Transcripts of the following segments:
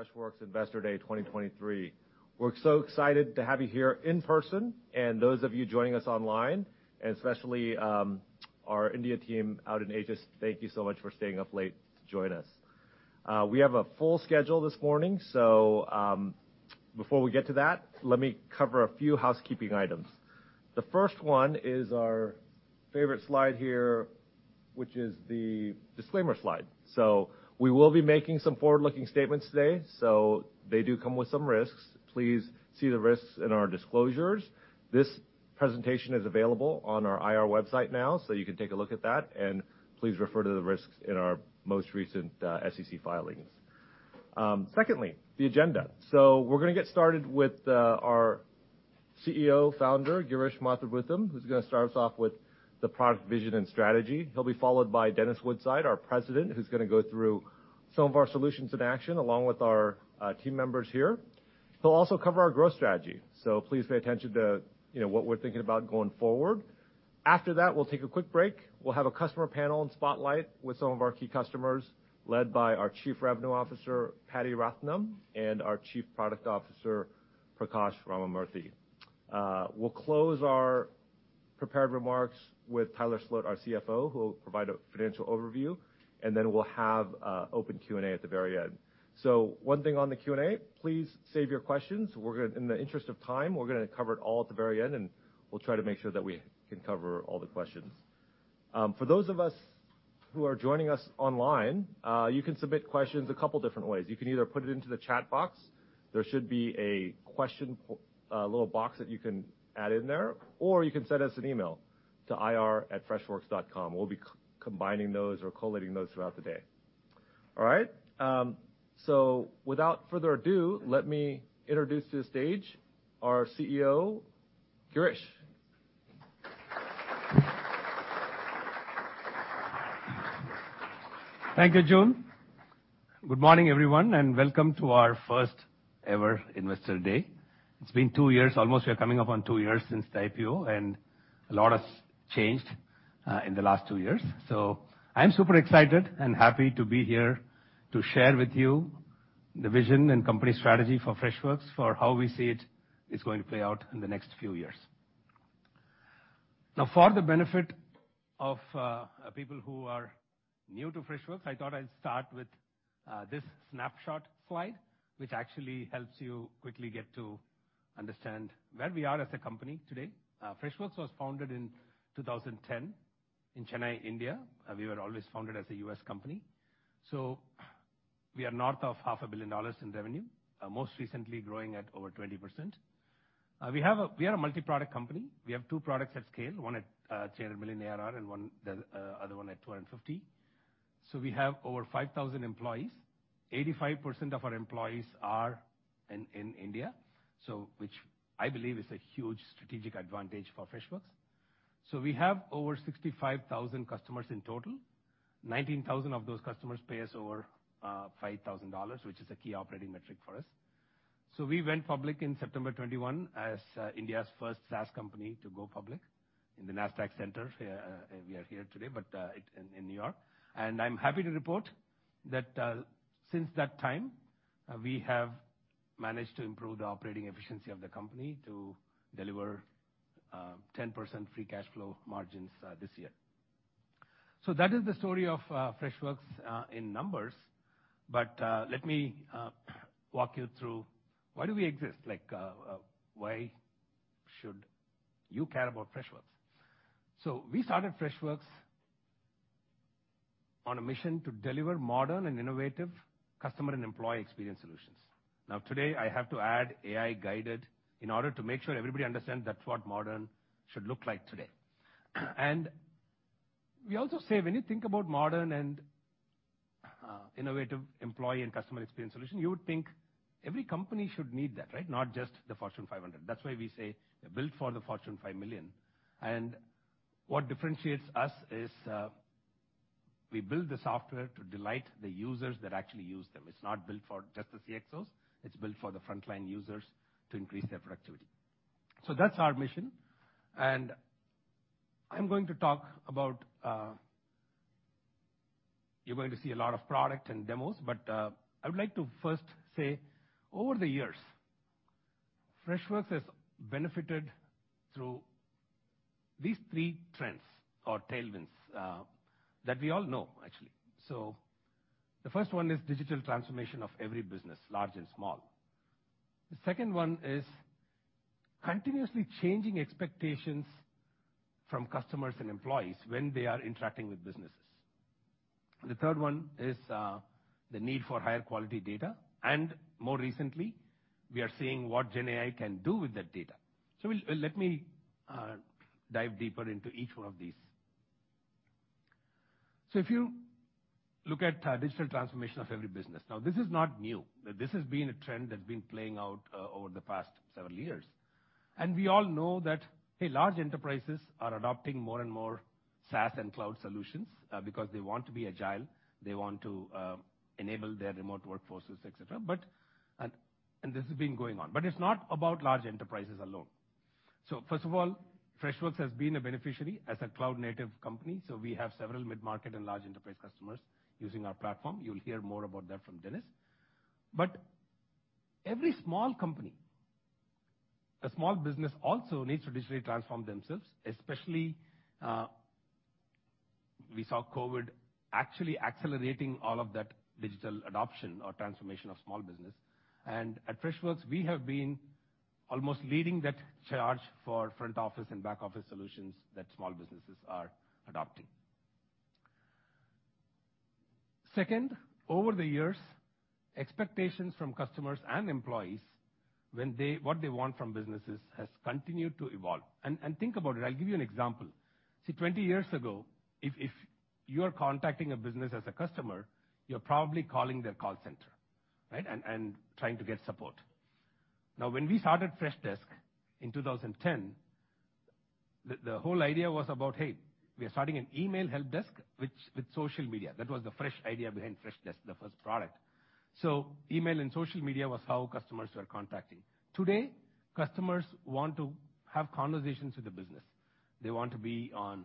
Welcome to Freshworks Investor Day 2023. We're so excited to have you here in person, and those of you joining us online, and especially, our India team out in Hyderabad. Thank you so much for staying up late to join us. We have a full schedule this morning, so, before we get to that, let me cover a few housekeeping items. The first one is our favorite slide here, which is the disclaimer slide. So we will be making some forward-looking statements today, so they do come with some risks. Please see the risks in our disclosures. This presentation is available on our IR website now, so you can take a look at that, and please refer to the risks in our most recent SEC filings. Secondly, the agenda. So we're gonna get started with our CEO and founder, Girish Mathrubootham, who's gonna start us off with the product vision and strategy. He'll be followed by Dennis Woodside, our president, who's gonna go through some of our solutions in action, along with our team members here. He'll also cover our growth strategy, so please pay attention to, you know, what we're thinking about going forward. After that, we'll take a quick break. We'll have a customer panel and spotlight with some of our key customers, led by our Chief Revenue Officer, Paddy Rathinam, and our Chief Product Officer, Prakash Ramamurthy. We'll close our prepared remarks with Tyler Sloat, our CFO, who will provide a financial overview, and then we'll have open Q&A at the very end. So one thing on the Q&A, please save your questions. We're gonna. In the interest of time, we're gonna cover it all at the very end, and we'll try to make sure that we can cover all the questions. For those of us who are joining us online, you can submit questions a couple different ways. You can either put it into the chat box. There should be a question little box that you can add in there, or you can send us an email to ir@freshworks.com. We'll be co-combining those or collating those throughout the day. All right? So without further ado, let me introduce to the stage our CEO, Girish. Thank you, Joon. Good morning, everyone, and welcome to our first-ever Investor Day. It's been two years, almost. We are coming up on two years since the IPO, and a lot has changed in the last two years. So I'm super excited and happy to be here to share with you the vision and company strategy for Freshworks, for how we see it is going to play out in the next few years. Now, for the benefit of people who are new to Freshworks, I thought I'd start with this snapshot slide, which actually helps you quickly get to understand where we are as a company today. Freshworks was founded in 2010 in Chennai, India. We were always founded as a U.S. company. So we are north of $500 million in revenue, most recently growing at over 20%. We are a multi-product company. We have two products at scale, one at $300 million ARR and one, the other one at $250 million. So we have over 5,000 employees. 85% of our employees are in India, so which I believe is a huge strategic advantage for Freshworks. So we have over 65,000 customers in total. 19,000 of those customers pay us over $5,000, which is a key operating metric for us. So we went public in September 2021 as India's first SaaS company to go public in the Nasdaq Center. We are here today, but in New York. And I'm happy to report that, since that time, we have managed to improve the operating efficiency of the company to deliver, 10% free cash flow margins, this year. So that is the story of, Freshworks, in numbers, but, let me, walk you through why do we exist? Like, why should you care about Freshworks? So we started Freshworks on a mission to deliver modern and innovative customer and employee experience solutions. Now, today, I have to add AI-guided in order to make sure everybody understands that's what modern should look like today. And we also say when you think about modern and, innovative employee and customer experience solution, you would think every company should need that, right? Not just the Fortune 500. That's why we say, "Built for the Fortune 5 million." And what differentiates us is, we build the software to delight the users that actually use them. It's not built for just the CXOs, it's built for the frontline users to increase their productivity. So that's our mission, and I'm going to talk about. You're going to see a lot of product and demos, but, I would like to first say, over the years, Freshworks has benefited through these three trends or tailwinds, that we all know, actually. So the first one is digital transformation of every business, large and small. The second one is continuously changing expectations from customers and employees when they are interacting with businesses. The third one is, the need for higher quality data, and more recently, we are seeing what GenAI can do with that data. So we'll—let me dive deeper into each one of these. So if you look at digital transformation of every business, now, this is not new. This has been a trend that's been playing out over the past several years. And we all know that, hey, large enterprises are adopting more and more SaaS and cloud solutions because they want to be agile, they want to enable their remote workforces, et cetera. But this has been going on. But it's not about large enterprises alone. So first of all, Freshworks has been a beneficiary as a cloud-native company, so we have several mid-market and large enterprise customers using our platform. You'll hear more about that from Dennis. But every small company, a small business also needs to digitally transform themselves, especially, we saw COVID actually accelerating all of that digital adoption or transformation of small business. And at Freshworks, we have been almost leading that charge for front office and back office solutions that small businesses are adopting. Second, over the years, expectations from customers and employees, when they—what they want from businesses, has continued to evolve. And think about it. I'll give you an example. See, 20 years ago, if you are contacting a business as a customer, you're probably calling their call center, right? And trying to get support. Now, when we started Freshdesk in 2010, the whole idea was about, "Hey, we are starting an email help desk, which, with social media." That was the fresh idea behind Freshdesk, the first product. So email and social media was how customers were contacting. Today, customers want to have conversations with the business. They want to be on,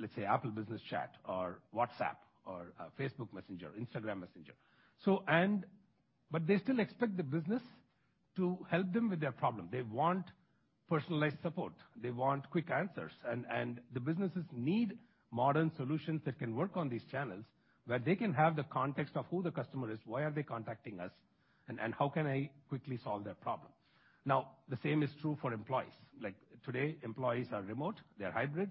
let's say, Apple Business Chat or WhatsApp or, Facebook Messenger, Instagram Messenger. So, but they still expect the business to help them with their problem. They want personalized support. They want quick answers, and the businesses need modern solutions that can work on these channels, where they can have the context of who the customer is, why are they contacting us, and how can I quickly solve their problem? Now, the same is true for employees. Like, today, employees are remote, they're hybrid.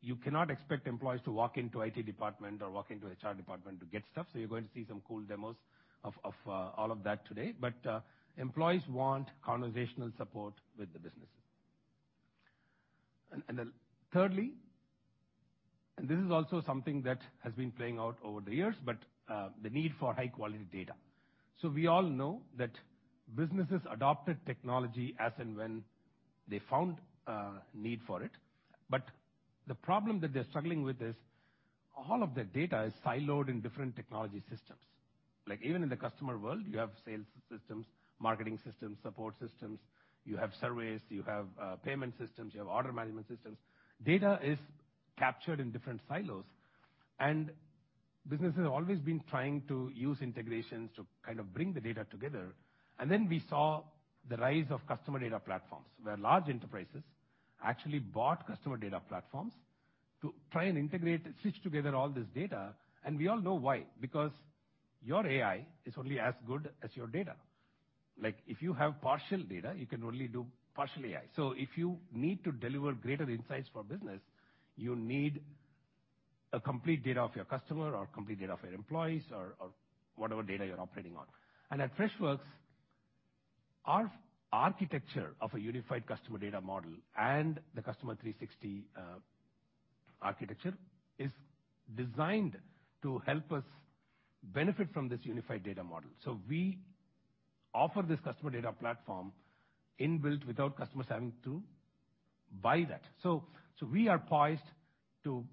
You cannot expect employees to walk into IT department or walk into HR department to get stuff, so you're going to see some cool demos of all of that today. But, employees want conversational support with the business. And, and then thirdly, and this is also something that has been playing out over the years, but, the need for high-quality data. So we all know that businesses adopted technology as and when they found need for it. But the problem that they're struggling with is all of the data is siloed in different technology systems. Like, even in the customer world, you have sales systems, marketing systems, support systems, you have surveys, you have payment systems, you have order management systems. Data is captured in different silos, and businesses have always been trying to use integrations to kind of bring the data together. And then we saw the rise of customer data platforms, where large enterprises actually bought customer data platforms to try and integrate and stitch together all this data, and we all know why: because your AI is only as good as your data. Like, if you have partial data, you can only do partial AI. So if you need to deliver greater insights for business, you need a complete data of your customer or complete data of your employees, or whatever data you're operating on. And at Freshworks, our architecture of a unified customer data model and the Customer 360 architecture is designed to help us benefit from this unified data model. So we offer this customer data platform inbuilt without customers having to buy that. So we are poised to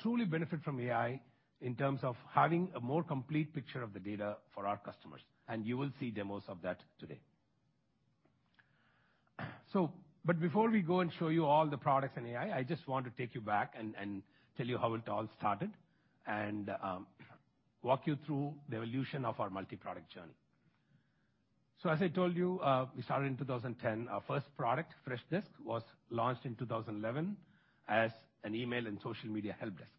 truly benefit from AI in terms of having a more complete picture of the data for our customers, and you will see demos of that today. So but before we go and show you all the products and AI, I just want to take you back and tell you how it all started and walk you through the evolution of our multiproduct journey. So, as I told you, we started in 2010. Our first product, Freshdesk, was launched in 2011 as an email and social media help desk.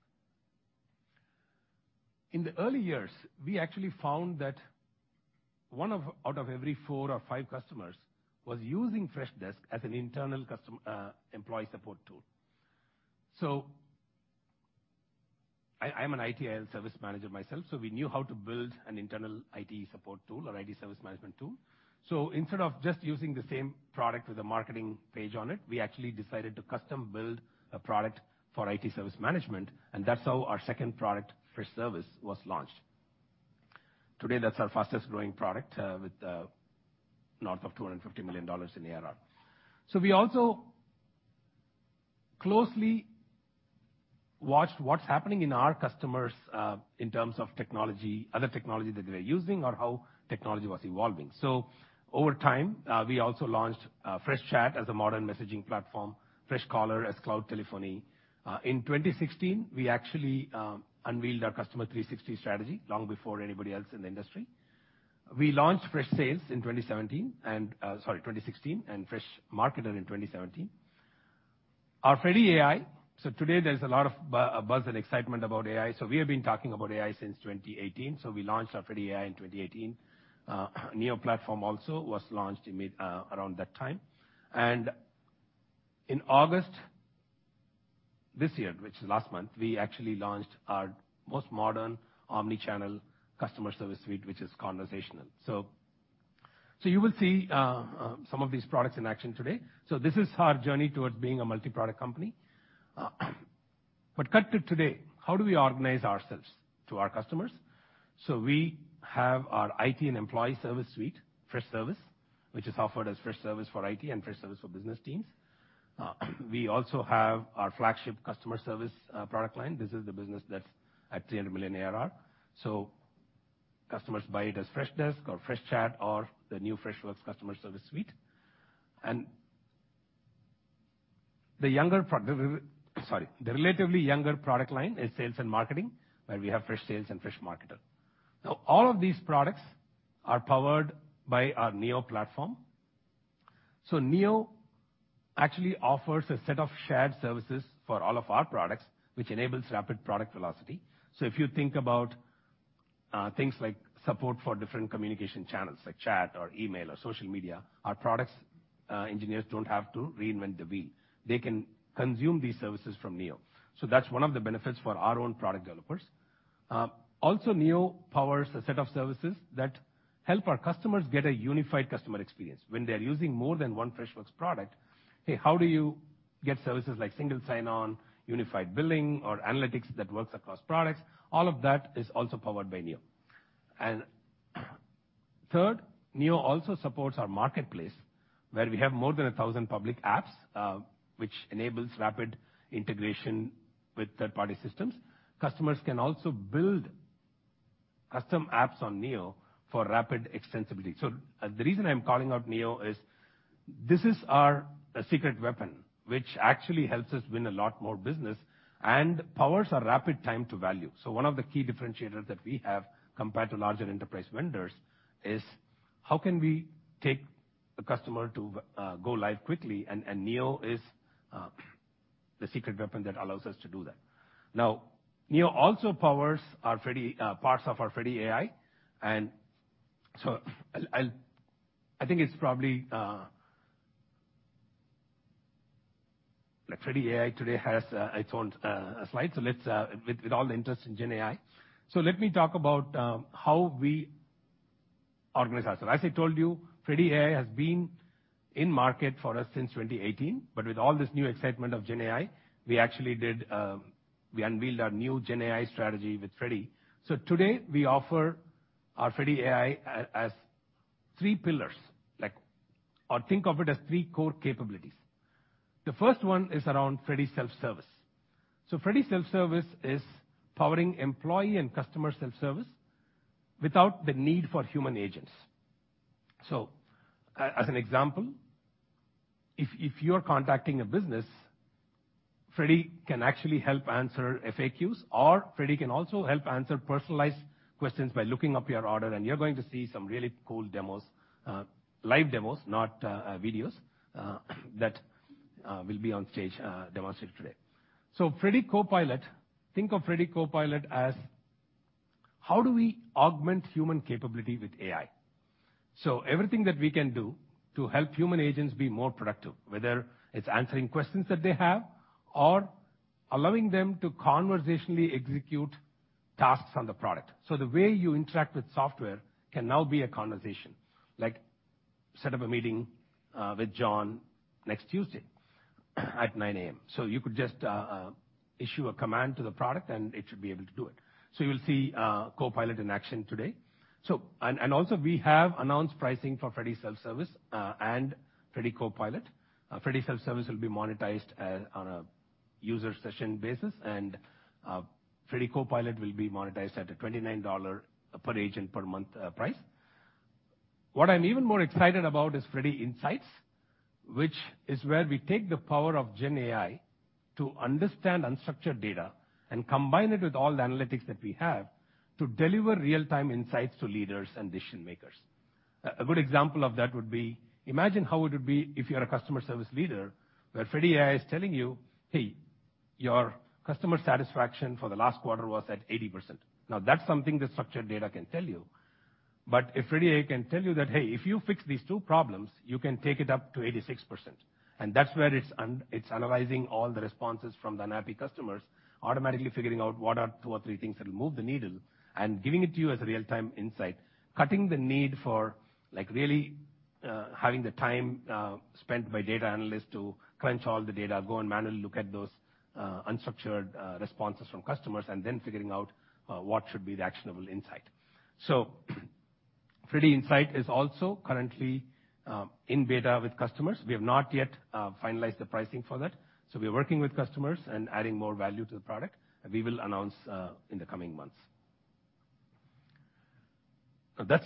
In the early years, we actually found that one of, out of every four or five customers was using Freshdesk as an internal customer, employee support tool. So I'm an ITIL service manager myself, so we knew how to build an internal IT support tool or IT service management tool. So instead of just using the same product with a marketing page on it, we actually decided to custom build a product for IT service management, and that's how our second product, Freshservice, was launched. Today, that's our fastest-growing product, with north of $250 million in ARR. So we also closely watched what's happening in our customers in terms of technology, other technology that they're using or how technology was evolving. So over time, we also launched Freshchat as a modern messaging platform, Freshcaller as cloud telephony. In 2016, we actually unveiled our Customer 360 strategy, long before anybody else in the industry. We launched Freshsales in 2017, and... Sorry, 2016, and Freshmarketer in 2017. Our Freddy AI, so today there's a lot of buzz and excitement about AI, so we have been talking about AI since 2018. So we launched our Freddy AI in 2018. Neo Platform also was launched in mid, around that time. And in August this year, which is last month, we actually launched our most modern omni-channel customer service suite, which is conversational. So you will see some of these products in action today. So this is our journey towards being a multiproduct company. But cut to today, how do we organize ourselves to our customers? So we have our IT and employee service suite, Freshservice, which is offered as Freshservice for IT and Freshservice for business teams. We also have our flagship customer service product line. This is the business that's at $300 million ARR. Customers buy it as Freshdesk or Freshchat or the new Freshworks Customer Service Suite. The younger prod-- sorry, the relatively younger product line is sales and marketing, where we have Freshsales and Freshmarketer. Now, all of these products are powered by our Neo Platform. Neo actually offers a set of shared services for all of our products, which enables rapid product velocity. If you think about things like support for different communication channels, like chat or email or social media, our products engineers don't have to reinvent the wheel. They can consume these services from Neo. That's one of the benefits for our own product developers. Also, Neo powers a set of services that help our customers get a unified customer experience. When they're using more than one Freshworks product, hey, how do you get services like single sign-on, unified billing, or analytics that works across products? All of that is also powered by Neo. Third, Neo also supports our marketplace, where we have more than 1,000 public apps, which enables rapid integration with third-party systems. Customers can also build custom apps on Neo for rapid extensibility. So the reason I'm calling out Neo is, this is our secret weapon, which actually helps us win a lot more business and powers our rapid time to value. So one of the key differentiators that we have compared to larger enterprise vendors is how can we take a customer to go live quickly, and Neo is the secret weapon that allows us to do that. Now, Neo also powers our Freddy, parts of our Freddy AI. I think it's probably, like, Freddy AI today has its own slide, so let's with all the interest in GenAI. So let me talk about how we organize ourselves. As I told you, Freddy AI has been in market for us since 2018, but with all this new excitement of GenAI, we actually did, we unveiled our new GenAI strategy with Freddy. So today, we offer our Freddy AI as three pillars, like, or think of it as three core capabilities. The first one is around Freddy Self-Service. So Freddy Self-Service is powering employee and customer self-service without the need for human agents. So as an example, if you're contacting a business, Freddy can actually help answer FAQs, or Freddy can also help answer personalized questions by looking up your order, and you're going to see some really cool demos, live demos, not videos, that will be on stage, demonstrated today. So Freddy Copilot, think of Freddy Copilot as how do we augment human capability with AI? So everything that we can do to help human agents be more productive, whether it's answering questions that they have or allowing them to conversationally execute tasks on the product. So the way you interact with software can now be a conversation, like, "Set up a meeting with John next Tuesday, at 9:00A.M." So you could just issue a command to the product, and it should be able to do it. So you'll see Copilot in action today. So and also we have announced pricing for Freddy Self-Service and Freddy Copilot. Freddy Self-Service will be monetized on a user session basis, and Freddy Copilot will be monetized at a $29 per agent per month price. What I'm even more excited about is Freddy Insights, which is where we take the power of GenAI to understand unstructured data and combine it with all the analytics that we have, to deliver real-time insights to leaders and decision-makers. A good example of that would be, imagine how it would be if you're a customer service leader, where Freddy AI is telling you, "Hey, your customer satisfaction for the last quarter was at 80%." Now, that's something the structured data can tell you. But if Freddy AI can tell you that, "Hey, if you fix these two problems, you can take it up to 86%." And that's where it's analyzing all the responses from the unhappy customers, automatically figuring out what are two or three things that will move the needle, and giving it to you as a real-time insight. Cutting the need for, like, really, having the time spent by data analysts to crunch all the data, go and manually look at those unstructured responses from customers, and then figuring out what should be the actionable insight. So Freddy Insights is also currently in beta with customers. We have not yet finalized the pricing for that, so we are working with customers and adding more value to the product, and we will announce in the coming months. That's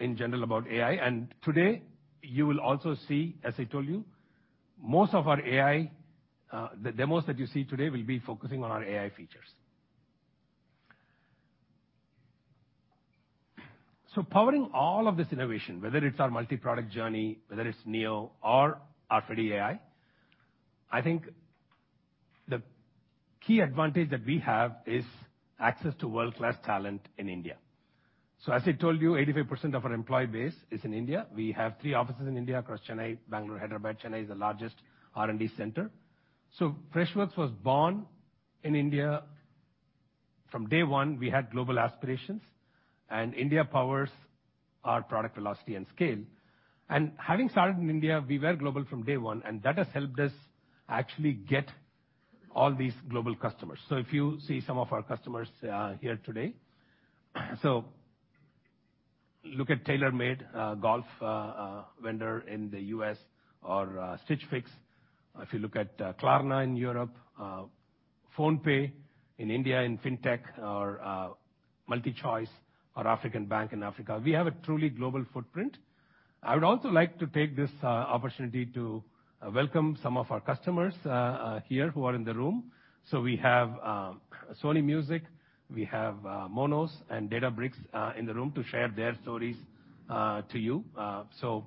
in general about AI, and today, you will also see, as I told you, most of our AI, the demos that you see today will be focusing on our AI features. So powering all of this innovation, whether it's our multi-product journey, whether it's Neo or our Freddy AI, I think the key advantage that we have is access to world-class talent in India. So as I told you, 85% of our employee base is in India. We have three offices in India across Chennai, Bangalore, Hyderabad. Chennai is the largest R&D center. So Freshworks was born in India. From day one, we had global aspirations, and India powers our product velocity and scale. And having started in India, we were global from day one, and that has helped us actually get all these global customers. So if you see some of our customers here today. Look at TaylorMade, golf vendor in the U.S. or Stitch Fix. If you look at Klarna in Europe, PhonePe in India, in Fintech, or MultiChoice or African Bank in Africa. We have a truly global footprint. I would also like to take this opportunity to welcome some of our customers here who are in the room. So we have Sony Music, we have Monos and Databricks in the room to share their stories to you. So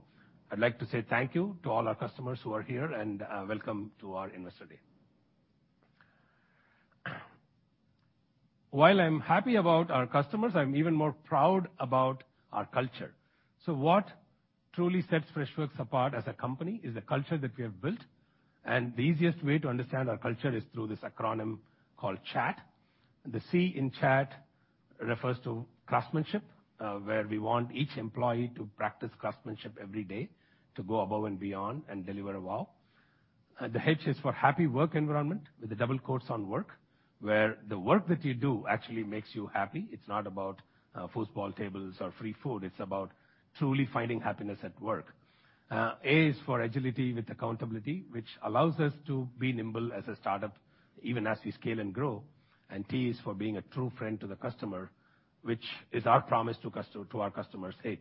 I'd like to say thank you to all our customers who are here, and welcome to our Investor Day. While I'm happy about our customers, I'm even more proud about our culture. So what truly sets Freshworks apart as a company is the culture that we have built, and the easiest way to understand our culture is through this acronym called CHAT. The C in CHAT refers to Craftsmanship, where we want each employee to practice craftsmanship every day to go above and beyond and deliver a wow. The H is for Happy "work" environment, with the double quotes on work, where the work that you do actually makes you happy. It's not about, foosball tables or free food. It's about truly finding happiness at work. A is for Agility with Accountability, which allows us to be nimble as a startup, even as we scale and grow. And T is for being a True friend to the customer, which is our promise to our customers. Hey,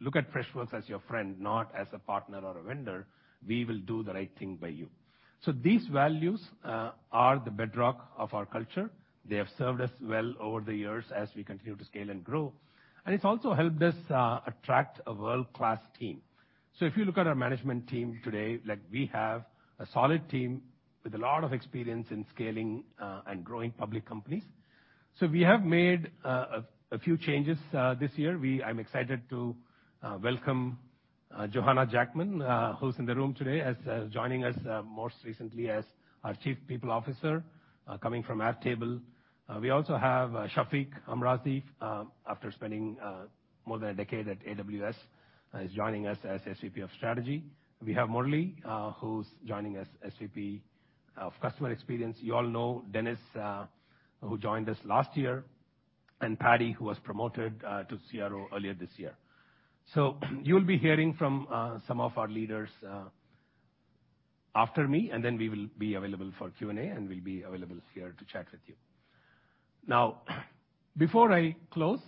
look at Freshworks as your friend, not as a partner or a vendor. We will do the right thing by you." So these values are the bedrock of our culture. They have served us well over the years as we continue to scale and grow, and it's also helped us attract a world-class team. So if you look at our management team today, like, we have a solid team with a lot of experience in scaling and growing public companies. So we have made a few changes this year. I'm excited to welcome Johanna Jackman, who's in the room today, as joining us most recently as our Chief People Officer, coming from Airtable. We also have Shafiq Amra, after spending more than a decade at AWS, is joining us as SVP of Strategy. We have Murali, who's joining us SVP of Customer Experience. You all know Dennis, who joined us last year, and Paddy, who was promoted to CRO earlier this year. So you'll be hearing from some of our leaders after me, and then we will be available for Q&A, and we'll be available here to chat with you. Now, before I close,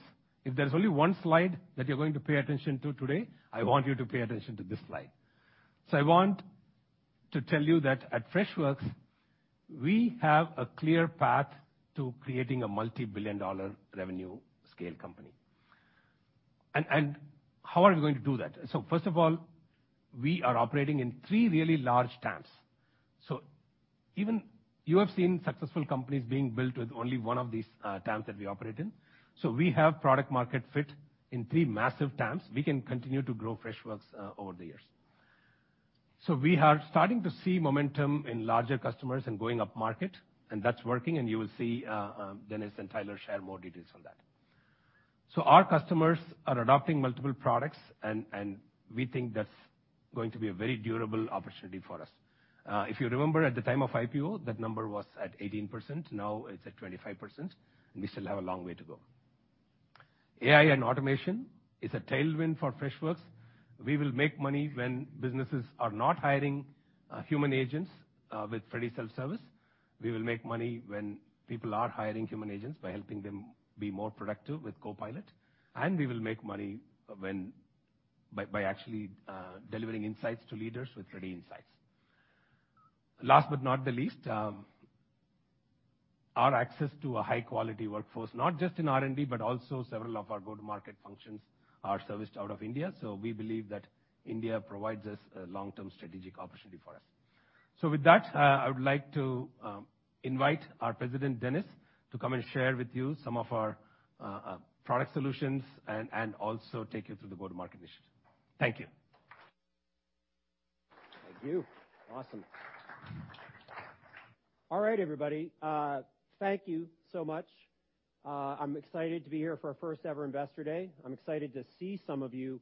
if there's only one slide that you're going to pay attention to today, I want you to pay attention to this slide. So I want to tell you that at Freshworks, we have a clear path to creating a multi-billion dollar revenue scale company. And, and how are we going to do that? So first of all, we are operating in three really large TAMs. So even you have seen successful companies being built with only one of these, TAMs that we operate in. So we have product market fit in three massive TAMs. We can continue to grow Freshworks, over the years. So we are starting to see momentum in larger customers and going upmarket, and that's working, and you will see, Dennis and Tyler share more details on that. So our customers are adopting multiple products, and, and we think that's going to be a very durable opportunity for us. If you remember, at the time of IPO, that number was at 18%, now it's at 25%, and we still have a long way to go. AI and automation is a tailwind for Freshworks. We will make money when businesses are not hiring human agents with Freddy Self-Service. We will make money when people are hiring human agents by helping them be more productive with Copilot. And we will make money when by, by actually delivering insights to leaders with Freddy Insights. Last but not the least, our access to a high-quality workforce, not just in R&D, but also several of our go-to-market functions, are serviced out of India. So we believe that India provides us a long-term strategic opportunity for us. So with that, I would like to invite our President, Dennis, to come and share with you some of our product solutions and also take you through the go-to-market initiative. Thank you. Thank you. Awesome. All right, everybody, thank you so much. I'm excited to be here for our first-ever Investor Day. I'm excited to see some of you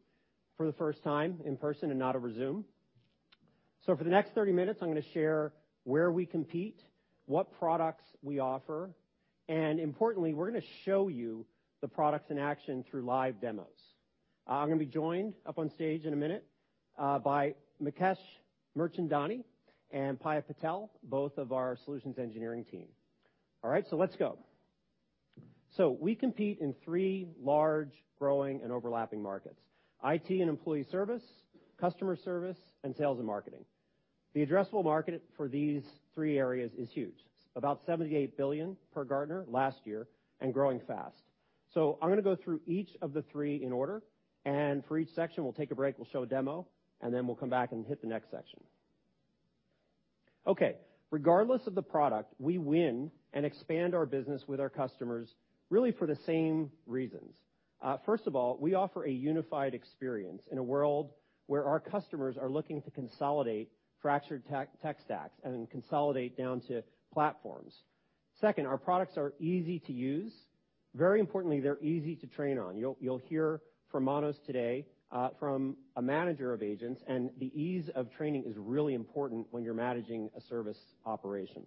for the first time in person and not over Zoom. So for the next 30 minutes, I'm gonna share where we compete, what products we offer, and importantly, we're gonna show you the products in action through live demos. I'm gonna be joined up on stage in a minute, by Mukesh Mirchandani and Payal Patel, both of our solutions engineering team. All right, so let's go. So we compete in three large, growing, and overlapping markets: IT and employee service, customer service, and sales and marketing. The addressable market for these three areas is huge, about $78 billion per Gartner last year, and growing fast. So I'm gonna go through each of the three in order, and for each section, we'll take a break, we'll show a demo, and then we'll come back and hit the next section. Okay. Regardless of the product, we win and expand our business with our customers, really for the same reasons. First of all, we offer a unified experience in a world where our customers are looking to consolidate fractured tech, tech stacks and then consolidate down to platforms. Second, our products are easy to use. Very importantly, they're easy to train on. You'll, you'll hear from Monos today, from a manager of agents, and the ease of training is really important when you're managing a service operation.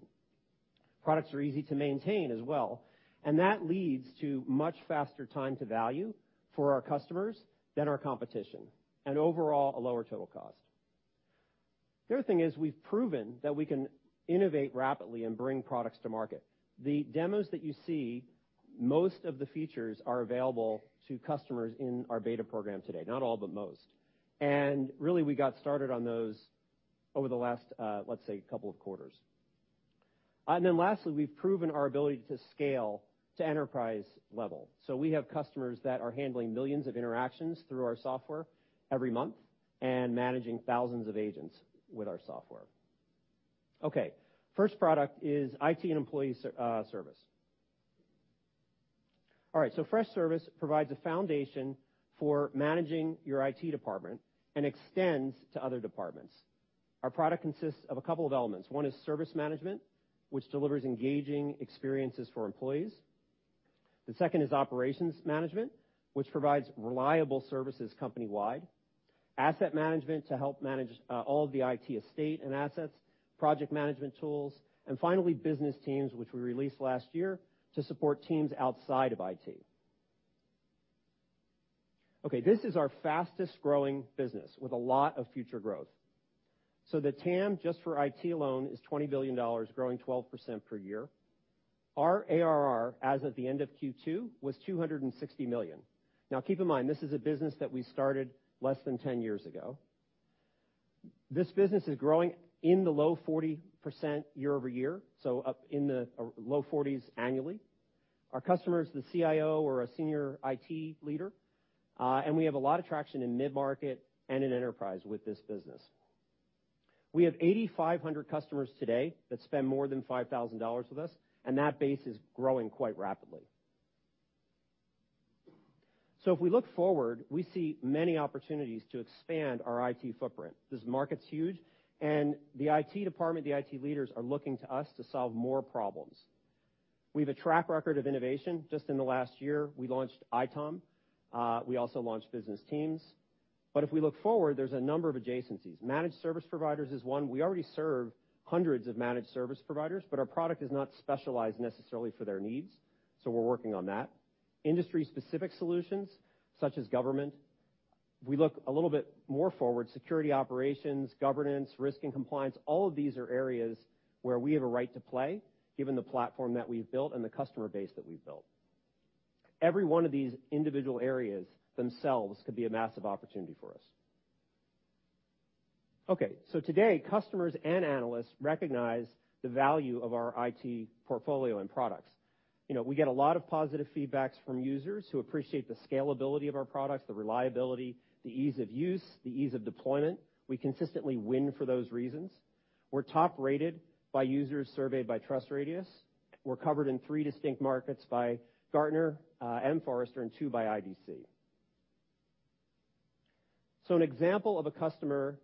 Products are easy to maintain as well, and that leads to much faster time to value for our customers than our competition, and overall, a lower total cost. The other thing is we've proven that we can innovate rapidly and bring products to market. The demos that you see, most of the features are available to customers in our beta program today, not all, but most. And really, we got started on those over the last, let's say, couple of quarters. And then lastly, we've proven our ability to scale to enterprise level. So we have customers that are handling millions of interactions through our software every month, and managing thousands of agents with our software. Okay, first product is IT and employee service. All right, so Freshservice provides a foundation for managing your IT department and extends to other departments. Our product consists of a couple of elements. One is service management, which delivers engaging experiences for employees. The second is operations management, which provides reliable services company-wide, asset management to help manage all of the IT estate and assets, project management tools, and finally, business teams, which we released last year, to support teams outside of IT. Okay, this is our fastest-growing business with a lot of future growth. So the TAM, just for IT alone, is $20 billion, growing 12% per year. Our ARR, as of the end of Q2, was $260 million. Now, keep in mind, this is a business that we started less than 10 years ago. This business is growing in the low 40% year-over-year, so up in the low 40s annually. Our customers, the CIO or a senior IT leader, and we have a lot of traction in mid-market and in enterprise with this business. We have 8,500 customers today that spend more than $5,000 with us, and that base is growing quite rapidly. So if we look forward, we see many opportunities to expand our IT footprint. This market's huge, and the IT department, the IT leaders, are looking to us to solve more problems. We have a track record of innovation. Just in the last year, we launched ITOM. We also launched business teams. But if we look forward, there's a number of adjacencies. Managed service providers is one. We already serve hundreds of managed service providers, but our product is not specialized necessarily for their needs, so we're working on that. Industry-specific solutions, such as government. We look a little bit more forward, security operations, governance, risk and compliance. All of these are areas where we have a right to play, given the platform that we've built and the customer base that we've built. Every one of these individual areas themselves could be a massive opportunity for us. Okay, so today, customers and analysts recognize the value of our IT portfolio and products. You know, we get a lot of positive feedbacks from users who appreciate the scalability of our products, the reliability, the ease of use, the ease of deployment. We consistently win for those reasons. We're top-rated by users surveyed by TrustRadius. We're covered in three distinct markets by Gartner, and Forrester, and two by IDC. So an example of a customer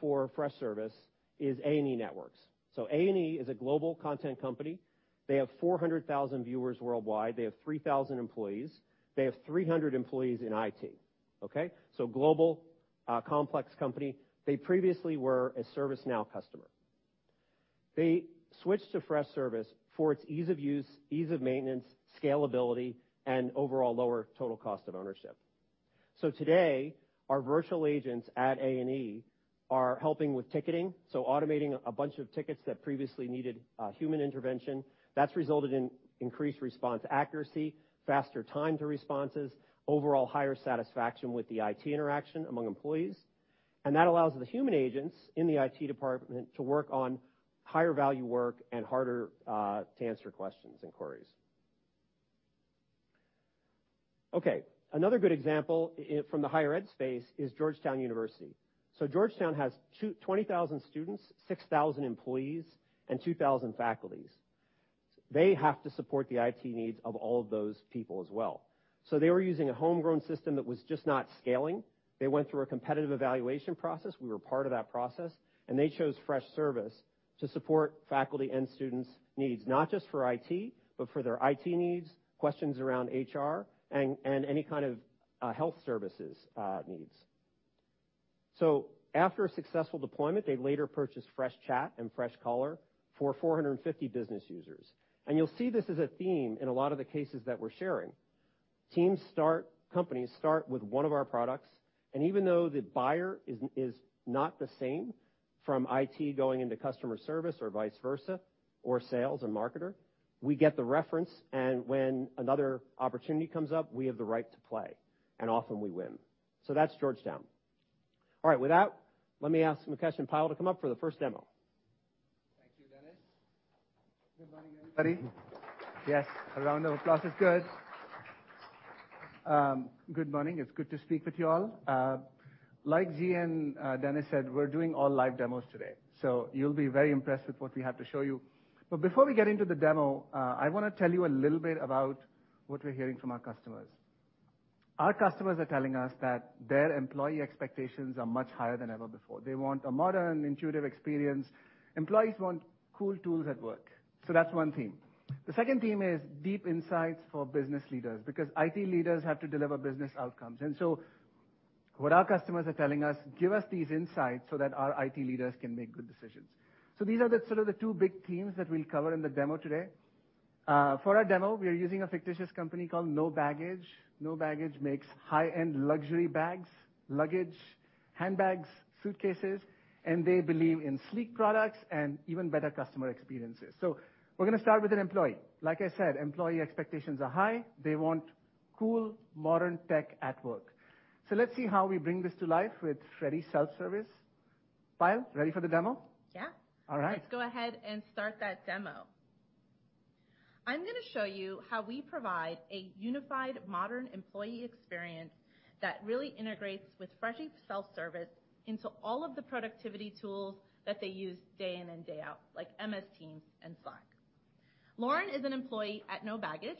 for Freshservice is A+E Networks. So A+E is a global content company. They have 400,000 viewers worldwide. They have 3,000 employees. They have 300 employees in IT, okay? So global, complex company. They previously were a ServiceNow customer. They switched to Freshservice for its ease of use, ease of maintenance, scalability, and overall lower total cost of ownership. So today, our virtual agents at A+E Networks are helping with ticketing, so automating a bunch of tickets that previously needed human intervention. That's resulted in increased response accuracy, faster time to responses, overall higher satisfaction with the IT interaction among employees, and that allows the human agents in the IT department to work on higher-value work and harder to answer questions, inquiries. Okay, another good example from the higher ed space is Georgetown University. So Georgetown has 20,000 students, 6,000 employees, and 2,000 faculties. They have to support the IT needs of all of those people as well. So they were using a homegrown system that was just not scaling. They went through a competitive evaluation process, we were part of that process, and they chose Freshservice to support faculty and students' needs, not just for IT, but for their IT needs, questions around HR, and any kind of health services needs. So after a successful deployment, they later purchased Freshchat and Freshcaller for 450 business users. And you'll see this as a theme in a lot of the cases that we're sharing. Teams start, companies start with one of our products, and even though the buyer is not the same from IT going into customer service or vice versa, or sales or marketer, we get the reference, and when another opportunity comes up, we have the right to play, and often we win. So that's Georgetown. All right. With that, let me ask Mukesh and Payal to come up for the first demo. Thank you, Dennis. Good morning, everybody. Yes, a round of applause is good. Good morning. It's good to speak with you all. Like G and Dennis said, we're doing all live demos today, so you'll be very impressed with what we have to show you. But before we get into the demo, I wanna tell you a little bit about what we're hearing from our customers. Our customers are telling us that their employee expectations are much higher than ever before. They want a modern, intuitive experience. Employees want cool tools at work. So that's one theme. The second theme is deep insights for business leaders, because IT leaders have to deliver business outcomes. What our customers are telling us, give us these insights so that our IT leaders can make good decisions. So these are the sort of the two big themes that we'll cover in the demo today. For our demo, we are using a fictitious company called No Baggage. No Baggage makes high-end luxury bags, luggage, handbags, suitcases, and they believe in sleek products and even better customer experiences. So we're gonna start with an employee. Like I said, employee expectations are high. They want cool, modern tech at work. So let's see how we bring this to life with Freddy Self Service. Payal, ready for the demo? Yeah. All right. Let's go ahead and start that demo. I'm gonna show you how we provide a unified, modern employee experience that really integrates with Freshworks self-service into all of the productivity tools that they use day in and day out, like MS Teams and Slack. Lauren is an employee at No Baggage,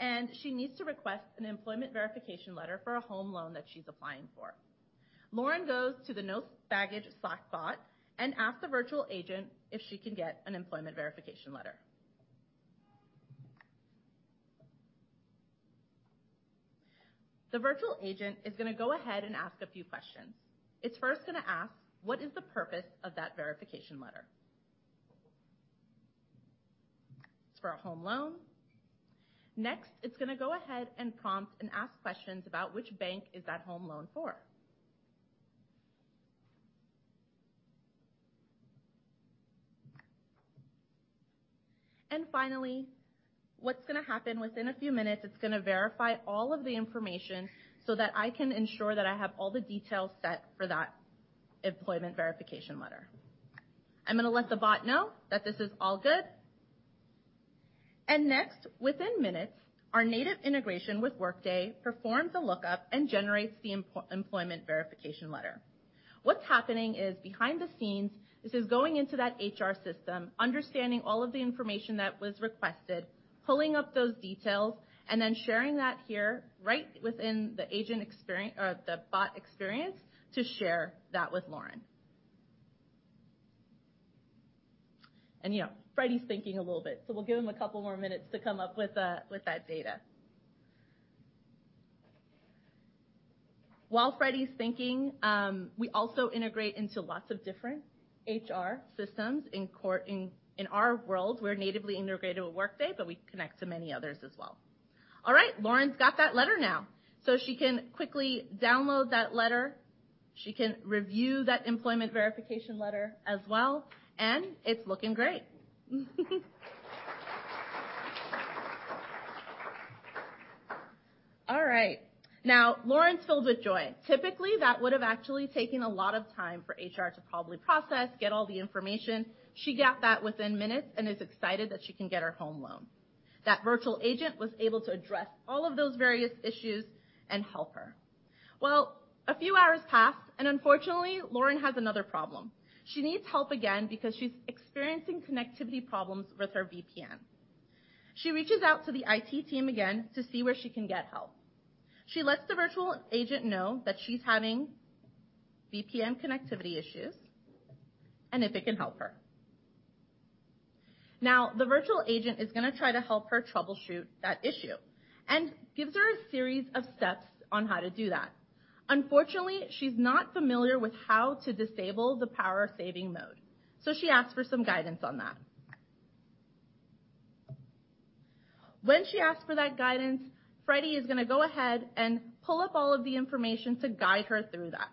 and she needs to request an employment verification letter for a home loan that she's applying for. Lauren goes to the No Baggage Slack bot and asks the virtual agent if she can get an employment verification letter. The virtual agent is gonna go ahead and ask a few questions. It's first gonna ask, "What is the purpose of that verification letter?" It's for a home loan. Next, it's gonna go ahead and prompt and ask questions about which bank is that home loan for. And finally, what's gonna happen within a few minutes, it's gonna verify all of the information so that I can ensure that I have all the details set for that employment verification letter. I'm gonna let the bot know that this is all good. And next, within minutes, our native integration with Workday performs a lookup and generates the employment verification letter. What's happening is, behind the scenes, this is going into that HR system, understanding all of the information that was requested, pulling up those details, and then sharing that here right within the agent experience, or the bot experience to share that with Lauren. And, you know, Freddy's thinking a little bit, so we'll give him a couple more minutes to come up with with that data. While Freddy's thinking, we also integrate into lots of different HR systems. In cor... In our world, we're natively integrated with Workday, but we connect to many others as well. All right, Lauren's got that letter now, so she can quickly download that letter, she can review that employment verification letter as well, and it's looking great. All right. Now, Lauren's filled with joy. Typically, that would have actually taken a lot of time for HR to probably process, get all the information. She got that within minutes and is excited that she can get her home loan. That virtual agent was able to address all of those various issues and help her. Well, a few hours pass, and unfortunately, Lauren has another problem. She needs help again because she's experiencing connectivity problems with her VPN. She reaches out to the IT team again to see where she can get help. She lets the virtual agent know that she's having VPN connectivity issues and if it can help her. Now, the virtual agent is gonna try to help her troubleshoot that issue and gives her a series of steps on how to do that. Unfortunately, she's not familiar with how to disable the power-saving mode, so she asks for some guidance on that. When she asks for that guidance, Freddy is gonna go ahead and pull up all of the information to guide her through that.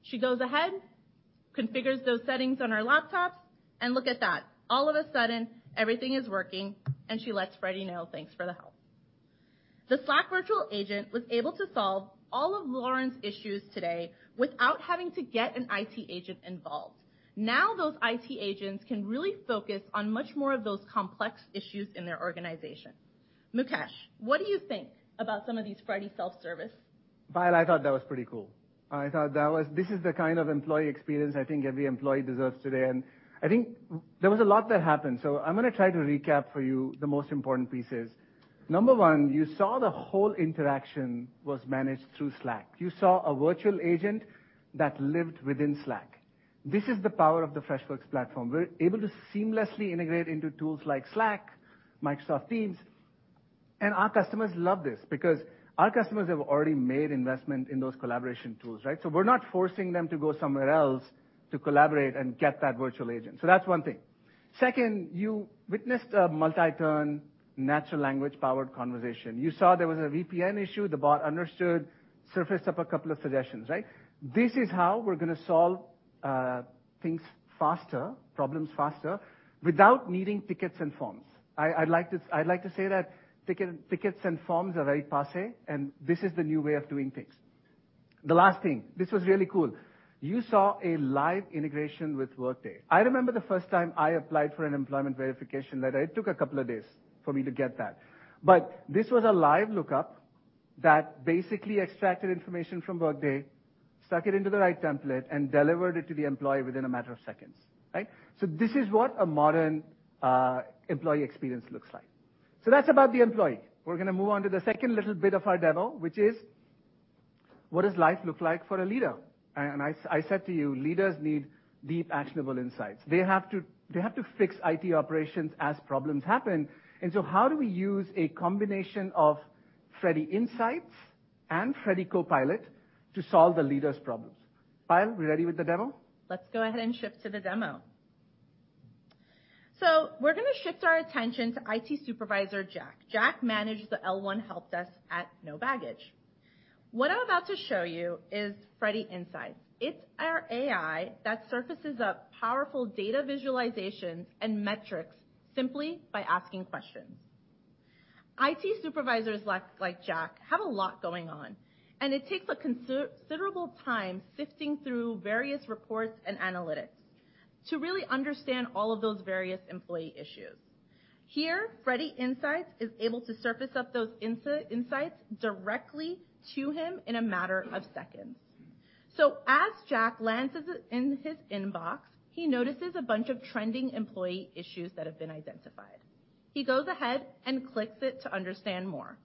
She goes ahead, configures those settings on her laptop, and look at that. All of a sudden, everything is working, and she lets Freddy know, "Thanks for the help." The Slack virtual agent was able to solve all of Lauren's issues today without having to get an IT agent involved. Now, those IT agents can really focus on much more of those complex issues in their organization. Mukesh, what do you think about some of these Freddy Self Service? Payal, I thought that was pretty cool. I thought that was... This is the kind of employee experience I think every employee deserves today, and I think there was a lot that happened. So I'm gonna try to recap for you the most important pieces. Number one, you saw the whole interaction was managed through Slack. You saw a virtual agent that lived within Slack. This is the power of the Freshworks platform. We're able to seamlessly integrate into tools like Slack, Microsoft Teams, and our customers love this because our customers have already made investment in those collaboration tools, right? So that's one thing. Second, you witnessed a multi-turn, natural language-powered conversation. You saw there was a VPN issue. The bot understood, surfaced up a couple of suggestions, right? This is how we're gonna solve things faster, problems faster, without needing tickets and forms. I'd like to say that tickets and forms are very passé, and this is the new way of doing things. The last thing, this was really cool. You saw a live integration with Workday. I remember the first time I applied for an employment verification letter. It took a couple of days for me to get that. But this was a live lookup that basically extracted information from Workday, stuck it into the right template, and delivered it to the employee within a matter of seconds, right? So this is what a modern employee experience looks like. So that's about the employee. We're gonna move on to the second little bit of our demo, which is: what does life look like for a leader?... I, I said to you, leaders need deep, actionable insights. They have to, they have to fix IT operations as problems happen. So how do we use a combination of Freddy Insights and Freddy Copilot to solve the leaders' problems? Payal, we ready with the demo? Let's go ahead and shift to the demo. So we're going to shift our attention to IT Supervisor Jack. Jack manages the L1 help desk at No Baggage. What I'm about to show you is Freddy Insights. It's our AI that surfaces up powerful data visualizations and metrics simply by asking questions. IT supervisors like, like Jack, have a lot going on, and it takes a considerable time sifting through various reports and analytics to really understand all of those various employee issues. Here, Freddy Insights is able to surface up those insights directly to him in a matter of seconds. So as Jack lands in, in his inbox, he notices a bunch of trending employee issues that have been identified. He goes ahead and clicks it to understand more.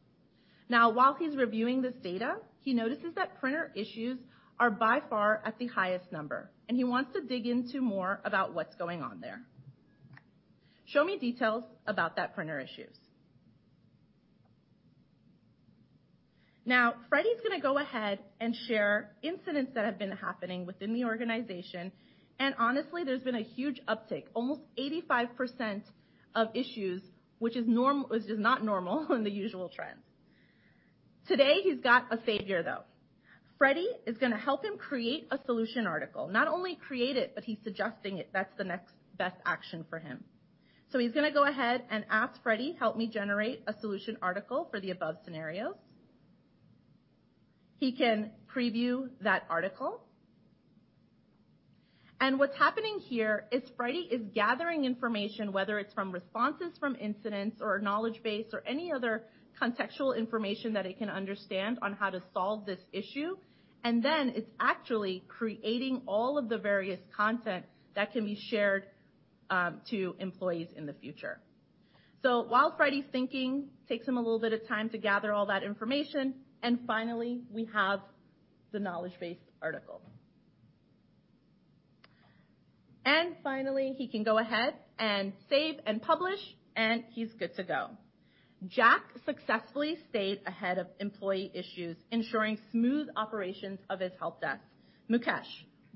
Now, while he's reviewing this data, he notices that printer issues are by far at the highest number, and he wants to dig into more about what's going on there. Show me details about that printer issues. Now, Freddy's going to go ahead and share incidents that have been happening within the organization, and honestly, there's been a huge uptick, almost 85% of issues, which is not normal in the usual trends. Today, he's got a savior, though. Freddy is going to help him create a solution article. Not only create it, but he's suggesting it. That's the next best action for him. So he's going to go ahead and ask Freddy, "Help me generate a solution article for the above scenarios." He can preview that article. What's happening here is Freddy is gathering information, whether it's from responses from incidents or knowledge base or any other contextual information that it can understand on how to solve this issue, and then it's actually creating all of the various content that can be shared to employees in the future. So while Freddy's thinking, takes him a little bit of time to gather all that information, and finally, we have the knowledge base article. And finally, he can go ahead and save and publish, and he's good to go. Jack successfully stayed ahead of employee issues, ensuring smooth operations of his help desk. Mukesh,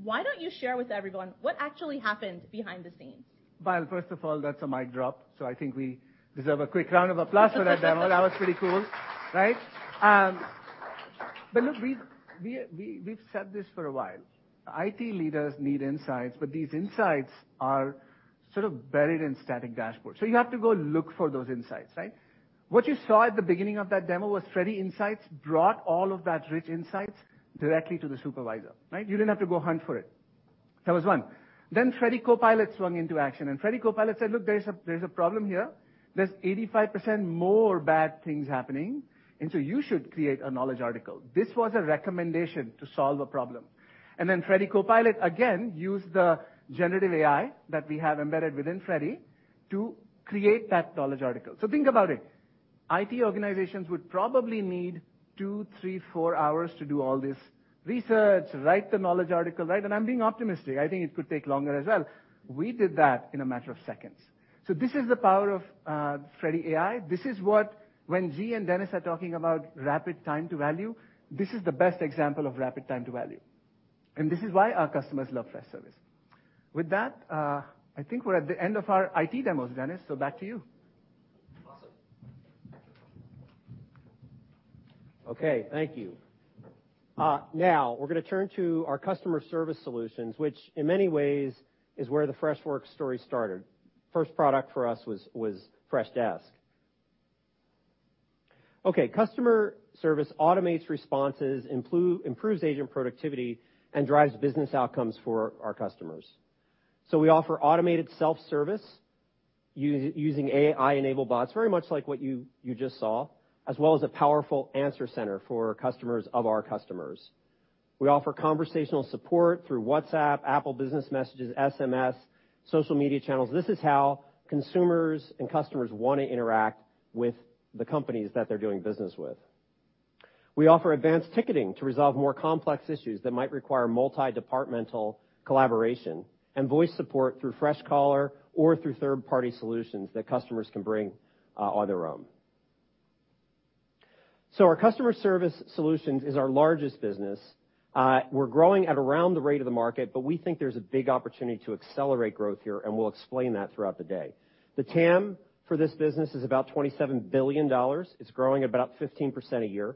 why don't you share with everyone what actually happened behind the scenes? Payal, first of all, that's a mic drop, so I think we deserve a quick round of applause for that demo. That was pretty cool, right? But look, we've said this for a while. IT leaders need insights, but these insights are sort of buried in static dashboards, so you have to go look for those insights, right? What you saw at the beginning of that demo was Freddy Insights brought all of that rich insights directly to the supervisor, right? You didn't have to go hunt for it. That was one. Then Freddy Copilot swung into action, and Freddy Copilot said: "Look, there's a problem here. There's 85% more bad things happening, and so you should create a knowledge article." This was a recommendation to solve a problem. And then Freddy Copilot, again, used the generative AI that we have embedded within Freddy to create that knowledge article. So think about it. IT organizations would probably need 2, 3, 4 hours to do all this research, write the knowledge article, right? And I'm being optimistic. I think it could take longer as well. We did that in a matter of seconds. So this is the power of Freddy AI. This is what when Gee and Dennis are talking about rapid time to value, this is the best example of rapid time to value, and this is why our customers love Freshservice. With that, I think we're at the end of our IT demos, Dennis, so back to you. Awesome. Okay, thank you. Now we're going to turn to our customer service solutions, which in many ways is where the Freshworks story started. First product for us was Freshdesk. Okay, customer service automates responses, improves agent productivity, and drives business outcomes for our customers. So we offer automated self-service using AI-enabled bots, very much like what you just saw, as well as a powerful answer center for customers of our customers. We offer conversational support through WhatsApp, Apple Business Chat, SMS, social media channels. This is how consumers and customers want to interact with the companies that they're doing business with. We offer advanced ticketing to resolve more complex issues that might require multi-departmental collaboration and voice support through Freshcaller or through third-party solutions that customers can bring on their own. So our customer service solutions is our largest business. We're growing at around the rate of the market, but we think there's a big opportunity to accelerate growth here, and we'll explain that throughout the day. The TAM for this business is about $27 billion. It's growing about 15% a year.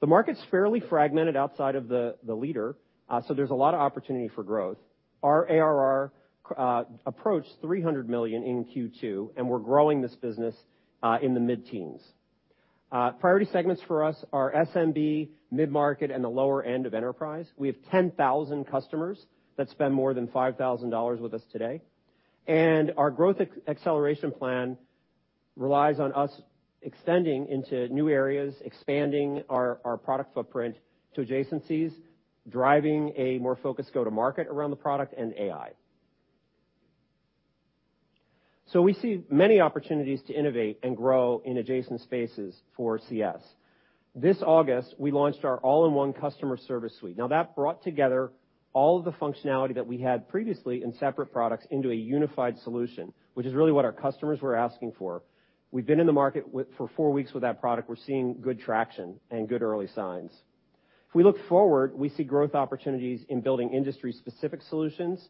The market's fairly fragmented outside of the, the leader, so there's a lot of opportunity for growth. Our ARR approached $300 million in Q2, and we're growing this business in the mid-teens. Priority segments for us are SMB, mid-market, and the lower end of enterprise. We have 10,000 customers that spend more than $5,000 with us today, and our growth acceleration plan relies on us extending into new areas, expanding our product footprint to adjacencies, driving a more focused go-to-market around the product and AI.... So we see many opportunities to innovate and grow in adjacent spaces for CS. This August, we launched our all-in-one customer service suite. Now, that brought together all of the functionality that we had previously in separate products into a unified solution, which is really what our customers were asking for. We've been in the market for four weeks with that product. We're seeing good traction and good early signs. If we look forward, we see growth opportunities in building industry-specific solutions,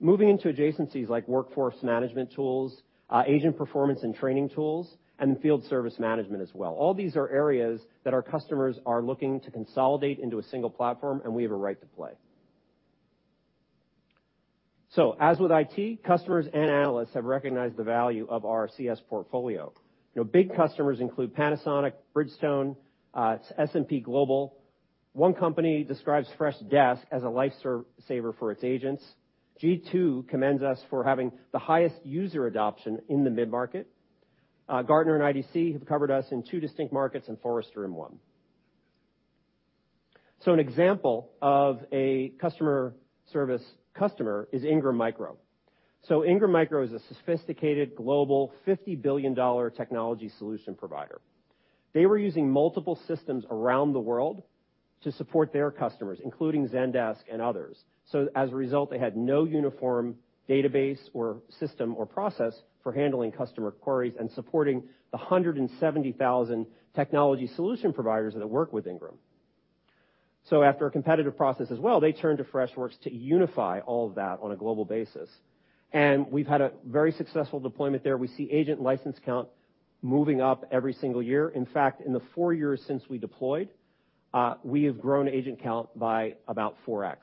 moving into adjacencies like workforce management tools, agent performance and training tools, and field service management as well. All these are areas that our customers are looking to consolidate into a single platform, and we have a right to play. So as with IT, customers and analysts have recognized the value of our CS portfolio. You know, big customers include Panasonic, Bridgestone, S&P Global. One company describes Freshdesk as a lifesaver for its agents. G2 commends us for having the highest user adoption in the mid-market. Gartner and IDC have covered us in two distinct markets, and Forrester in one. An example of a customer service customer is Ingram Micro. Ingram Micro is a sophisticated global $50 billion technology solution provider. They were using multiple systems around the world to support their customers, including Zendesk and others. As a result, they had no uniform database or system or process for handling customer queries and supporting the 170,000 technology solution providers that work with Ingram. After a competitive process as well, they turned to Freshworks to unify all of that on a global basis, and we've had a very successful deployment there. We see agent license count moving up every single year. In fact, in the four years since we deployed, we have grown agent count by about 4x.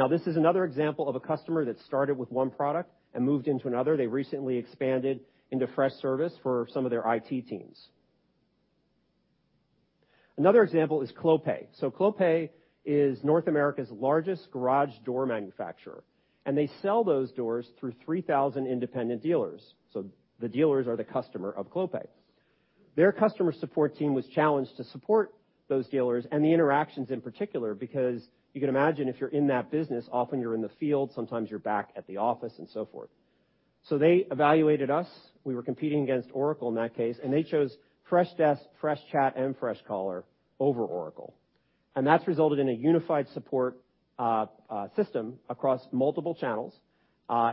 Now, this is another example of a customer that started with one product and moved into another. They recently expanded into Freshservice for some of their IT teams. Another example is Clopay. So Clopay is North America's largest garage door manufacturer, and they sell those doors through 3,000 independent dealers, so the dealers are the customer of Clopay. Their customer support team was challenged to support those dealers and the interactions in particular, because you can imagine, if you're in that business, often you're in the field, sometimes you're back at the office, and so forth. So they evaluated us. We were competing against Oracle in that case, and they chose Freshdesk, Freshchat, and Freshcaller over Oracle, and that's resulted in a unified support system across multiple channels,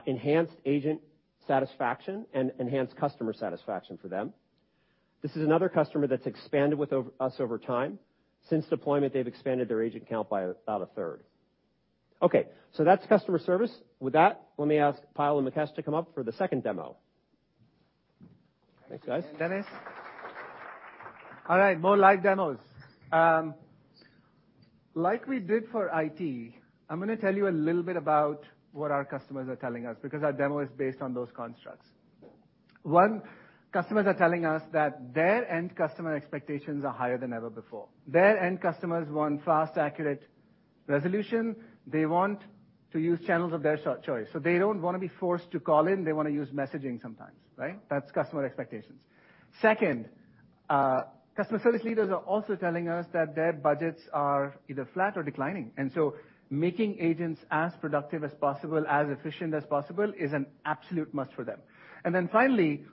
enhanced agent satisfaction, and enhanced customer satisfaction for them. This is another customer that's expanded with us over time. Since deployment, they've expanded their agent count by about a third. Okay, so that's customer service. With that, let me ask Payal and Mukesh to come up for the second demo. Thanks, guys. All right, more live demos. Like we did for IT, I'm gonna tell you a little bit about what our customers are telling us, because our demo is based on those constructs. One, customers are telling us that their end customer expectations are higher than ever before. Their end customers want fast, accurate resolution. They want to use channels of their choice. So they don't wanna be forced to call in. They wanna use messaging sometimes, right? That's customer expectations. Second, customer service leaders are also telling us that their budgets are either flat or declining, and so making agents as productive as possible, as efficient as possible, is an absolute must for them. And then finally,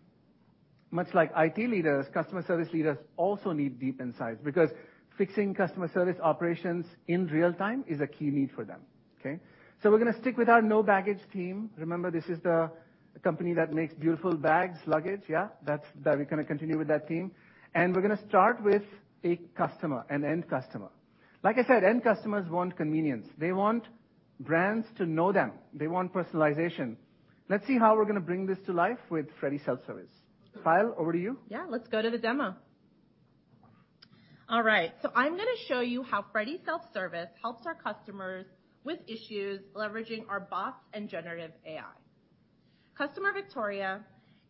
much like IT leaders, customer service leaders also need deep insights, because fixing customer service operations in real time is a key need for them, okay? So we're gonna stick with our Monos team. Remember, this is the company that makes beautiful bags, luggage. Yeah, that's that we're gonna continue with that theme. And we're gonna start with a customer, an end customer. Like I said, end customers want convenience. They want brands to know them. They want personalization. Let's see how we're gonna bring this to life with Freddy Self Service. Payal, over to you. Yeah, let's go to the demo. All right, so I'm gonna show you how Freddy Self Service helps our customers with issues leveraging our bots and generative AI. Customer Victoria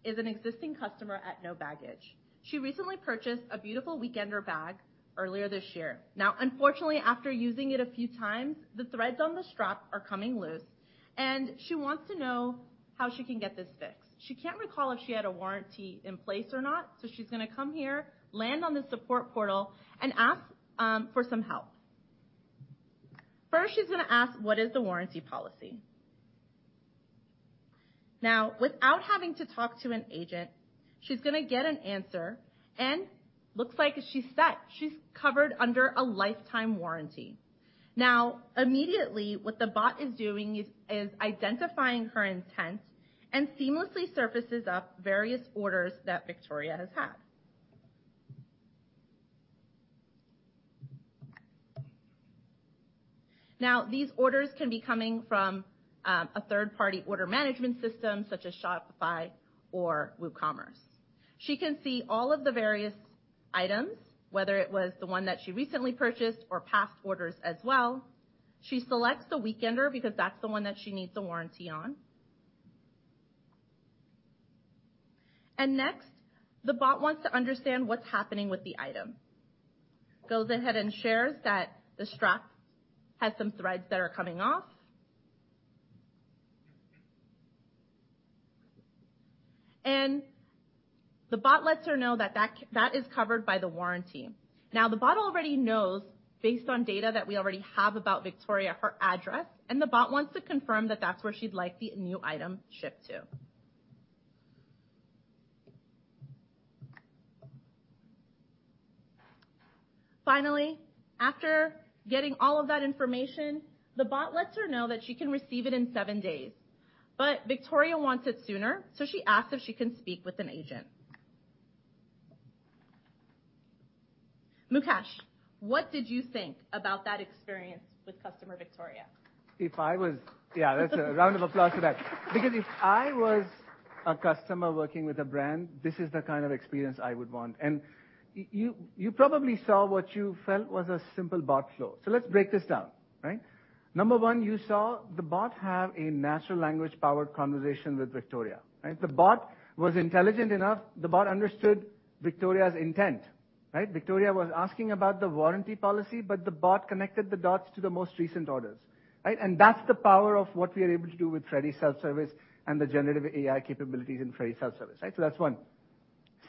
is an existing customer at No Baggage. She recently purchased a beautiful weekender bag earlier this year. Now, unfortunately, after using it a few times, the threads on the strap are coming loose, and she wants to know how she can get this fixed. She can't recall if she had a warranty in place or not, so she's gonna come here, land on the support portal, and ask for some help. First, she's gonna ask, "What is the warranty policy?" Now, without having to talk to an agent, she's gonna get an answer, and looks like she's set. She's covered under a lifetime warranty. Now, immediately, what the bot is doing is identifying her intent and seamlessly surfaces up various orders that Victoria has had. Now, these orders can be coming from a third-party order management system, such as Shopify or WooCommerce. She can see all of the various items, whether it was the one that she recently purchased or past orders as well. She selects the weekender because that's the one that she needs the warranty on. And next, the bot wants to understand what's happening with the item. Goes ahead and shares that the strap has some threads that are coming off. And the bot lets her know that that is covered by the warranty. Now, the bot already knows, based on data that we already have about Victoria, her address, and the bot wants to confirm that that's where she'd like the new item shipped to. Finally, after getting all of that information, the bot lets her know that she can receive it in seven days. But Victoria wants it sooner, so she asks if she can speak with an agent. Mukesh, what did you think about that experience with customer Victoria? If I was, yeah, that's a round of applause for that. Because if I was a customer working with a brand, this is the kind of experience I would want. And you, you probably saw what you felt was a simple bot flow. So let's break this down, right? Number one, you saw the bot have a natural language-powered conversation with Victoria, right? The bot was intelligent enough. The bot understood Victoria's intent, right? Victoria was asking about the warranty policy, but the bot connected the dots to the most recent orders, right? And that's the power of what we are able to do with Freddy Self-Service and the generative AI capabilities in Freddy Self-Service, right? So that's one.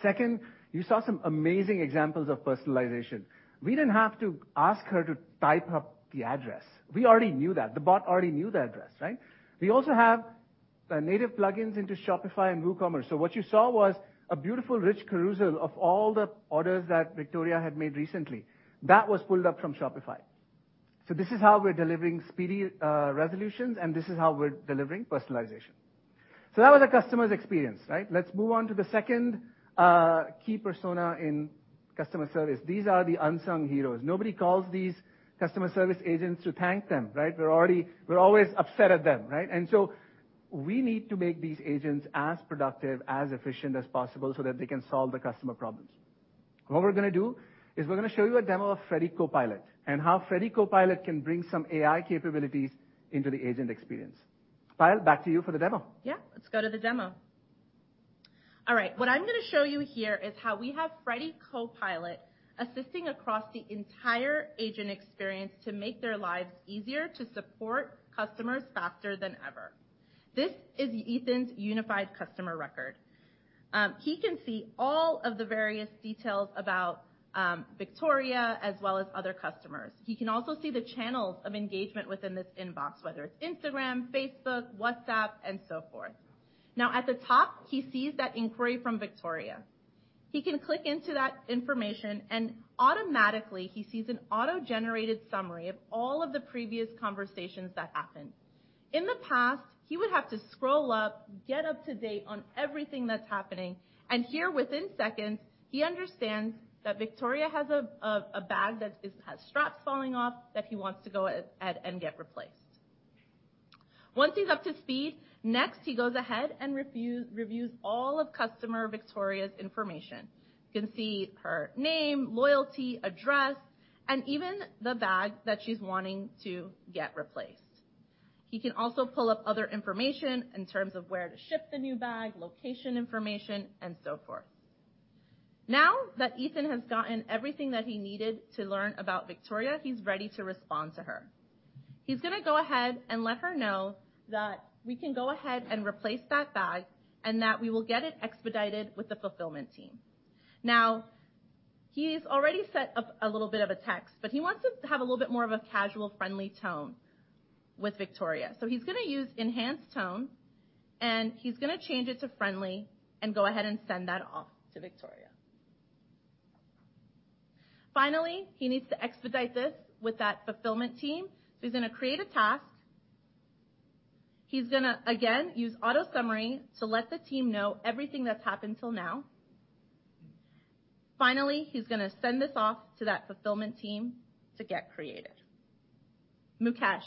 Second, you saw some amazing examples of personalization. We didn't have to ask her to type up the address. We already knew that. The bot already knew the address, right? We also have native plugins into Shopify and WooCommerce. So what you saw was a beautiful, rich carousel of all the orders that Victoria had made recently. That was pulled up from Shopify. So this is how we're delivering speedy resolutions, and this is how we're delivering personalization. So that was a customer's experience, right? Let's move on to the second key persona in customer service. These are the unsung heroes. Nobody calls these customer service agents to thank them, right? We're always upset at them, right? And so we need to make these agents as productive, as efficient as possible, so that they can solve the customer problems. What we're going to do is we're going to show you a demo of Freddy Copilot and how Freddy Copilot can bring some AI capabilities into the agent experience. Payal, back to you for the demo. Yeah, let's go to the demo. All right, what I'm going to show you here is how we have Freddy Copilot assisting across the entire agent experience to make their lives easier to support customers faster than ever. This is Ethan's unified customer record. He can see all of the various details about Victoria, as well as other customers. He can also see the channels of engagement within this inbox, whether it's Instagram, Facebook, WhatsApp, and so forth. Now, at the top, he sees that inquiry from Victoria. He can click into that information, and automatically, he sees an auto-generated summary of all of the previous conversations that happened. In the past, he would have to scroll up, get up to date on everything that's happening, and here, within seconds, he understands that Victoria has a bag that has straps falling off, that he wants to go ahead and get replaced. Once he's up to speed, next, he goes ahead and reviews all of customer Victoria's information. You can see her name, loyalty, address, and even the bag that she's wanting to get replaced. He can also pull up other information in terms of where to ship the new bag, location information, and so forth. Now that Ethan has gotten everything that he needed to learn about Victoria, he's ready to respond to her. He's going to go ahead and let her know that we can go ahead and replace that bag, and that we will get it expedited with the fulfillment team. Now, he's already set up a little bit of a text, but he wants to have a little bit more of a casual, friendly tone with Victoria. So he's going to use enhanced tone, and he's going to change it to friendly and go ahead and send that off to Victoria. Finally, he needs to expedite this with that fulfillment team. So he's going to create a task. He's going to, again, use auto summary to let the team know everything that's happened till now. Finally, he's going to send this off to that fulfillment team to get created. Mukesh,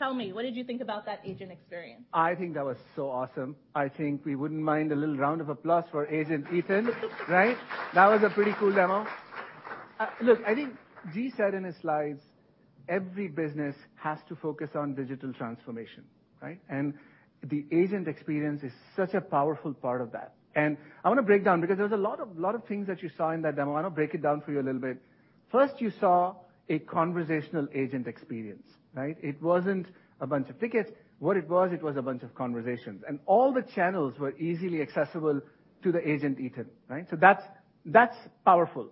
tell me, what did you think about that agent experience? I think that was so awesome. I think we wouldn't mind a little round of applause for Agent Ethan, right? That was a pretty cool demo. Look, I think G said in his slides, every business has to focus on digital transformation, right? And the agent experience is such a powerful part of that. And I want to break down because there's a lot of, lot of things that you saw in that demo. I want to break it down for you a little bit. First, you saw a conversational agent experience, right? It wasn't a bunch of tickets. What it was, it was a bunch of conversations, and all the channels were easily accessible to the agent, Ethan, right? So that's, that's powerful.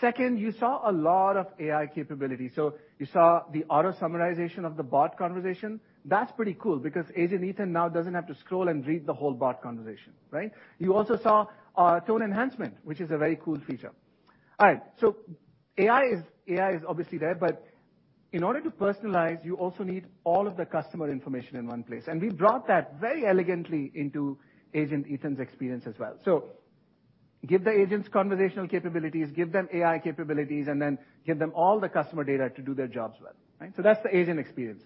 Second, you saw a lot of AI capabilities. So you saw the auto summarization of the bot conversation. That's pretty cool because Agent Ethan now doesn't have to scroll and read the whole bot conversation, right? You also saw tone enhancement, which is a very cool feature. All right, so AI is obviously there, but in order to personalize, you also need all of the customer information in one place, and we brought that very elegantly into Agent Ethan's experience as well. So give the agents conversational capabilities, give them AI capabilities, and then give them all the customer data to do their jobs well, right? So that's the agent experience.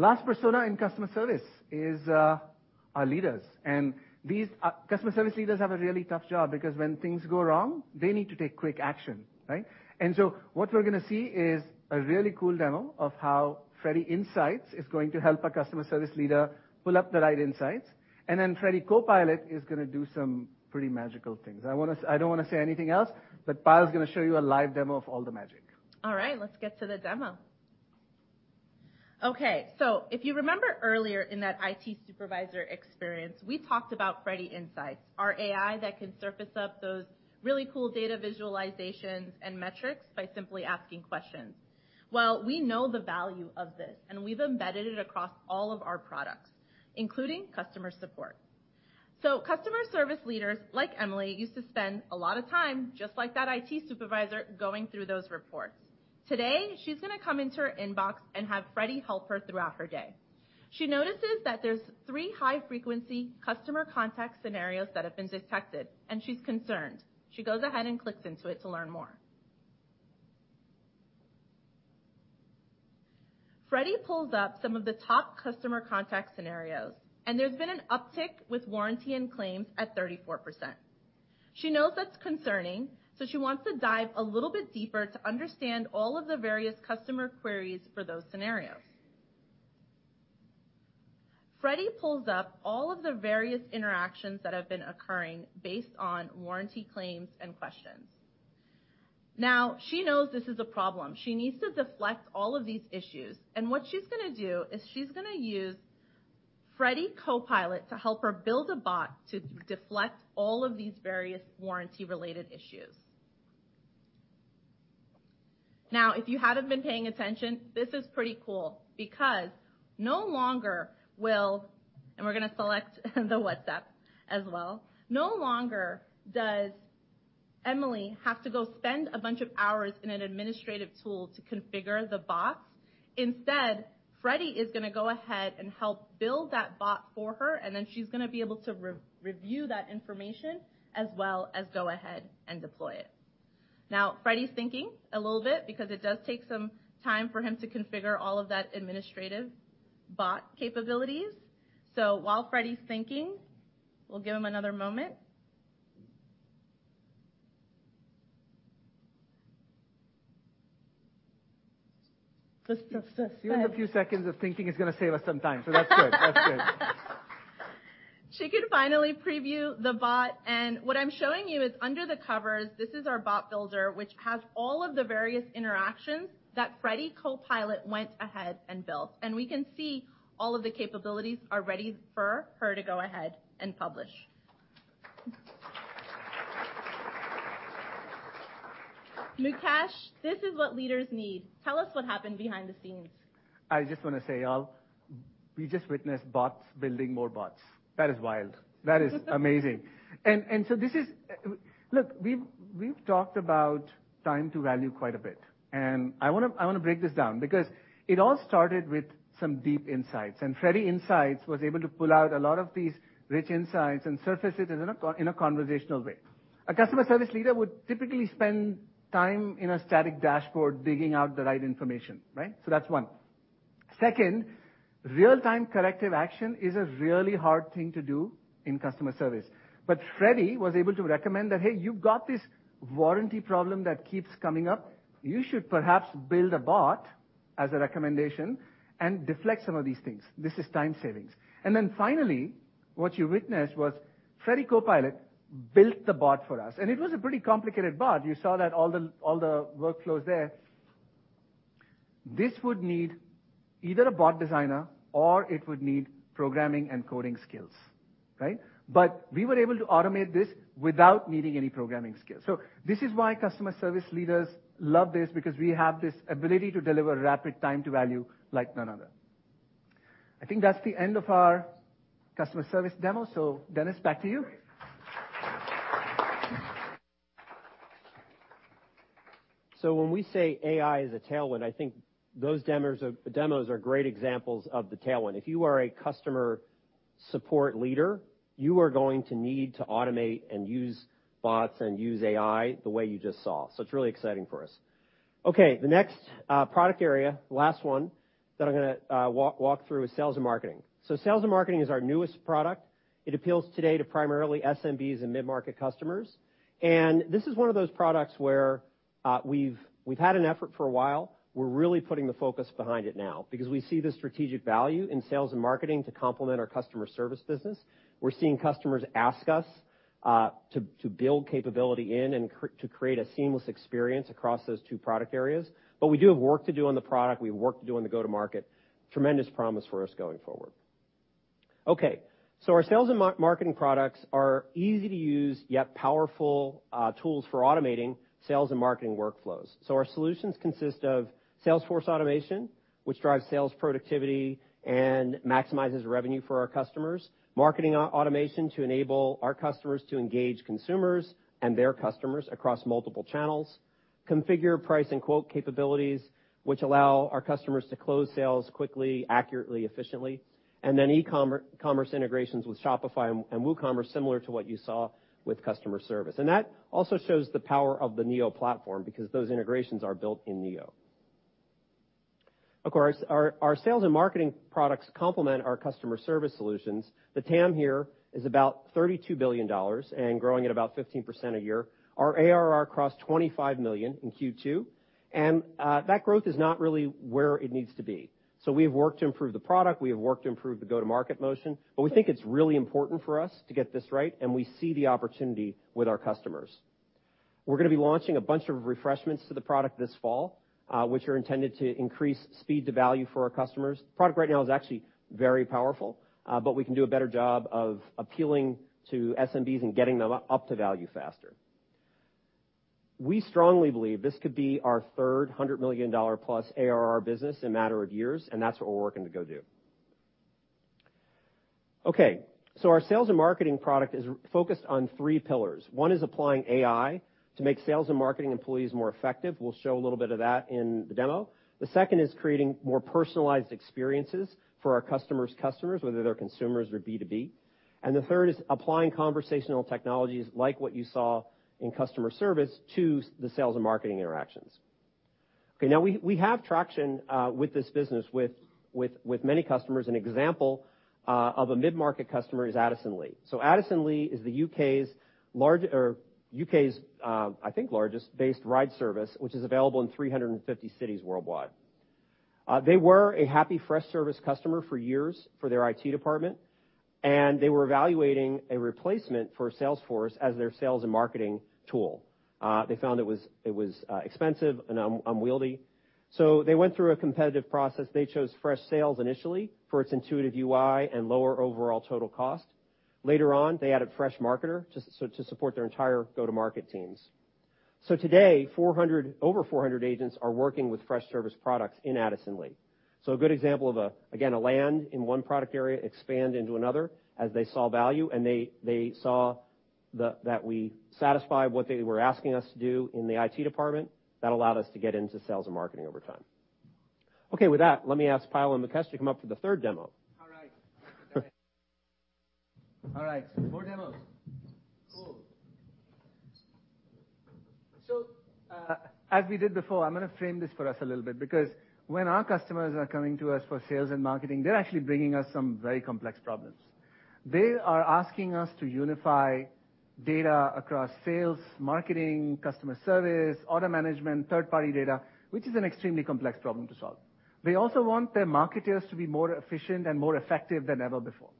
Last persona in customer service is our leaders, and these customer service leaders have a really tough job because when things go wrong, they need to take quick action, right? And so what we're going to see is a really cool demo of how Freddy Insights is going to help our customer service leader pull up the right insights, and then Freddy Copilot is going to do some pretty magical things. I wanna... I don't want to say anything else, but Payal is going to show you a live demo of all the magic. All right, let's get to the demo. Okay, so if you remember earlier in that IT supervisor experience, we talked about Freddy Insights, our AI that can surface up those really cool data visualizations and metrics by simply asking questions. Well, we know the value of this, and we've embedded it across all of our products, including customer support. So customer service leaders, like Emily, used to spend a lot of time, just like that IT supervisor, going through those reports. Today, she's going to come into her inbox and have Freddy help her throughout her day. She notices that there's 3 high-frequency customer contact scenarios that have been detected, and she's concerned. She goes ahead and clicks into it to learn more. Freddy pulls up some of the top customer contact scenarios, and there's been an uptick with warranty and claims at 34%. She knows that's concerning, so she wants to dive a little bit deeper to understand all of the various customer queries for those scenarios. Freddy pulls up all of the various interactions that have been occurring based on warranty claims and questions. Now, she knows this is a problem. She needs to deflect all of these issues, and what she's going to do is she's going to use Freddy Copilot to help her build a bot to deflect all of these various warranty-related issues. Now, if you haven't been paying attention, this is pretty cool because no longer will... And we're going to select the WhatsApp as well. No longer does Emily have to go spend a bunch of hours in an administrative tool to configure the bot. Instead, Freddy is going to go ahead and help build that bot for her, and then she's going to be able to re-review that information as well as go ahead and deploy it. Now, Freddy's thinking a little bit because it does take some time for him to configure all of that administrative bot capabilities. So while Freddy's thinking, we'll give him another moment. Just, just, just- Even a few seconds of thinking is going to save us some time. So that's good. That's good. She can finally preview the bot, and what I'm showing you is under the covers, this is our bot builder, which has all of the various interactions that Freddy Copilot went ahead and built, and we can see all of the capabilities are ready for her to go ahead and publish. Mukesh, this is what leaders need. Tell us what happened behind the scenes. I just want to say, y'all, we just witnessed bots building more bots. That is wild. That is amazing. And, and so this is—Look, we've, we've talked about time to value quite a bit, and I want to, I want to break this down because it all started with some deep insights, and Freddy Insights was able to pull out a lot of these rich insights and surface it in a, in a conversational way. A customer service leader would typically spend time in a static dashboard digging out the right information, right? So that's one. Second, real-time corrective action is a really hard thing to do in customer service. But Freddy was able to recommend that, "Hey, you've got this warranty problem that keeps coming up. You should perhaps build a bot as a recommendation and deflect some of these things." This is time savings. Then finally, what you witnessed was Freddy Copilot built the bot for us, and it was a pretty complicated bot. You saw that all the workflows there. This would need either a bot designer or it would need programming and coding skills, right? But we were able to automate this without needing any programming skills. So this is why customer service leaders love this, because we have this ability to deliver rapid time to value like none other. I think that's the end of our customer service demo. So Dennis, back to you. So when we say AI is a tailwind, I think those demos are great examples of the tailwind. If you are a customer support leader, you are going to need to automate and use bots and use AI the way you just saw. So it's really exciting for us. Okay, the next product area, last one that I'm going to walk through is sales and marketing. So sales and marketing is our newest product. It appeals today to primarily SMBs and mid-market customers. And this is one of those products where we've had an effort for a while. We're really putting the focus behind it now because we see the strategic value in sales and marketing to complement our customer service business. We're seeing customers ask us to build capability in CRM and to create a seamless experience across those two product areas. But we do have work to do on the product. We have work to do on the go-to-market. Tremendous promise for us going forward. Okay, so our sales and marketing products are easy to use, yet powerful tools for automating sales and marketing workflows. So our solutions consist of sales force automation, which drives sales productivity and maximizes revenue for our customers. Marketing automation to enable our customers to engage consumers and their customers across multiple channels. Configure, price, and quote capabilities, which allow our customers to close sales quickly, accurately, efficiently. And then e-commerce integrations with Shopify and WooCommerce, similar to what you saw with customer service. And that also shows the power of the Neo Platform because those integrations are built in Neo. Of course, our sales and marketing products complement our customer service solutions. The TAM here is about $32 billion and growing at about 15% a year. Our ARR crossed $25 million in Q2, and that growth is not really where it needs to be. So we have worked to improve the product. We have worked to improve the go-to-market motion, but we think it's really important for us to get this right, and we see the opportunity with our customers. We're gonna be launching a bunch of refreshes to the product this fall, which are intended to increase speed to value for our customers. The product right now is actually very powerful, but we can do a better job of appealing to SMBs and getting them up to value faster. We strongly believe this could be our third $100 million+ ARR business in a matter of years, and that's what we're working to go do. Okay, so our sales and marketing product is focused on three pillars. One is applying AI to make sales and marketing employees more effective. We'll show a little bit of that in the demo. The second is creating more personalized experiences for our customer's customers, whether they're consumers or B2B. And the third is applying conversational technologies, like what you saw in customer service, to the sales and marketing interactions. Okay, now we have traction with this business with many customers. An example of a mid-market customer is Addison Lee. So Addison Lee is the U.K.'s large or U.K.'s, I think, largest-based ride service, which is available in 350 cities worldwide. They were a happy Freshservice customer for years for their IT department, and they were evaluating a replacement for Salesforce as their sales and marketing tool. They found it was expensive and unwieldy, so they went through a competitive process. They chose Freshsales initially for its intuitive UI and lower overall total cost. Later on, they added Freshmarketer to support their entire go-to-market teams. So today, over 400 agents are working with Freshservice products in Addison Lee. So a good example of a, again, a land in one product area, expand into another as they saw value, and they saw that we satisfied what they were asking us to do in the IT department. That allowed us to get into sales and marketing over time. Okay, with that, let me ask Payal and Mukesh to come up for the third demo. All right. All right, more demos. Cool. So, as we did before, I'm gonna frame this for us a little bit, because when our customers are coming to us for sales and marketing, they're actually bringing us some very complex problems. They are asking us to unify data across sales, marketing, customer service, order management, third-party data, which is an extremely complex problem to solve. They also want their marketers to be more efficient and more effective than ever before.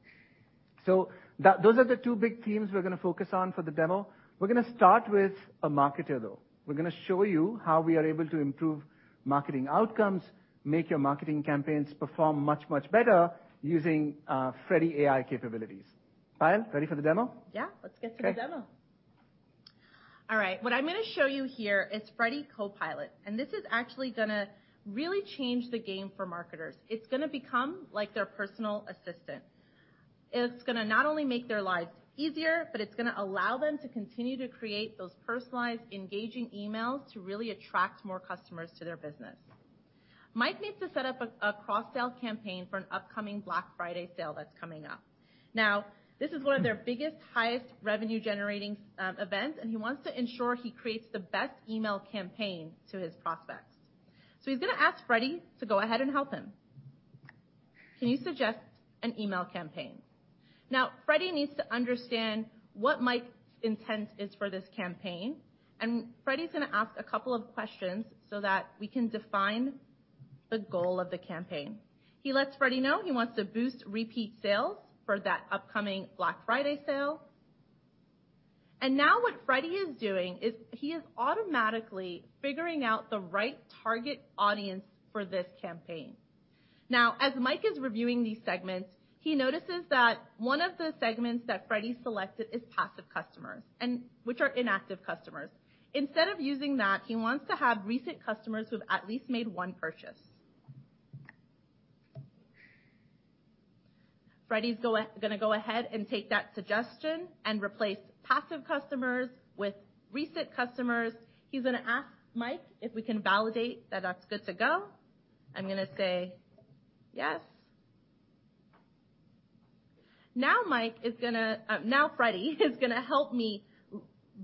So those are the two big themes we're gonna focus on for the demo. We're gonna start with a marketer, though. We're gonna show you how we are able to improve marketing outcomes, make your marketing campaigns perform much, much better, using Freddy AI capabilities. Payal, ready for the demo? Yeah, let's get to the demo. Okay. All right. What I'm gonna show you here is Freddy Copilot, and this is actually gonna really change the game for marketers. It's gonna become like their personal assistant. It's gonna not only make their lives easier, but it's gonna allow them to continue to create those personalized, engaging emails to really attract more customers to their business. Mike needs to set up a cross-sale campaign for an upcoming Black Friday sale that's coming up. Now, this is one of their biggest, highest revenue-generating events, and he wants to ensure he creates the best email campaign to his prospects. So he's gonna ask Freddy to go ahead and help him. "Can you suggest an email campaign?" Now, Freddy needs to understand what Mike's intent is for this campaign, and Freddy's gonna ask a couple of questions so that we can define the goal of the campaign. He lets Freddy know he wants to boost repeat sales for that upcoming Black Friday sale. Now what Freddy is doing is, he is automatically figuring out the right target audience for this campaign. Now, as Mike is reviewing these segments, he notices that one of the segments that Freddy selected is passive customers, which are inactive customers. Instead of using that, he wants to have recent customers who've at least made one purchase. Freddy's gonna go ahead and take that suggestion and replace passive customers with recent customers. He's gonna ask Mike if we can validate that that's good to go. I'm gonna say, "Yes." Now, Mike is gonna. Now, Freddy is gonna help me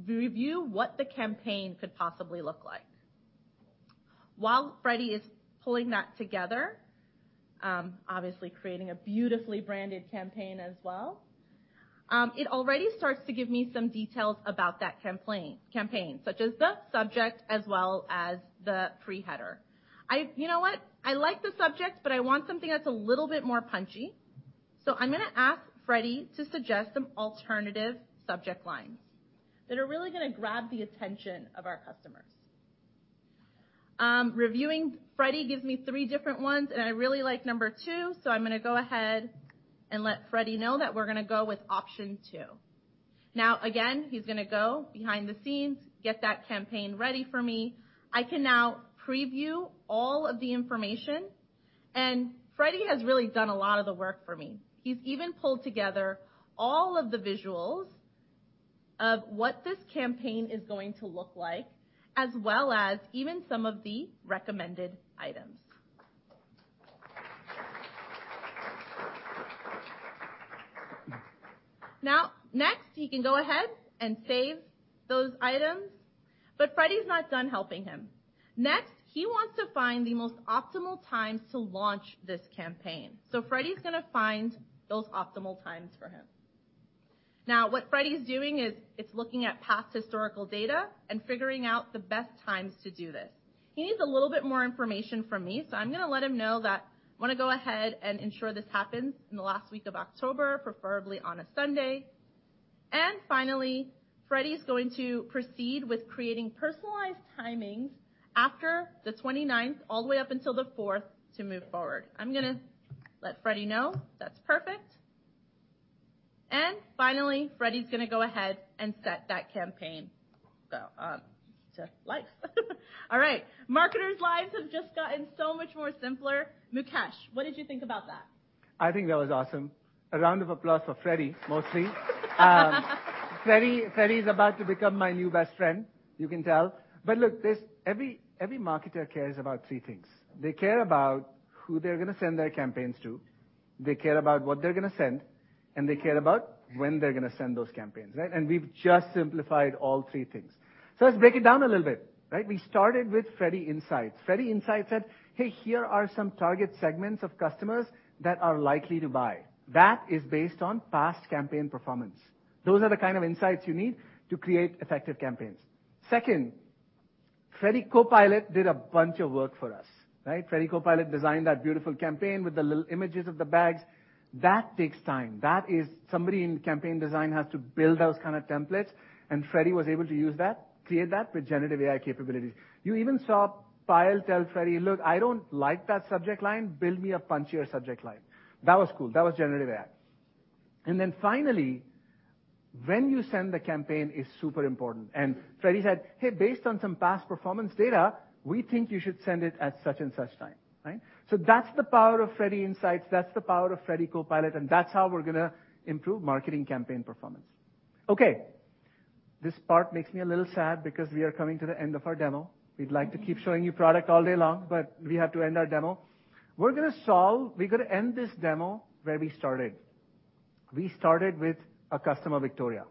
review what the campaign could possibly look like. While Freddy is pulling that together, obviously creating a beautifully branded campaign as well, it already starts to give me some details about that campaign, such as the subject, as well as the preheader. You know what? I like the subject, but I want something that's a little bit more punchy. So I'm gonna ask Freddy to suggest some alternative subject lines that are really gonna grab the attention of our customers. Reviewing, Freddy gives me three different ones, and I really like number two, so I'm gonna go ahead and let Freddy know that we're gonna go with option two. Now, again, he's gonna go behind the scenes, get that campaign ready for me. I can now preview all of the information, and Freddy has really done a lot of the work for me. He's even pulled together all of the visuals of what this campaign is going to look like, as well as even some of the recommended items. Now, next, he can go ahead and save those items, but Freddy's not done helping him. Next, he wants to find the most optimal times to launch this campaign. So Freddy's gonna find those optimal times for him. Now, what Freddy is doing is, it's looking at past historical data and figuring out the best times to do this... He needs a little bit more information from me, so I'm going to let him know that I want to go ahead and ensure this happens in the last week of October, preferably on a Sunday. And finally, Freddy's going to proceed with creating personalized timings after the twenty-ninth, all the way up until the fourth, to move forward. I'm going to let Freddy know. That's perfect. And finally, Freddy's going to go ahead and set that campaign, so, just likes. All right. Marketers' lives have just gotten so much more simpler. Mukesh, what did you think about that? I think that was awesome. A round of applause for Freddy, mostly. Freddy, Freddy is about to become my new best friend, you can tell. But look, every marketer cares about three things. They care about who they're going to send their campaigns to, they care about what they're going to send, and they care about when they're going to send those campaigns, right? We've just simplified all three things. Let's break it down a little bit, right? We started with Freddy Insights. Freddy Insights said, "Hey, here are some target segments of customers that are likely to buy." That is based on past campaign performance. Those are the kind of insights you need to create effective campaigns. Second, Freddy Copilot did a bunch of work for us, right? Freddy Copilot designed that beautiful campaign with the little images of the bags. That takes time. That is... Somebody in campaign design has to build those kind of templates, and Freddy was able to use that, create that with generative AI capabilities. You even saw Payal tell Freddy, "Look, I don't like that subject line. Build me a punchier subject line." That was cool. That was generative AI. And then finally, when you send the campaign is super important, and Freddy said, "Hey, based on some past performance data, we think you should send it at such and such time," right? So that's the power of Freddy Insights, that's the power of Freddy Copilot, and that's how we're going to improve marketing campaign performance. Okay, this part makes me a little sad because we are coming to the end of our demo. We'd like to keep showing you product all day long, but we have to end our demo. We're going to solve... We're going to end this demo where we started. We started with a customer, Victoria.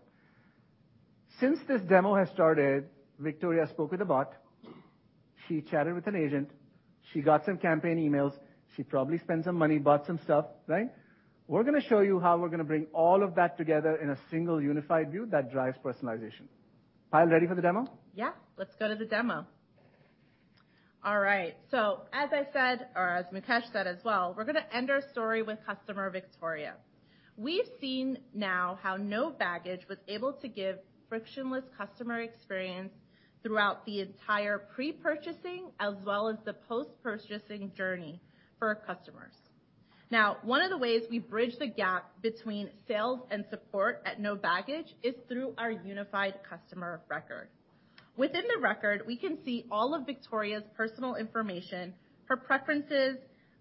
Since this demo has started, Victoria spoke with a bot, she chatted with an agent, she got some campaign emails, she probably spent some money, bought some stuff, right? We're going to show you how we're going to bring all of that together in a single unified view that drives personalization. Payal, ready for the demo? Yeah, let's go to the demo. All right, so as I said, or as Mukesh said as well, we're going to end our story with customer Victoria. We've seen now how No Baggage was able to give frictionless customer experience throughout the entire pre-purchasing, as well as the post-purchasing journey for our customers. Now, one of the ways we bridge the gap between sales and support at No Baggage is through our unified customer record. Within the record, we can see all of Victoria's personal information, her preferences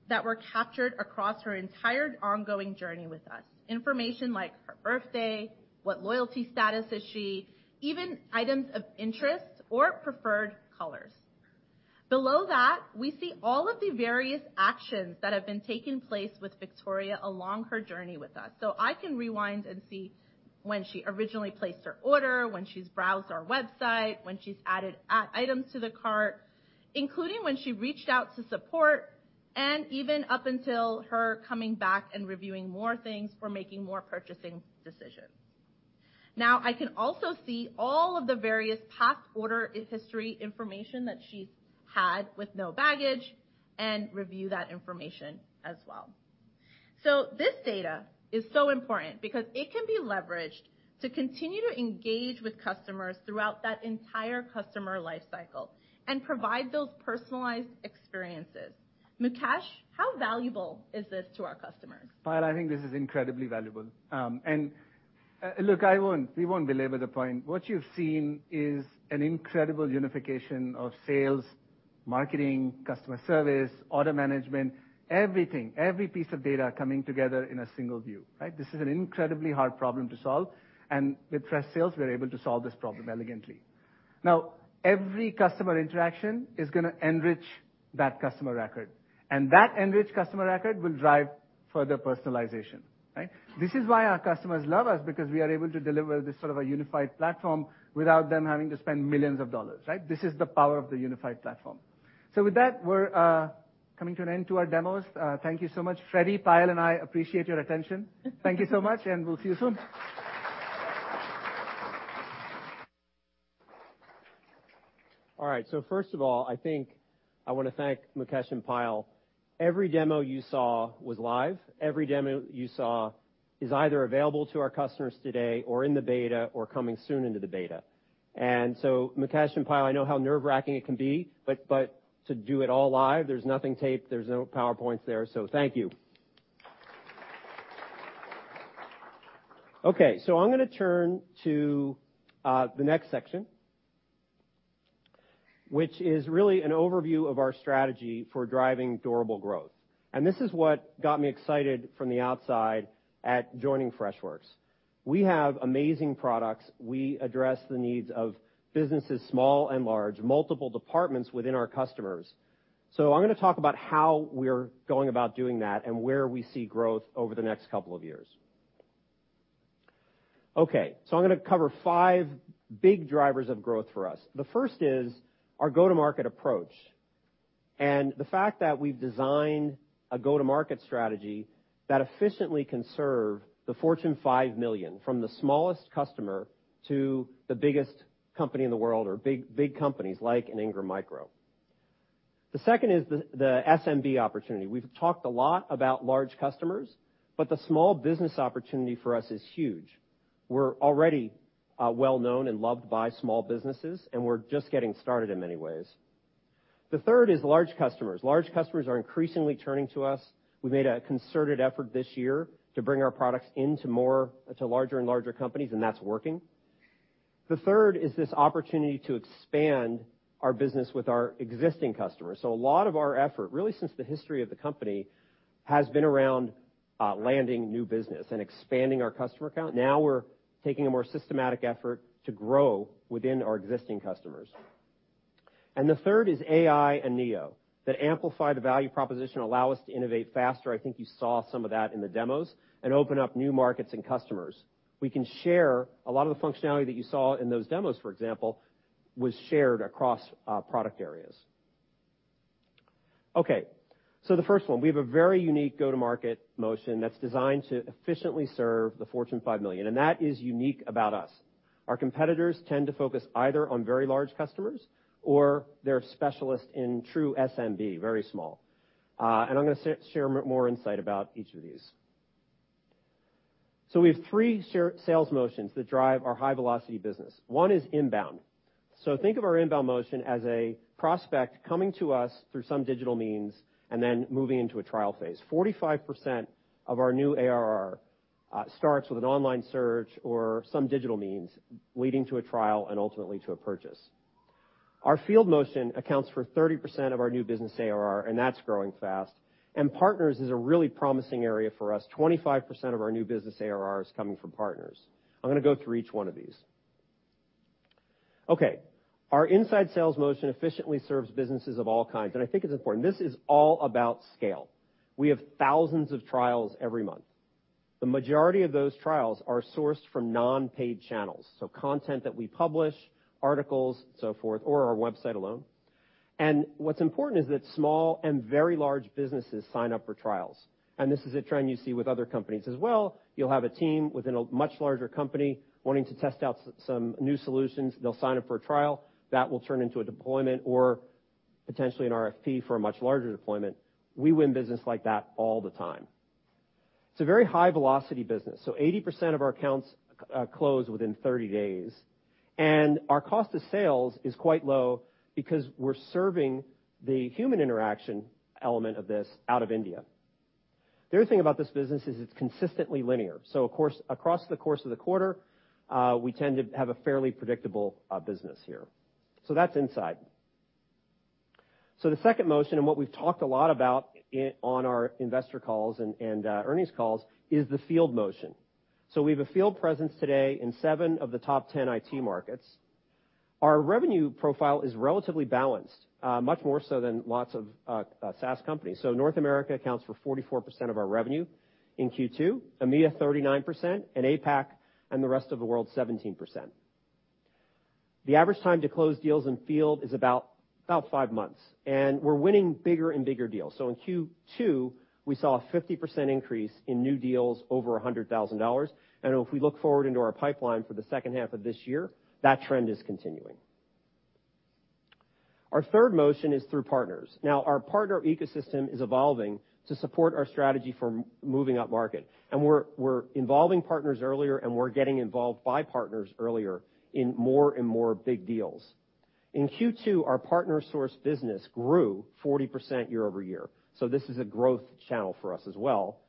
that were captured across her entire ongoing journey with us. Information like her birthday, what loyalty status is she, even items of interest or preferred colors. Below that, we see all of the various actions that have been taking place with Victoria along her journey with us. So I can rewind and see when she originally placed her order, when she's browsed our website, when she's added items to the cart, including when she reached out to support, and even up until her coming back and reviewing more things or making more purchasing decisions. Now, I can also see all of the various past order history information that she's had with Monos and review that information as well. So this data is so important because it can be leveraged to continue to engage with customers throughout that entire customer life cycle and provide those personalized experiences. Mukesh, how valuable is this to our customers? Payal, I think this is incredibly valuable. And, look, we won't belabor the point. What you've seen is an incredible unification of sales, marketing, customer service, order management, everything, every piece of data coming together in a single view, right? This is an incredibly hard problem to solve, and with Freshsales, we're able to solve this problem elegantly. Now, every customer interaction is going to enrich that customer record, and that enriched customer record will drive further personalization, right? This is why our customers love us, because we are able to deliver this sort of a unified platform without them having to spend $ millions, right? This is the power of the unified platform. So with that, we're coming to an end to our demos. Thank you so much. Freddy, Payal, and I appreciate your attention. Thank you so much, and we'll see you soon. All right, so first of all, I think I want to thank Mukesh and Payal. Every demo you saw was live. Every demo you saw is either available to our customers today, or in the beta, or coming soon into the beta. And so, Mukesh and Payal, I know how nerve-wracking it can be, but, but to do it all live, there's nothing taped, there's no PowerPoints there, so thank you. Okay, so I'm going to turn to the next section, which is really an overview of our strategy for driving durable growth. And this is what got me excited from the outside at joining Freshworks. We have amazing products. We address the needs of businesses, small and large, multiple departments within our customers. So I'm going to talk about how we're going about doing that and where we see growth over the next couple of years. Okay, so I'm going to cover five big drivers of growth for us. The first is our go-to-market approach. And the fact that we've designed a go-to-market strategy that efficiently can serve the Fortune Five Million, from the smallest customer to the biggest company in the world, or big, big companies like an Ingram Micro. The second is the SMB opportunity. We've talked a lot about large customers, but the small business opportunity for us is huge. We're already well known and loved by small businesses, and we're just getting started in many ways. The third is large customers. Large customers are increasingly turning to us. We made a concerted effort this year to bring our products into more to larger and larger companies, and that's working. The third is this opportunity to expand our business with our existing customers. So a lot of our effort, really, since the history of the company, has been around landing new business and expanding our customer account. Now we're taking a more systematic effort to grow within our existing customers. And the third is AI and Neo, that amplify the value proposition and allow us to innovate faster. I think you saw some of that in the demos, and open up new markets and customers. We can share a lot of the functionality that you saw in those demos, for example, was shared across product areas. Okay, so the first one, we have a very unique go-to-market motion that's designed to efficiently serve the Fortune 5 million, and that is unique about us. Our competitors tend to focus either on very large customers or they're specialists in true SMB, very small. And I'm gonna share more insight about each of these. So we have three sales motions that drive our high-velocity business. One is inbound. So think of our inbound motion as a prospect coming to us through some digital means and then moving into a trial phase. 45% of our new ARR starts with an online search or some digital means, leading to a trial and ultimately to a purchase. Our field motion accounts for 30% of our new business ARR, and that's growing fast. Partners is a really promising area for us. 25% of our new business ARR is coming from partners. I'm gonna go through each one of these. Okay, our inside sales motion efficiently serves businesses of all kinds, and I think it's important. This is all about scale. We have thousands of trials every month. The majority of those trials are sourced from non-paid channels, so content that we publish, articles, so forth, or our website alone. And what's important is that small and very large businesses sign up for trials. And this is a trend you see with other companies as well. You'll have a team within a much larger company wanting to test out some new solutions. They'll sign up for a trial. That will turn into a deployment or potentially an RFP for a much larger deployment. We win business like that all the time. It's a very high-velocity business, so 80% of our accounts close within 30 days, and our cost of sales is quite low because we're serving the human interaction element of this out of India. The other thing about this business is it's consistently linear, so of course, across the course of the quarter, we tend to have a fairly predictable business here. So that's inside. So the second motion, and what we've talked a lot about in on our investor calls and earnings calls, is the field motion. So we have a field presence today in 7 of the top 10 IT markets. Our revenue profile is relatively balanced, much more so than lots of SaaS companies. So North America accounts for 44% of our revenue in Q2, EMEA, 39%, and APAC and the rest of the world, 17%. The average time to close deals in field is about 5 months, and we're winning bigger and bigger deals. So in Q2, we saw a 50% increase in new deals over $100,000, and if we look forward into our pipeline for the second half of this year, that trend is continuing. Our third motion is through partners. Now, our partner ecosystem is evolving to support our strategy for moving upmarket, and we're, we're involving partners earlier, and we're getting involved by partners earlier in more and more big deals. In Q2, our partner-sourced business grew 40% year-over-year, so this is a growth channel for us as well,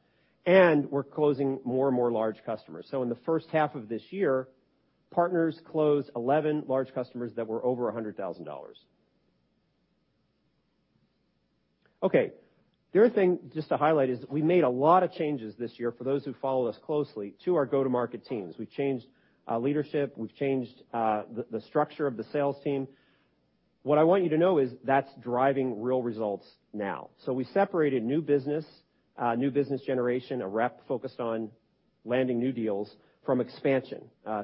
and we're closing more and more large customers. So in the first half of this year, partners closed 11 large customers that were over $100,000. Okay. The other thing, just to highlight, is we made a lot of changes this year, for those who follow us closely, to our go-to-market teams. We've changed leadership. We've changed the structure of the sales team. What I want you to know is that's driving real results now. So we separated new business new business generation, a rep focused on landing new deals, from expansion,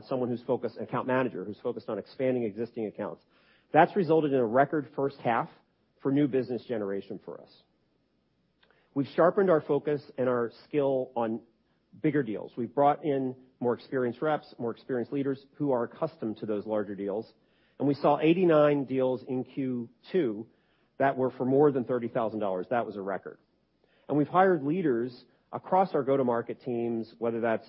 someone who's focused... Account manager, who's focused on expanding existing accounts. That's resulted in a record first half for new business generation for us. We've sharpened our focus and our skill on bigger deals. We've brought in more experienced reps, more experienced leaders, who are accustomed to those larger deals, and we saw 89 deals in Q2 that were for more than $30,000. That was a record. We've hired leaders across our go-to-market teams, whether that's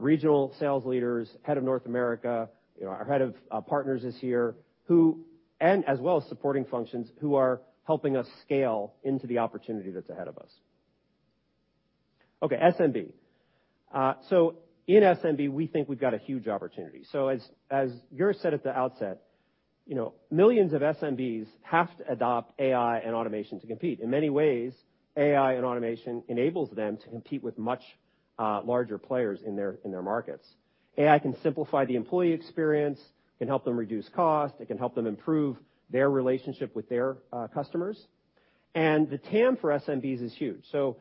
regional sales leaders, head of North America, you know, our head of partners this year, who, and as well as supporting functions, who are helping us scale into the opportunity that's ahead of us. Okay, SMB. So in SMB, we think we've got a huge opportunity. So as Joon said at the outset, you know, millions of SMBs have to adopt AI and automation to compete. In many ways, AI and automation enables them to compete with much larger players in their markets. AI can simplify the employee experience, it can help them reduce cost, it can help them improve their relationship with their customers, and the TAM for SMBs is huge. So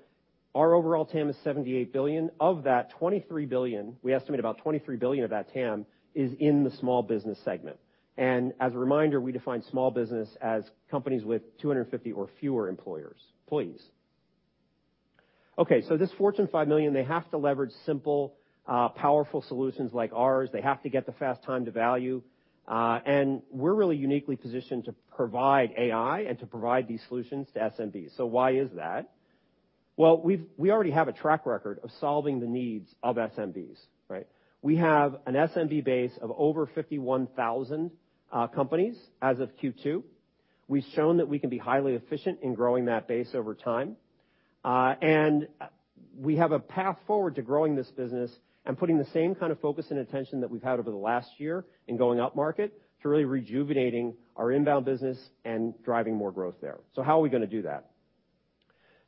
our overall TAM is $78 billion. Of that, $23 billion, we estimate about $23 billion of that TAM is in the small business segment. As a reminder, we define small business as companies with 250 or fewer employees. Okay, so this 5 million, they have to leverage simple, powerful solutions like ours. They have to get the fast time to value, and we're really uniquely positioned to provide AI and to provide these solutions to SMBs. So why is that? Well, we already have a track record of solving the needs of SMBs, right? We have an SMB base of over 51,000 companies as of Q2. We've shown that we can be highly efficient in growing that base over time, and we have a path forward to growing this business and putting the same kind of focus and attention that we've had over the last year in going upmarket to really rejuvenating our inbound business and driving more growth there. So how are we gonna do that?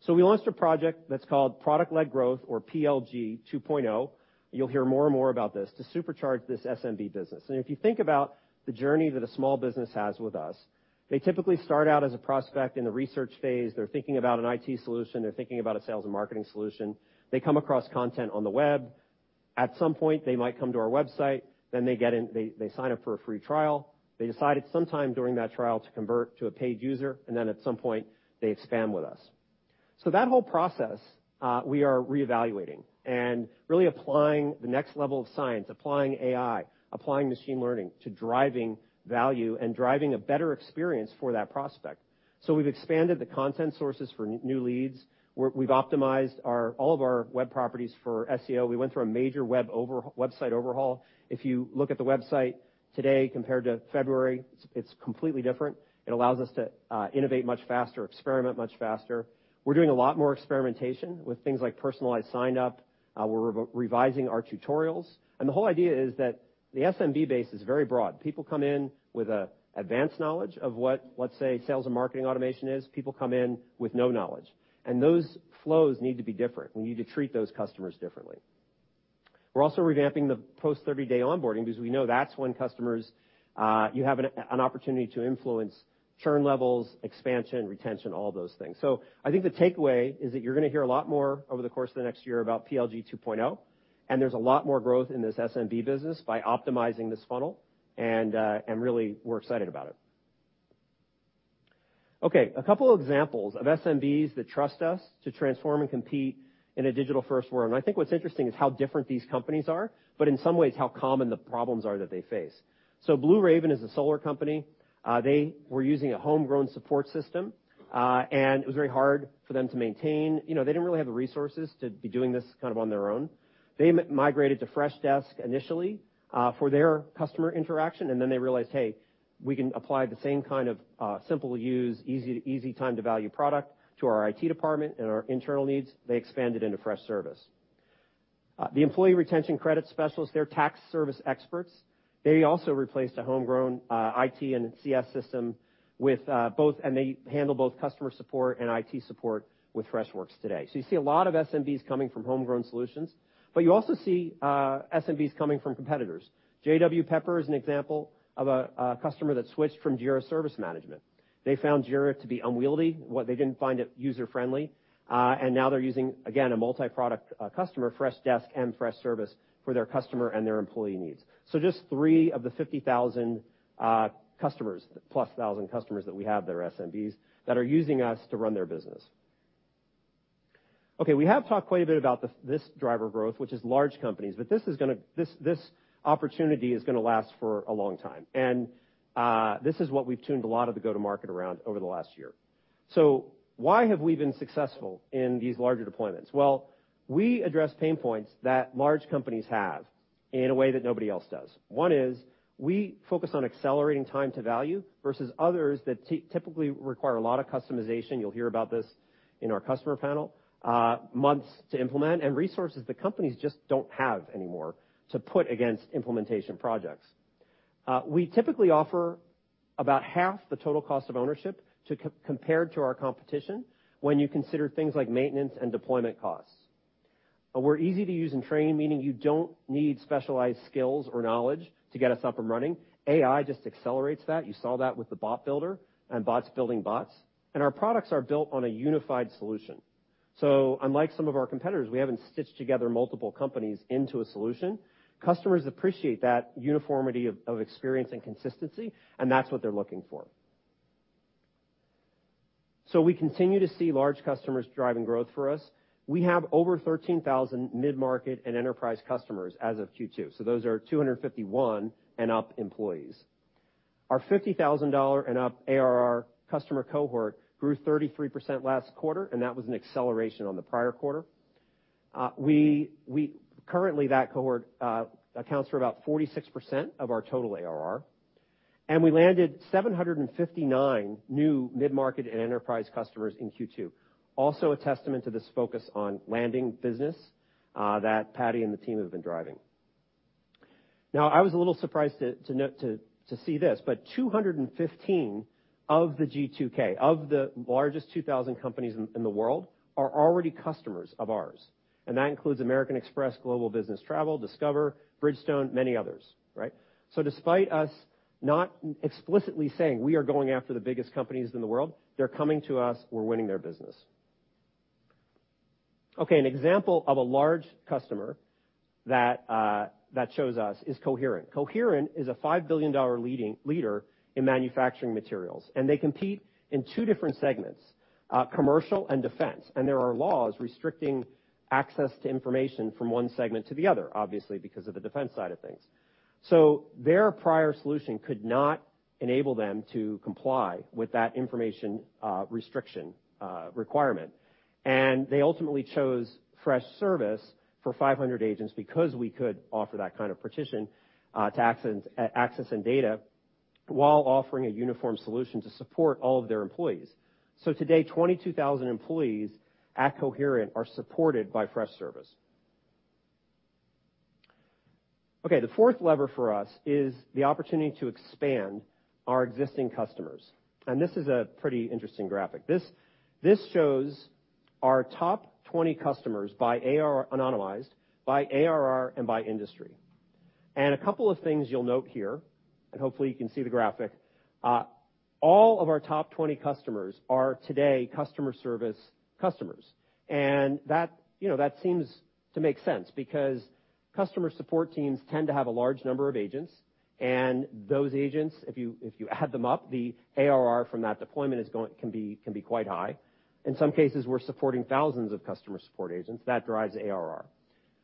So we launched a project that's called Product-Led Growth, or PLG 2.0, you'll hear more and more about this, to supercharge this SMB business. And if you think about the journey that a small business has with us, they typically start out as a prospect in the research phase. They're thinking about an IT solution. They're thinking about a sales and marketing solution. They come across content on the web. At some point, they might come to our website, then they get in... They sign up for a free trial. They decide at some time during that trial to convert to a paid user, and then at some point, they expand with us. So that whole process, we are reevaluating and really applying the next level of science, applying AI, applying machine learning, to driving value and driving a better experience for that prospect. So we've expanded the content sources for new leads. We've optimized all of our web properties for SEO. We went through a major website overhaul. If you look at the website today compared to February, it's completely different. It allows us to innovate much faster, experiment much faster. We're doing a lot more experimentation with things like personalized sign-up. We're revising our tutorials, and the whole idea is that the SMB base is very broad. People come in with advanced knowledge of what, let's say, sales and marketing automation is. People come in with no knowledge, and those flows need to be different. We need to treat those customers differently. We're also revamping the post-30-day onboarding because we know that's when customers, you have an opportunity to influence churn levels, expansion, retention, all those things. So I think the takeaway is that you're gonna hear a lot more over the course of the next year about PLG 2.0, and there's a lot more growth in this SMB business by optimizing this funnel, and really, we're excited about it. Okay, a couple of examples of SMBs that trust us to transform and compete in a digital-first world, and I think what's interesting is how different these companies are, but in some ways, how common the problems are that they face. So Blue Raven Solar is a solar company. They were using a homegrown support system, and it was very hard for them to maintain. You know, they didn't really have the resources to be doing this kind of on their own. They migrated to Freshdesk initially, for their customer interaction, and then they realized, "Hey, we can apply the same kind of, simple use, easy to easy time to value product to our IT department and our internal needs." They expanded into Freshservice. The Employee Retention Credit Specialist, they're tax service experts. They also replaced a homegrown, IT and CS system with, both, and they handle both customer support and IT support with Freshworks today. So you see a lot of SMBs coming from homegrown solutions, but you also see, SMBs coming from competitors. J.W. Pepper is an example of a customer that switched from Jira Service Management. They found Jira to be unwieldy, what they didn't find it user-friendly, and now they're using, again, a multi-product customer, Freshdesk and Freshservice, for their customer and their employee needs. So just three of the 50,000 customers, plus 1,000 customers that we have that are SMBs, that are using us to run their business. Okay, we have talked quite a bit about this, this driver growth, which is large companies, but this is gonna... This, this opportunity is gonna last for a long time, and this is what we've tuned a lot of the go-to-market around over the last year. So why have we been successful in these larger deployments? Well, we address pain points that large companies have in a way that nobody else does. One is we focus on accelerating time to value versus others that typically require a lot of customization. You'll hear about this in our customer panel, months to implement, and resources that companies just don't have anymore to put against implementation projects. We typically offer about half the total cost of ownership compared to our competition when you consider things like maintenance and deployment costs. We're easy to use and train, meaning you don't need specialized skills or knowledge to get us up and running. AI just accelerates that. You saw that with the bot builder and bots building bots, and our products are built on a unified solution. So unlike some of our competitors, we haven't stitched together multiple companies into a solution. Customers appreciate that uniformity of experience and consistency, and that's what they're looking for. So we continue to see large customers driving growth for us. We have over 13,000 mid-market and enterprise customers as of Q2, so those are 251 and up employees. Our $50,000 and up ARR customer cohort grew 33% last quarter, and that was an acceleration on the prior quarter. We currently that cohort accounts for about 46% of our total ARR, and we landed 759 new mid-market and enterprise customers in Q2. Also, a testament to this focus on landing business that Paddy and the team have been driving. Now, I was a little surprised to note—to see this, but 215 of the G2K, of the largest 2,000 companies in the world, are already customers of ours. And that includes American Express, Global Business Travel, Discover, Bridgestone, many others, right? So despite us not explicitly saying we are going after the biggest companies in the world, they're coming to us, we're winning their business. Okay, an example of a large customer that shows us is Coherent. Coherent is a $5 billion leading leader in manufacturing materials, and they compete in two different segments, commercial and defense. And there are laws restricting access to information from one segment to the other, obviously, because of the defense side of things. So their prior solution could not enable them to comply with that information restriction requirement. They ultimately chose Freshservice for 500 agents because we could offer that kind of partition to access and data, while offering a uniform solution to support all of their employees. So today, 22,000 employees at Coherent are supported by Freshservice. Okay, the fourth lever for us is the opportunity to expand our existing customers, and this is a pretty interesting graphic. This shows our top 20 customers by AR, anonymized, by ARR, and by industry. A couple of things you'll note here, and hopefully you can see the graphic. All of our top 20 customers are today customer service customers. That, you know, that seems to make sense, because customer support teams tend to have a large number of agents, and those agents, if you add them up, the ARR from that deployment can be quite high. In some cases, we're supporting thousands of customer support agents. That drives ARR.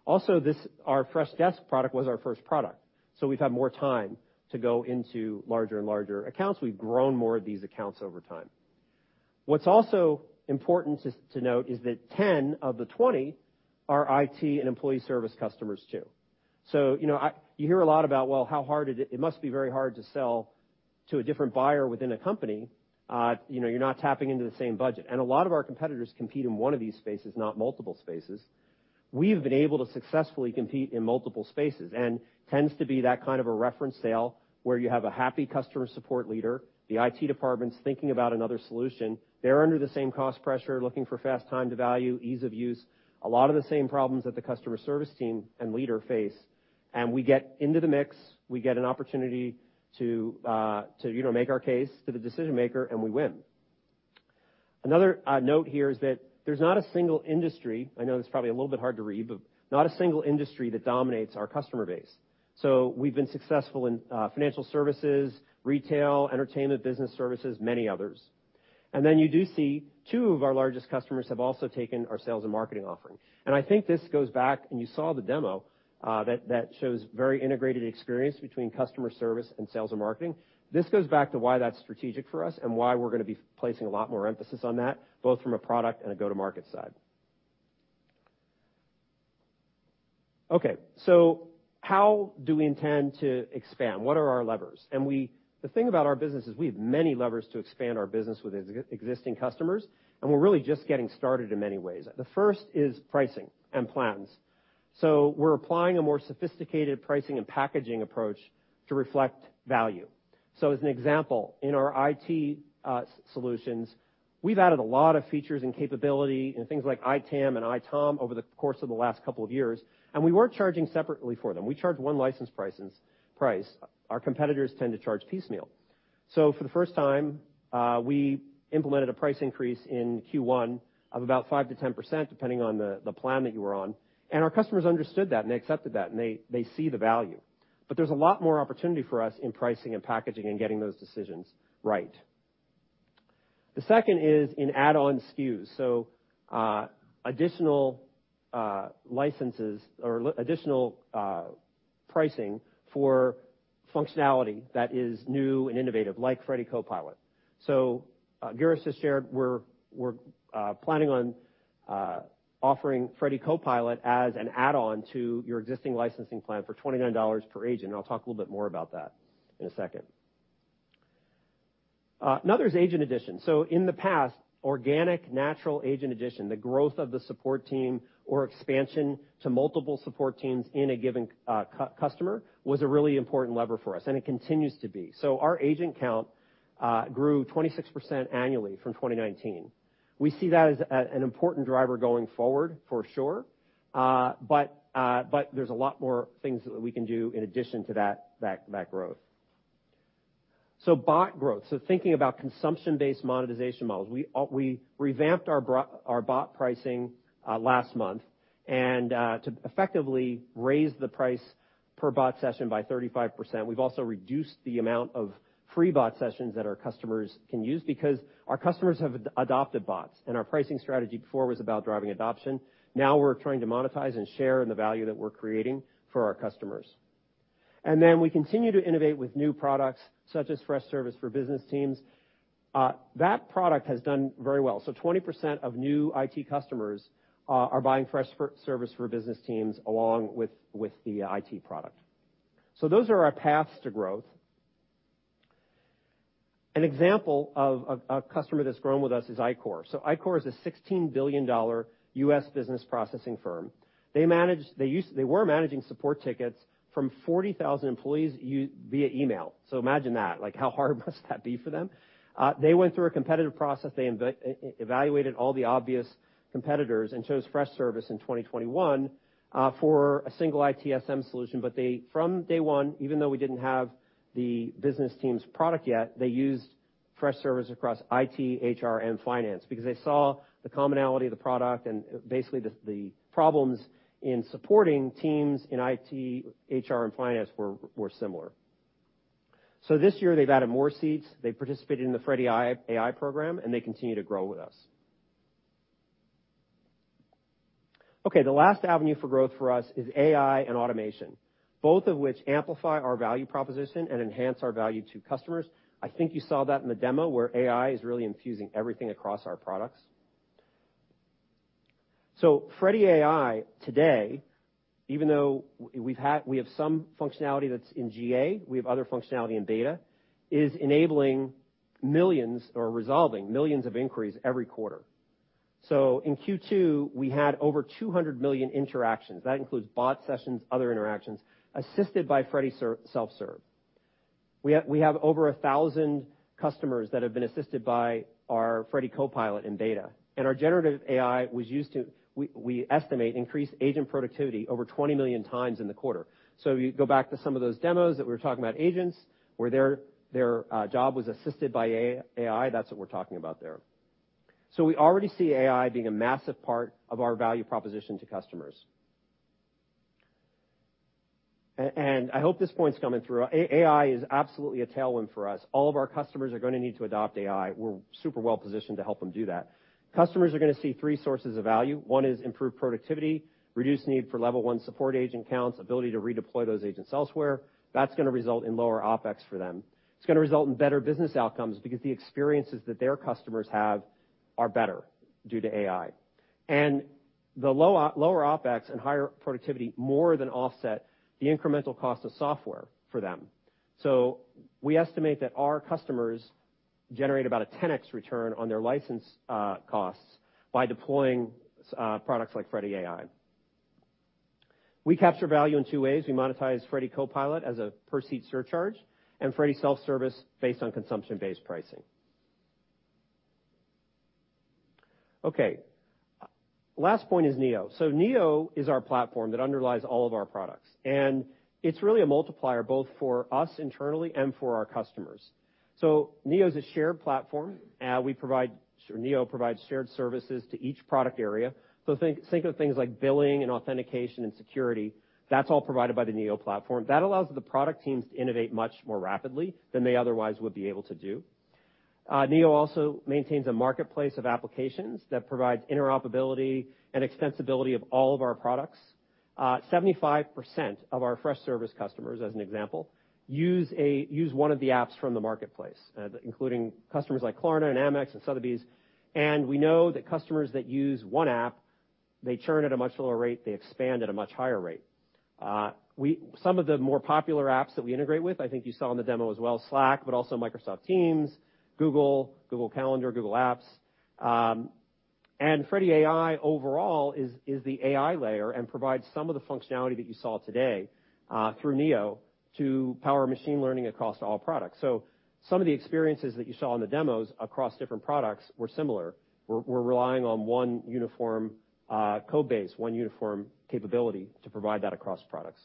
Also, this, our Freshdesk product was our first product, so we've had more time to go into larger and larger accounts. We've grown more of these accounts over time. What's also important to note is that 10 of the 20 are IT and employee service customers, too. So you know, you hear a lot about, well, how hard it is, it must be very hard to sell to a different buyer within a company. You know, you're not tapping into the same budget. A lot of our competitors compete in one of these spaces, not multiple spaces. We've been able to successfully compete in multiple spaces and tends to be that kind of a reference sale, where you have a happy customer support leader. The IT department's thinking about another solution. They're under the same cost pressure, looking for fast time to value, ease of use, a lot of the same problems that the customer service team and leader face. And we get into the mix, we get an opportunity to you know make our case to the decision maker, and we win. Another note here is that there's not a single industry, I know it's probably a little bit hard to read, but not a single industry that dominates our customer base. So we've been successful in financial services, retail, entertainment, business services, many others. And then you do see two of our largest customers have also taken our sales and marketing offering. And I think this goes back, and you saw the demo that shows very integrated experience between customer service and sales and marketing. This goes back to why that's strategic for us and why we're gonna be placing a lot more emphasis on that, both from a product and a go-to-market side. Okay, so how do we intend to expand? What are our levers? And the thing about our business is we have many levers to expand our business with existing customers, and we're really just getting started in many ways. The first is pricing and plans. So we're applying a more sophisticated pricing and packaging approach to reflect value. So as an example, in our IT solutions, we've added a lot of features and capability in things like ITAM and ITOM over the course of the last couple of years, and we weren't charging separately for them. We charged one license pricings, price. Our competitors tend to charge piecemeal. So for the first time, we implemented a price increase in Q1 of about 5%-10%, depending on the plan that you were on, and our customers understood that, and they accepted that, and they see the value. But there's a lot more opportunity for us in pricing and packaging and getting those decisions right. The second is in add-on SKUs, so additional licenses or additional pricing for functionality that is new and innovative, like Freddy Copilot. Girish just shared we're planning on offering Freddy Copilot as an add-on to your existing licensing plan for $29 per agent, and I'll talk a little bit more about that in a second. Another is agent addition. So in the past, organic natural agent addition, the growth of the support team or expansion to multiple support teams in a given customer, was a really important lever for us, and it continues to be. So our agent count grew 26% annually from 2019. We see that as an important driver going forward, for sure, but there's a lot more things that we can do in addition to that growth. So bot growth, thinking about consumption-based monetization models, we revamped our bot pricing last month, and to effectively raise the price per bot session by 35%. We've also reduced the amount of free bot sessions that our customers can use because our customers have adopted bots, and our pricing strategy before was about driving adoption. Now we're trying to monetize and share in the value that we're creating for our customers. And then we continue to innovate with new products, such as Freshservice for Business Teams. That product has done very well. So 20% of new IT customers are buying Freshservice for Business Teams along with the IT product. So those are our paths to growth. An example of a customer that's grown with us is iQor. So iQor is a $16 billion U.S. business processing firm. They manage—they use—they were managing support tickets from 40,000 employees via email. So imagine that, like, how hard must that be for them? They went through a competitive process. They evaluated all the obvious competitors and chose Freshservice in 2021 for a single ITSM solution. But they, from day one, even though we didn't have the business teams product yet, they used Freshservice across IT, HR, and finance because they saw the commonality of the product, and basically, the problems in supporting teams in IT, HR, and finance were similar. So this year, they've added more seats. They participated in the Freddy AI program, and they continue to grow with us. Okay, the last avenue for growth for us is AI and automation, both of which amplify our value proposition and enhance our value to customers. I think you saw that in the demo, where AI is really infusing everything across our products. So Freddy AI, today, even though we've had... We have some functionality that's in GA, we have other functionality in beta, is enabling millions or resolving millions of inquiries every quarter. So in Q2, we had over 200 million interactions. That includes bot sessions, other interactions, assisted by Freddy Self-Serve. We have over 1,000 customers that have been assisted by our Freddy Copilot in beta, and our generative AI was used to, we estimate, increased agent productivity over 20 million times in the quarter. So you go back to some of those demos that we were talking about, agents, where their job was assisted by AI, that's what we're talking about there. So we already see AI being a massive part of our value proposition to customers. And I hope this point's coming through. AI is absolutely a tailwind for us. All of our customers are going to need to adopt AI. We're super well positioned to help them do that. Customers are going to see three sources of value. One is improved productivity, reduced need for level one support agent counts, ability to redeploy those agents elsewhere. That's going to result in lower OpEx for them. It's going to result in better business outcomes because the experiences that their customers have are better due to AI. And the low, lower OpEx and higher productivity more than offset the incremental cost of software for them. So we estimate that our customers generate about a 10X return on their license costs by deploying products like Freddy AI. We capture value in two ways. We monetize Freddy Copilot as a per-seat surcharge and Freddy Self-Service based on consumption-based pricing. Okay, last point is Neo. So Neo is our platform that underlies all of our products, and it's really a multiplier, both for us internally and for our customers. So Neo is a shared platform we provide, or Neo provides shared services to each product area. So think, think of things like billing and authentication and security. That's all provided by the Neo platform. That allows the product teams to innovate much more rapidly than they otherwise would be able to do. Neo also maintains a marketplace of applications that provides interoperability and extensibility of all of our products. Seventy-five percent of our Freshservice customers, as an example, use one of the apps from the marketplace, including customers like Klarna and Amex and Sotheby's. We know that customers that use one app, they churn at a much lower rate, they expand at a much higher rate. Some of the more popular apps that we integrate with, I think you saw in the demo as well, Slack, but also Microsoft Teams, Google, Google Calendar, Google Apps. And Freddy AI, overall, is the AI layer and provides some of the functionality that you saw today, through Neo to power machine learning across all products. Some of the experiences that you saw in the demos across different products were similar. We're relying on one uniform code base, one uniform capability to provide that across products.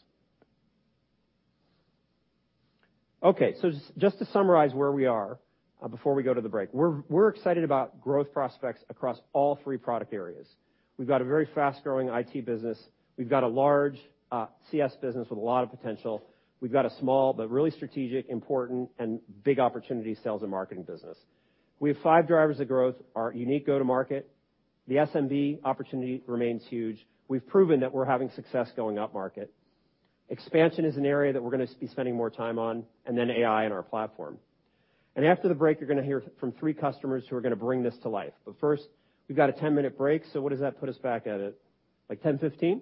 Okay, so just to summarize where we are before we go to the break. We're excited about growth prospects across all three product areas. We've got a very fast-growing IT business. We've got a large CS business with a lot of potential. We've got a small but really strategic, important, and big opportunity sales and marketing business. We have five drivers of growth, our unique go-to-market. The SMB opportunity remains huge. We've proven that we're having success going up-market. Expansion is an area that we're going to be spending more time on, and then AI in our platform. And after the break, you're going to hear from three customers who are going to bring this to life. But first, we've got a 10-minute break, so what does that put us back at it? Like 10:15?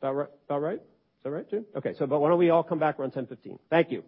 About right, about right? Is that right, Jim? Okay, so but why don't we all come back around 10:15. Thank you.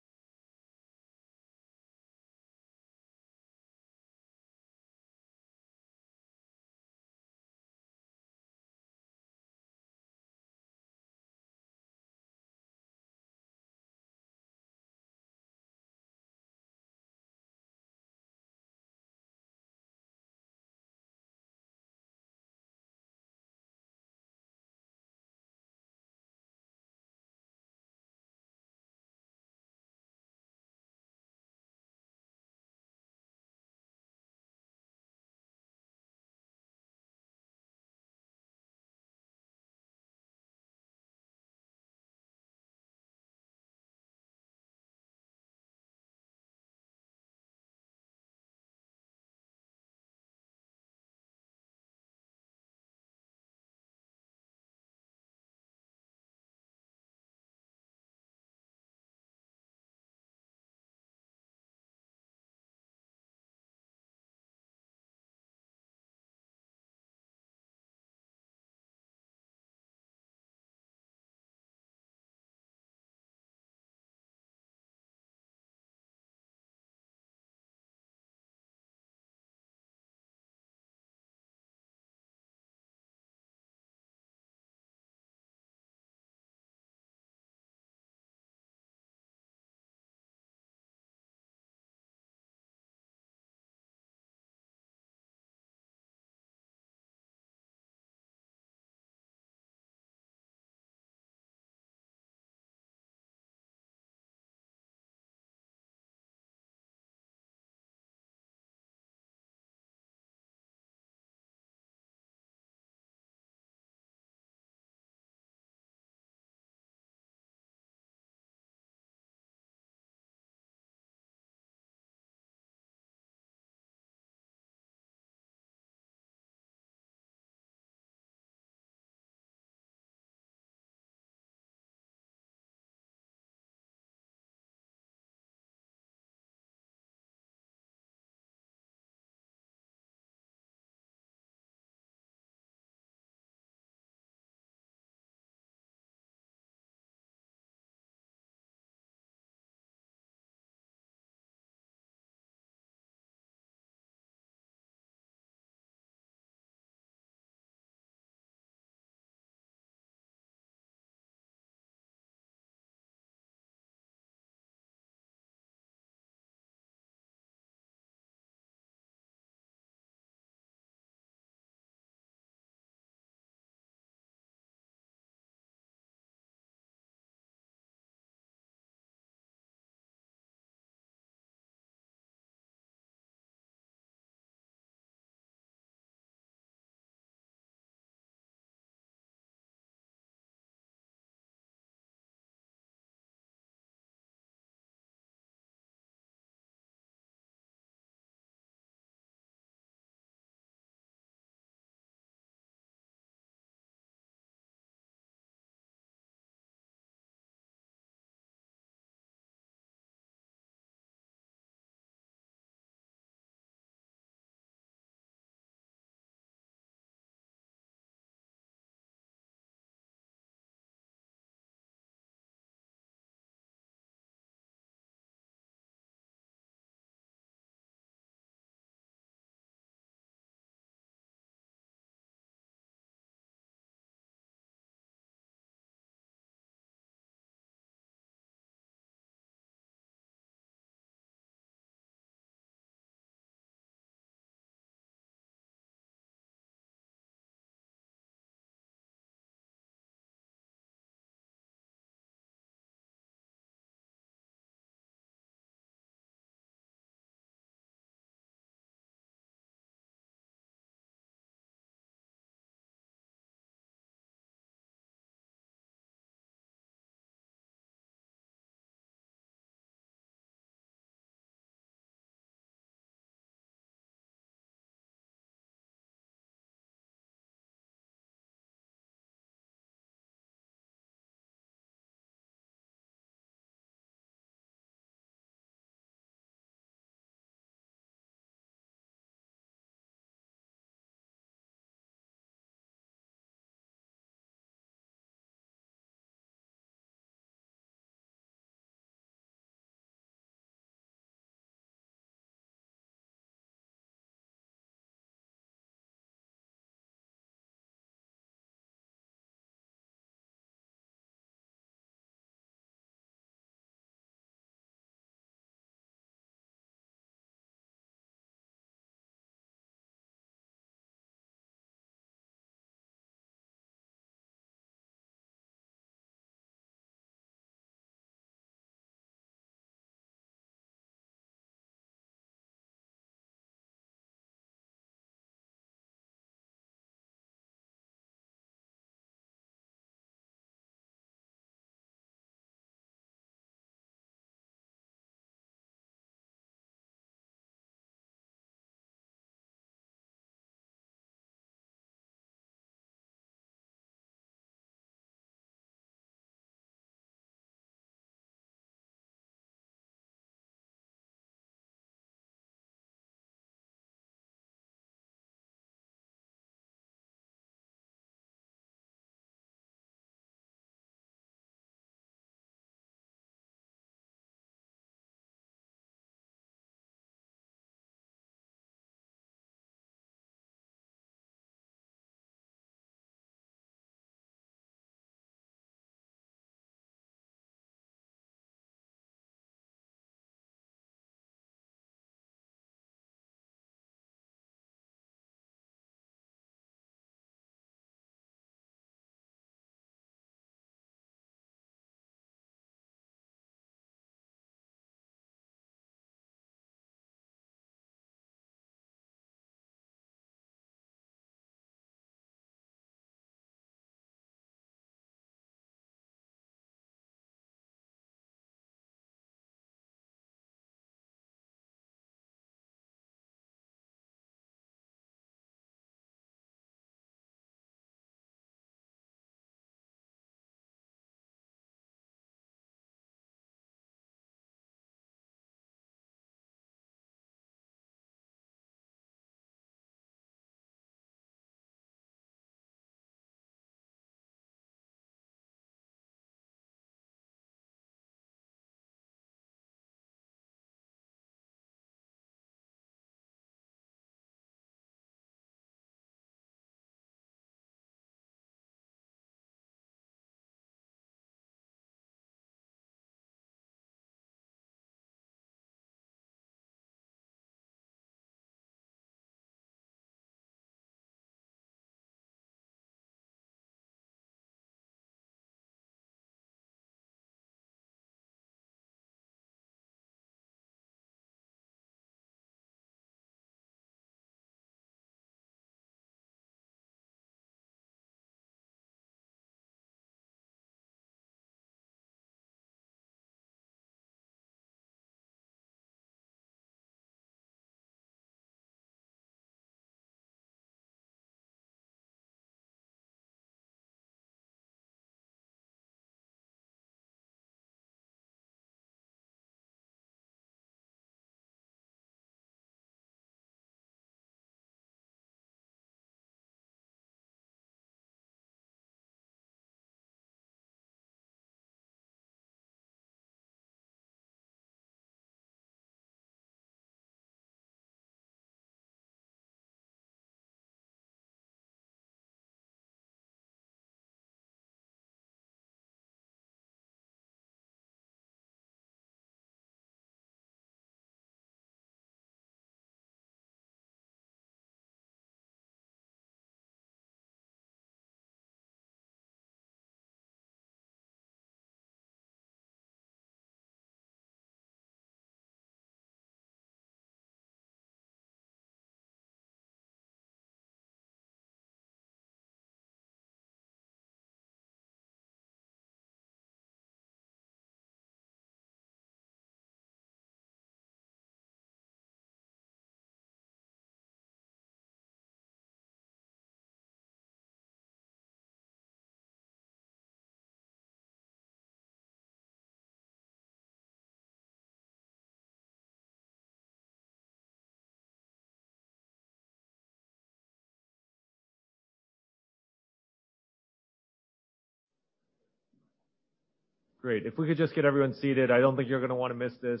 Spend every day here. I don't mind. Oh. Don't change a thing, you are amazing.... Great. If we could just get everyone seated, I don't think you're gonna wanna miss this.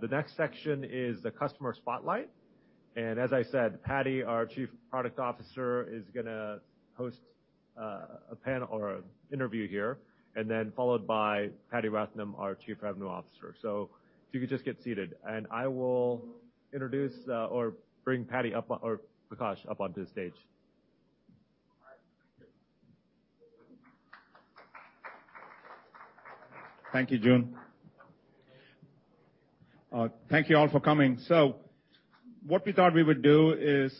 The next section is the customer spotlight, and as I said, Prakash, our Chief Product Officer, is gonna host a panel or interview here, and then followed by Paddy Rathinam, our Chief Revenue Officer. So if you could just get seated, and I will introduce or bring Prakash up onto the stage. ... Thank you, Joon. Thank you all for coming. So what we thought we would do is,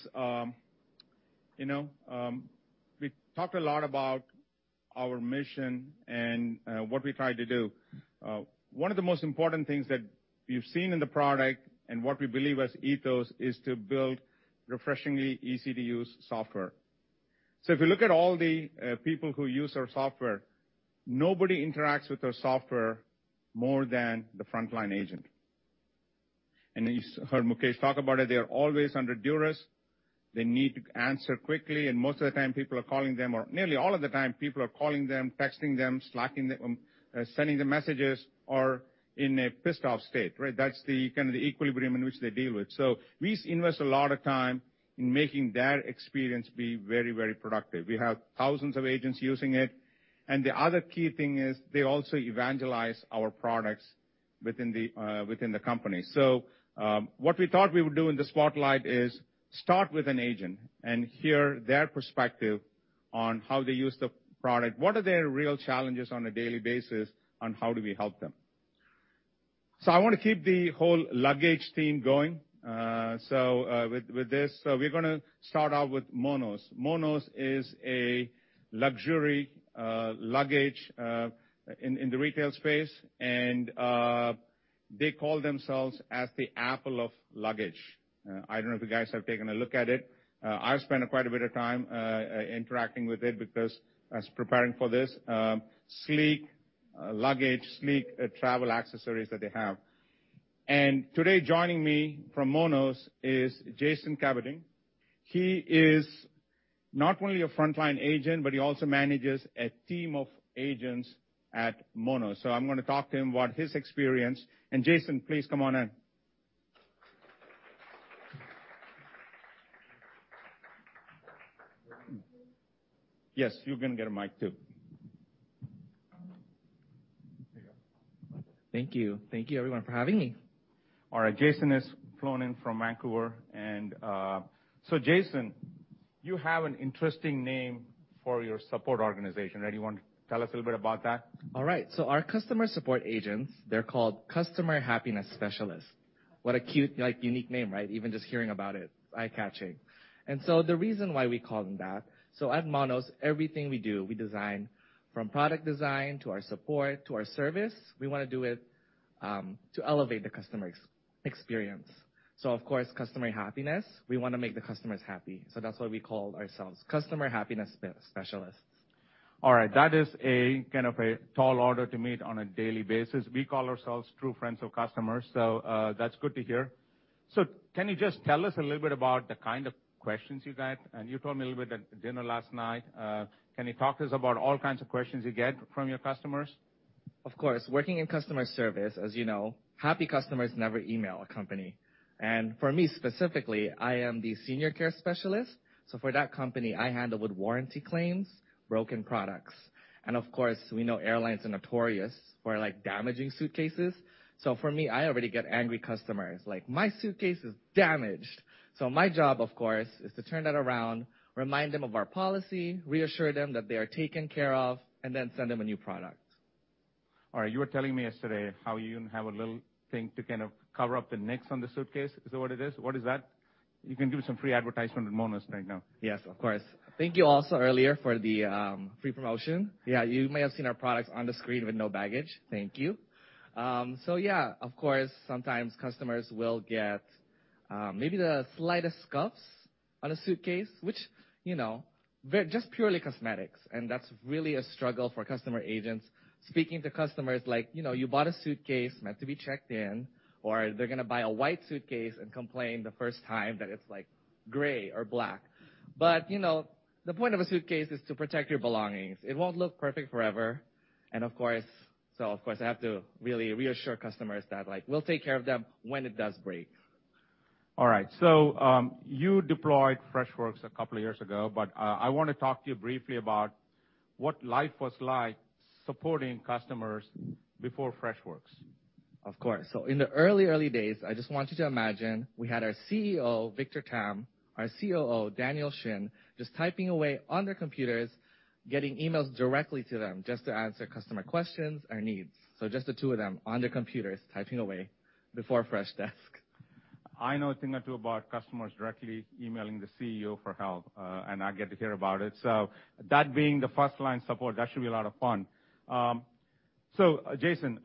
you know, we talked a lot about our mission and, what we try to do. One of the most important things that you've seen in the product and what we believe as ethos, is to build refreshingly easy-to-use software. So if you look at all the, people who use our software, nobody interacts with our software more than the frontline agent. And you heard Mukesh talk about it, they are always under duress. They need to answer quickly, and most of the time, people are calling them, or nearly all of the time, people are calling them, texting them, slacking them, sending them messages, or in a pissed-off state, right? That's the kind of the equilibrium in which they deal with. So we invest a lot of time in making their experience be very, very productive. We have thousands of agents using it, and the other key thing is they also evangelize our products within the company. So, what we thought we would do in the spotlight is start with an agent and hear their perspective on how they use the product. What are their real challenges on a daily basis, and how do we help them? So I want to keep the whole luggage theme going, so, with this. So we're gonna start out with Monos. Monos is a luxury luggage in the retail space, and, they call themselves as the Apple of luggage. I don't know if you guys have taken a look at it. I've spent quite a bit of time, interacting with it because I was preparing for this. Sleek, luggage, sleek, travel accessories that they have. Today, joining me from Monos is Jacen Cabatingan. He is not only a frontline agent, but he also manages a team of agents at Monos. I'm gonna talk to him about his experience. Jacen, please come on in. Yes, you're gonna get a mic, too. Thank you. Thank you, everyone, for having me. All right. Jacen has flown in from Vancouver and, so Jacen, you have an interesting name for your support organization, right? You want to tell us a little bit about that? All right. So our customer support agents, they're called Customer Happiness Specialists. What a cute, like, unique name, right? Even just hearing about it, eye-catching. And so the reason why we call them that, so at Monos, everything we do, we design from product design, to our support, to our service, we want to do it to elevate the customer experience. So of course, customer happiness, we want to make the customers happy. So that's why we call ourselves Customer Happiness Specialists. All right. That is a kind of a tall order to meet on a daily basis. We call ourselves true friends of customers, so, that's good to hear. So can you just tell us a little bit about the kind of questions you get? And you told me a little bit at dinner last night. Can you talk to us about all kinds of questions you get from your customers? Of course. Working in customer service, as you know, happy customers never email a company. For me specifically, I am the Senior Customer Care Specialist, so for that company, I handle warranty claims, broken products. Of course, we know airlines are notorious for, like, damaging suitcases. For me, I already get angry customers, like, "My suitcase is damaged!" So my job, of course, is to turn that around, remind them of our policy, reassure them that they are taken care of, and then send them a new product. All right. You were telling me yesterday how you even have a little thing to kind of cover up the nicks on the suitcase. Is that what it is? What is that? You can give some free advertisement to Monos right now. Yes, of course. Thank you also earlier for the free promotion. Yeah, you may have seen our products on the screen with no baggage. Thank you. So yeah, of course, sometimes customers will get maybe the slightest scuffs on a suitcase, which, you know, very-- just purely cosmetics, and that's really a struggle for customer agents. Speaking to customers like, you know, you bought a suitcase meant to be checked in, or they're gonna buy a white suitcase and complain the first time that it's, like, gray or black. But, you know, the point of a suitcase is to protect your belongings. It won't look perfect forever, and of course... So of course, I have to really reassure customers that, like, we'll take care of them when it does break. All right, so, you deployed Freshworks a couple of years ago, but, I want to talk to you briefly about what life was like supporting customers before Freshworks. Of course. So in the early, early days, I just want you to imagine, we had our CEO, Victor Tam, our COO, Daniel Shin, just typing away on their computers, getting emails directly to them just to answer customer questions or needs. So just the two of them on their computers, typing away before Freshdesk. I know a thing or two about customers directly emailing the CEO for help, and I get to hear about it. So that being the first-line support, that should be a lot of fun. So Jacen,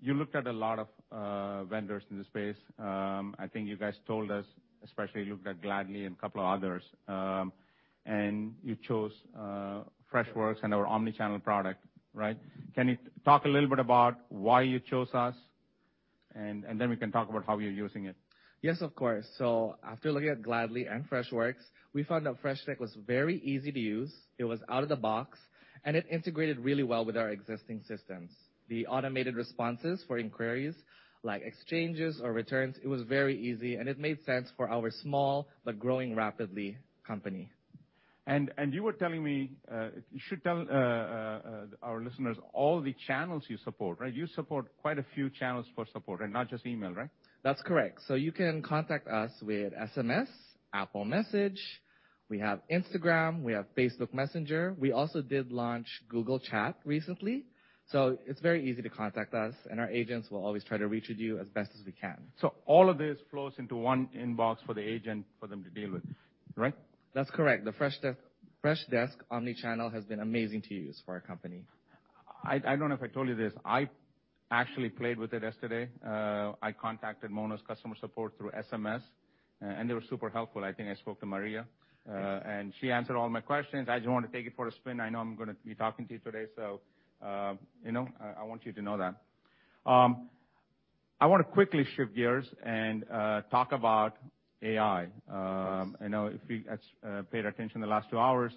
you looked at a lot of vendors in the space. I think you guys told us, especially you looked at Gladly and a couple of others, and you chose Freshworks and our omni-channel product, right? Can you talk a little bit about why you chose us, and then we can talk about how you're using it? Yes, of course. So after looking at Gladly and Freshworks, we found that Freshdesk was very easy to use, it was out of the box, and it integrated really well with our existing systems. The automated responses for inquiries, like exchanges or returns, it was very easy, and it made sense for our small but growing rapidly company.... And you were telling me, you should tell our listeners all the channels you support, right? You support quite a few channels for support, and not just email, right? That's correct. So you can contact us with SMS, Apple Messages, we have Instagram, we have Facebook Messenger. We also did launch Google Chat recently. So it's very easy to contact us, and our agents will always try to reach with you as best as we can. So all of this flows into one inbox for the agent, for them to deal with, right? That's correct. The Freshdesk Omnichannel has been amazing to use for our company. I don't know if I told you this, I actually played with it yesterday. I contacted Monos customer support through SMS, and they were super helpful. I think I spoke to Maria, and she answered all my questions. I just wanted to take it for a spin. I know I'm gonna be talking to you today, so, you know, I want you to know that. I want to quickly shift gears and talk about AI. I know if you paid attention in the last two hours,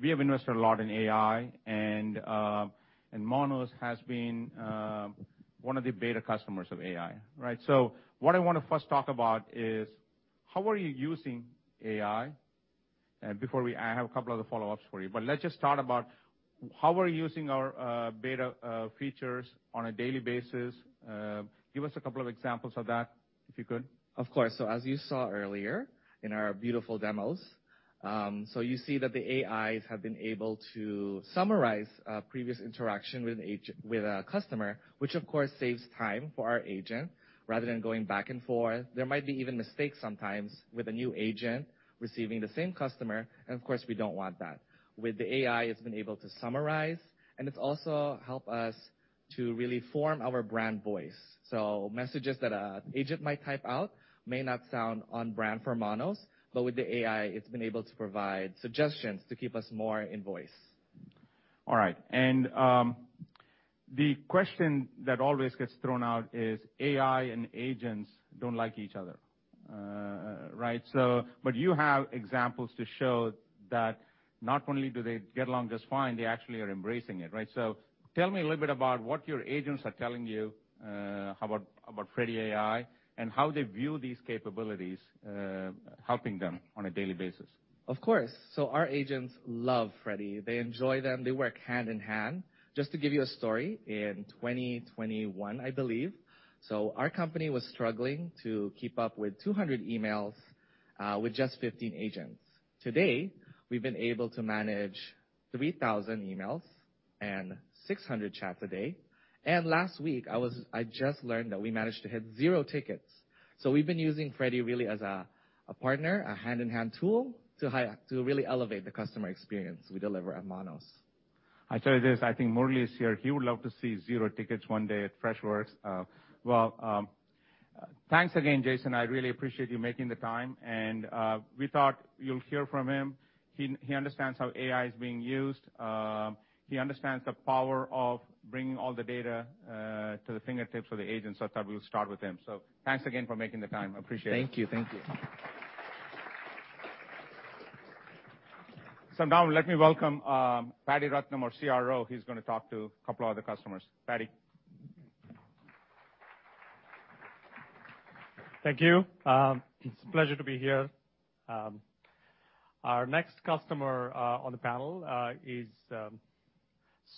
we have invested a lot in AI, and Monos has been one of the beta customers of AI, right? So what I want to first talk about is, how are you using AI? And before we... I have a couple other follow-ups for you, but let's just start about how we're using our beta features on a daily basis. Give us a couple of examples of that, if you could. Of course. So as you saw earlier in our beautiful demos, so you see that the AIs have been able to summarize previous interaction with a customer, which of course saves time for our agent, rather than going back and forth. There might be even mistakes sometimes with a new agent receiving the same customer, and of course, we don't want that. With the AI, it's been able to summarize, and it's also helped us to really form our brand voice. So messages that an agent might type out may not sound on brand for Monos, but with the AI, it's been able to provide suggestions to keep us more in voice. All right. And, the question that always gets thrown out is, AI and agents don't like each other. right? So, but you have examples to show that not only do they get along just fine, they actually are embracing it, right? So tell me a little bit about what your agents are telling you, about Freddy AI, and how they view these capabilities, helping them on a daily basis. Of course. So our agents love Freddy. They enjoy them. They work hand in hand. Just to give you a story, in 2021, I believe, so our company was struggling to keep up with 200 emails with just 15 agents. Today, we've been able to manage 3,000 emails and 600 chats a day. And last week, I just learned that we managed to hit 0 tickets. So we've been using Freddy, really, as a partner, a hand-in-hand tool, to really elevate the customer experience we deliver at Monos. I tell you this, I think Murali is here. He would love to see zero tickets one day at Freshworks. Well, thanks again, Jacen. I really appreciate you making the time, and we thought you'll hear from him. He, he understands how AI is being used. He understands the power of bringing all the data to the fingertips of the agents. I thought we'll start with him. So thanks again for making the time. I appreciate it. Thank you. Thank you. Now let me welcome Paddy Rathinam, our CRO. He's gonna talk to a couple of other customers. Paddy. Thank you. It's a pleasure to be here. Our next customer on the panel is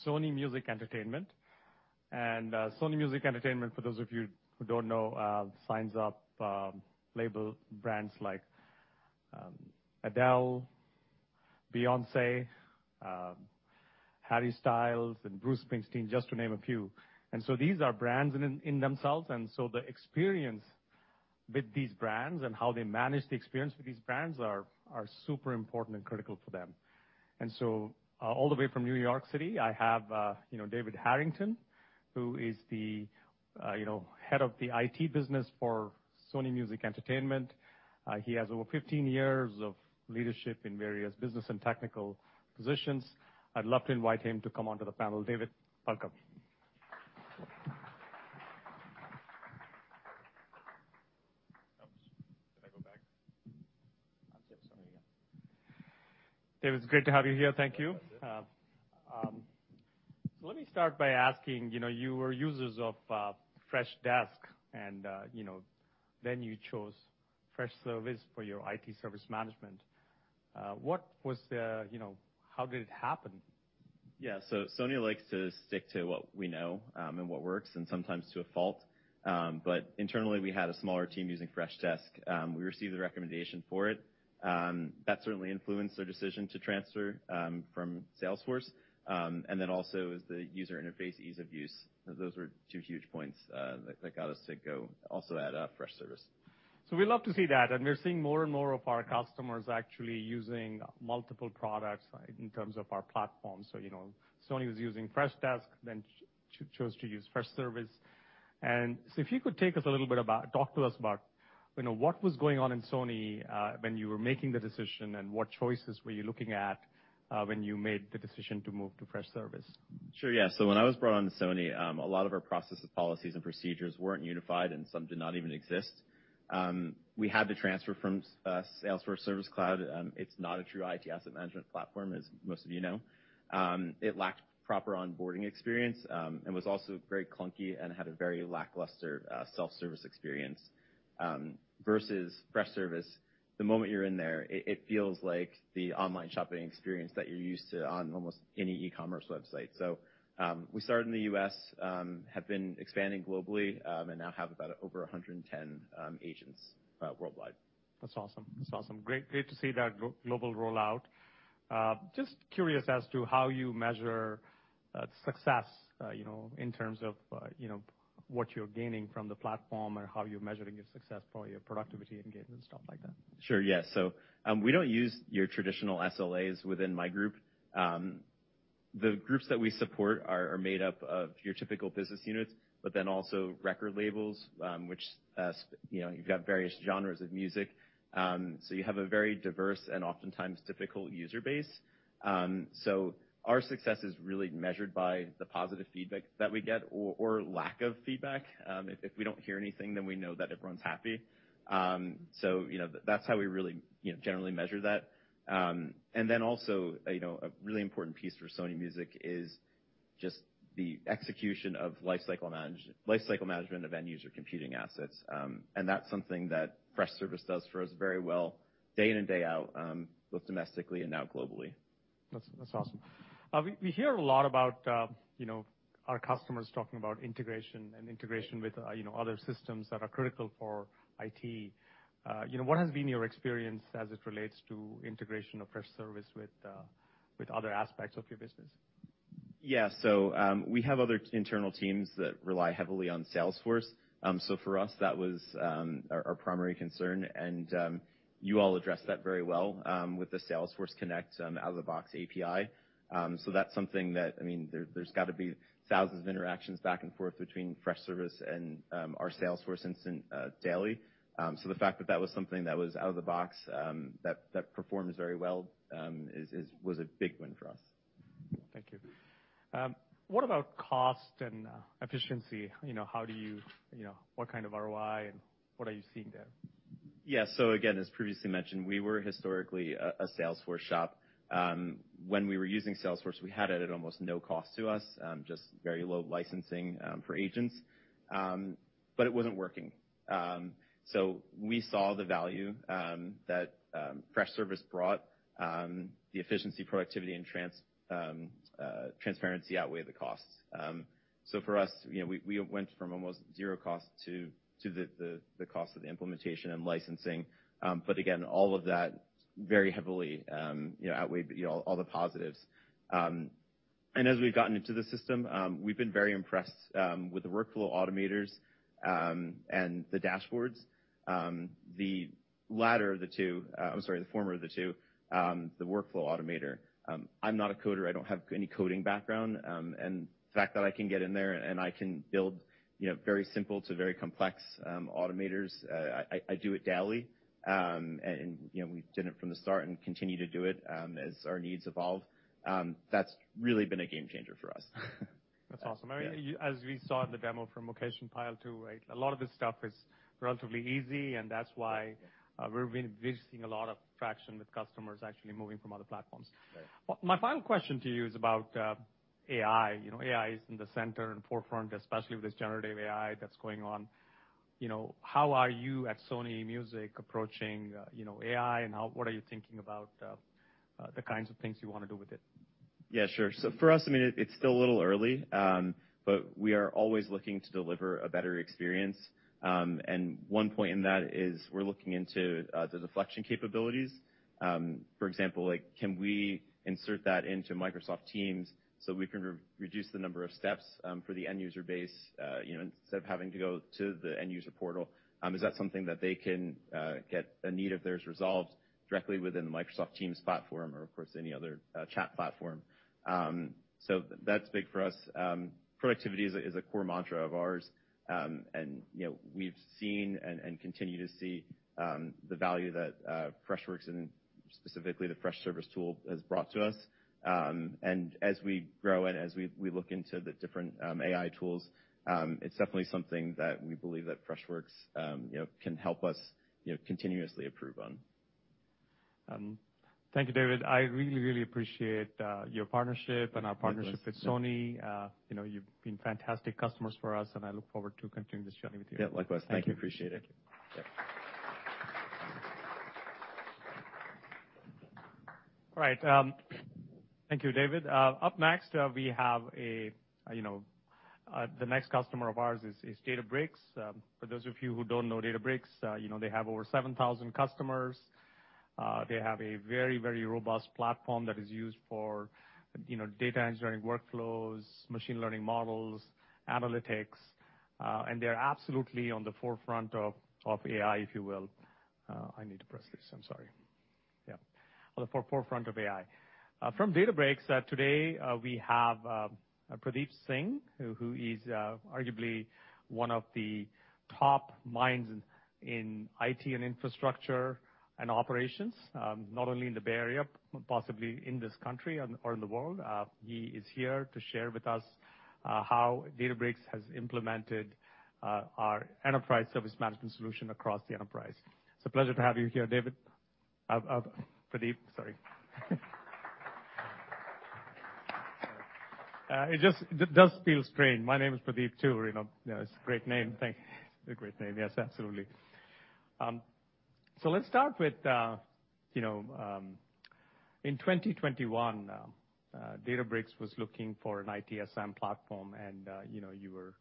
Sony Music Entertainment. Sony Music Entertainment, for those of you who don't know, signs label brands like Adele, Beyoncé, Harry Styles and Bruce Springsteen, just to name a few. These are brands in themselves, and so the experience with these brands and how they manage the experience with these brands are super important and critical to them. All the way from New York City, I have you know, David Harrington, who is the you know, head of the IT business for Sony Music Entertainment. He has over 15 years of leadership in various business and technical positions. I'd love to invite him to come onto the panel. David, welcome. Oops, can I go back? David, it's great to have you here. Thank you. Thank you. So let me start by asking, you know, you were users of Freshdesk, and, you know, then you chose Freshservice for your IT service management. What was the... You know, how did it happen? Yeah, Sony likes to stick to what we know and what works, sometimes to a fault. Internally, we had a smaller team using Freshdesk. We received a recommendation for it. That certainly influenced our decision to transfer from Salesforce, and then also is the user interface ease of use. Those were two huge points that got us to go, also add up Freshservice. So we love to see that, and we're seeing more and more of our customers actually using multiple products in terms of our platform. So, you know, Sony was using Freshdesk, then chose to use Freshservice. And so if you could take us a little bit about... Talk to us about, you know, what was going on in Sony, when you were making the decision, and what choices were you looking at, when you made the decision to move to Freshservice? Sure, yeah. So when I was brought onto Sony, a lot of our processes, policies, and procedures weren't unified, and some did not even exist. We had to transfer from Salesforce Service Cloud. It's not a true IT asset management platform, as most of you know. It lacked proper onboarding experience, and was also very clunky and had a very lackluster self-service experience versus Freshservice, the moment you're in there, it, it feels like the online shopping experience that you're used to on almost any e-commerce website. So, we started in the U.S., have been expanding globally, and now have about over 110 agents worldwide. That's awesome. That's awesome. Great, great to see that global rollout. Just curious as to how you measure success, you know, in terms of, you know, what you're gaining from the platform and how you're measuring your success, probably your productivity engagement and stuff like that. Sure, yeah. So, we don't use your traditional SLAs within my group. The groups that we support are made up of your typical business units, but then also record labels, which, you know, you've got various genres of music. So you have a very diverse and oftentimes difficult user base. So our success is really measured by the positive feedback that we get or lack of feedback. If we don't hear anything, then we know that everyone's happy. So, you know, that's how we really, you know, generally measure that. And then also, you know, a really important piece for Sony Music is just the execution of lifecycle management of end user computing assets. And that's something that Freshservice does for us very well, day in and day out, both domestically and now globally. That's, that's awesome. We, we hear a lot about, you know, our customers talking about integration and integration with, you know, other systems that are critical for IT. You know, what has been your experience as it relates to integration of Freshservice with, with other aspects of your business? Yeah. So, we have other internal teams that rely heavily on Salesforce. So for us, that was, our, our primary concern, and, you all addressed that very well, with the Salesforce Connect, out-of-the-box API. So that's something that... I mean, there, there's got to be thousands of interactions back and forth between Freshservice and, our Salesforce instance, daily. So the fact that that was something that was out of the box, that, that performs very well, is, is, was a big win for us. Thank you. What about cost and efficiency? You know, how do you... You know, what kind of ROI, and what are you seeing there? Yeah. So again, as previously mentioned, we were historically a Salesforce shop. When we were using Salesforce, we had it at almost no cost to us, just very low licensing for agents. But it wasn't working. So we saw the value that Freshservice brought. The efficiency, productivity, and transparency outweigh the costs. So for us, you know, we went from almost zero cost to the cost of the implementation and licensing. But again, all of that very heavily, you know, outweighed all the positives. And as we've gotten into the system, we've been very impressed with the workflow automators and the dashboards. The latter of the two, I'm sorry, the former of the two, the workflow automator. I'm not a coder. I don't have any coding background, and the fact that I can get in there, and I can build, you know, very simple to very complex automators. I do it daily. And, you know, we've done it from the start and continue to do it as our needs evolve. That's really been a game changer for us. That's awesome. Yeah. I mean, you, as we saw in the demo from Mukesh and Payal, too, right, a lot of this stuff is relatively easy, and that's why- Yeah... we've been seeing a lot of traction with customers actually moving from other platforms. Right. Well, my final question to you is about AI. You know, AI is in the center and forefront, especially with this generative AI that's going on. You know, how are you at Sony Music approaching, you know, AI, and how—what are you thinking about, the kinds of things you want to do with it? Yeah, sure. So for us, I mean, it's still a little early, but we are always looking to deliver a better experience. And one point in that is we're looking into the deflection capabilities. For example, like, can we insert that into Microsoft Teams so we can reduce the number of steps for the end user base? You know, instead of having to go to the end user portal, is that something that they can get a need of theirs resolved directly within the Microsoft Teams platform or, of course, any other chat platform? So that's big for us. Productivity is a core mantra of ours. And, you know, we've seen and continue to see the value that Freshworks and specifically the Freshservice tool has brought to us. And as we grow and as we look into the different AI tools, it's definitely something that we believe that Freshworks, you know, can help us, you know, continuously improve on. Thank you, David. I really, really appreciate your partnership- Likewise... and our partnership with Sony. You know, you've been fantastic customers for us, and I look forward to continuing this journey with you. Yeah, likewise. Thank you. Appreciate it. Thank you. Yeah. All right, thank you, David. Up next, we have a, you know, the next customer of ours is Databricks. For those of you who don't know Databricks, you know, they have over 7,000 customers. They have a very, very robust platform that is used for, you know, data engineering workflows, machine learning models, analytics, and they're absolutely on the forefront of AI, if you will. I need to press this. I'm sorry. Yeah. On the forefront of AI. From Databricks, today, we have Pradeep Singh, who is arguably one of the top minds in IT and infrastructure and operations, not only in the Bay Area, possibly in this country and, or in the world. He is here to share with us how Databricks has implemented our enterprise service management solution across the enterprise. It's a pleasure to have you here, David. Pradeep, sorry. It just does feel strange. My name is Pradeep, too, you know. Yeah, it's a great name. Thank you. It's a great name. Yes, absolutely. So let's start with, you know, in 2021, Databricks was looking for an ITSM platform, and, you know, you were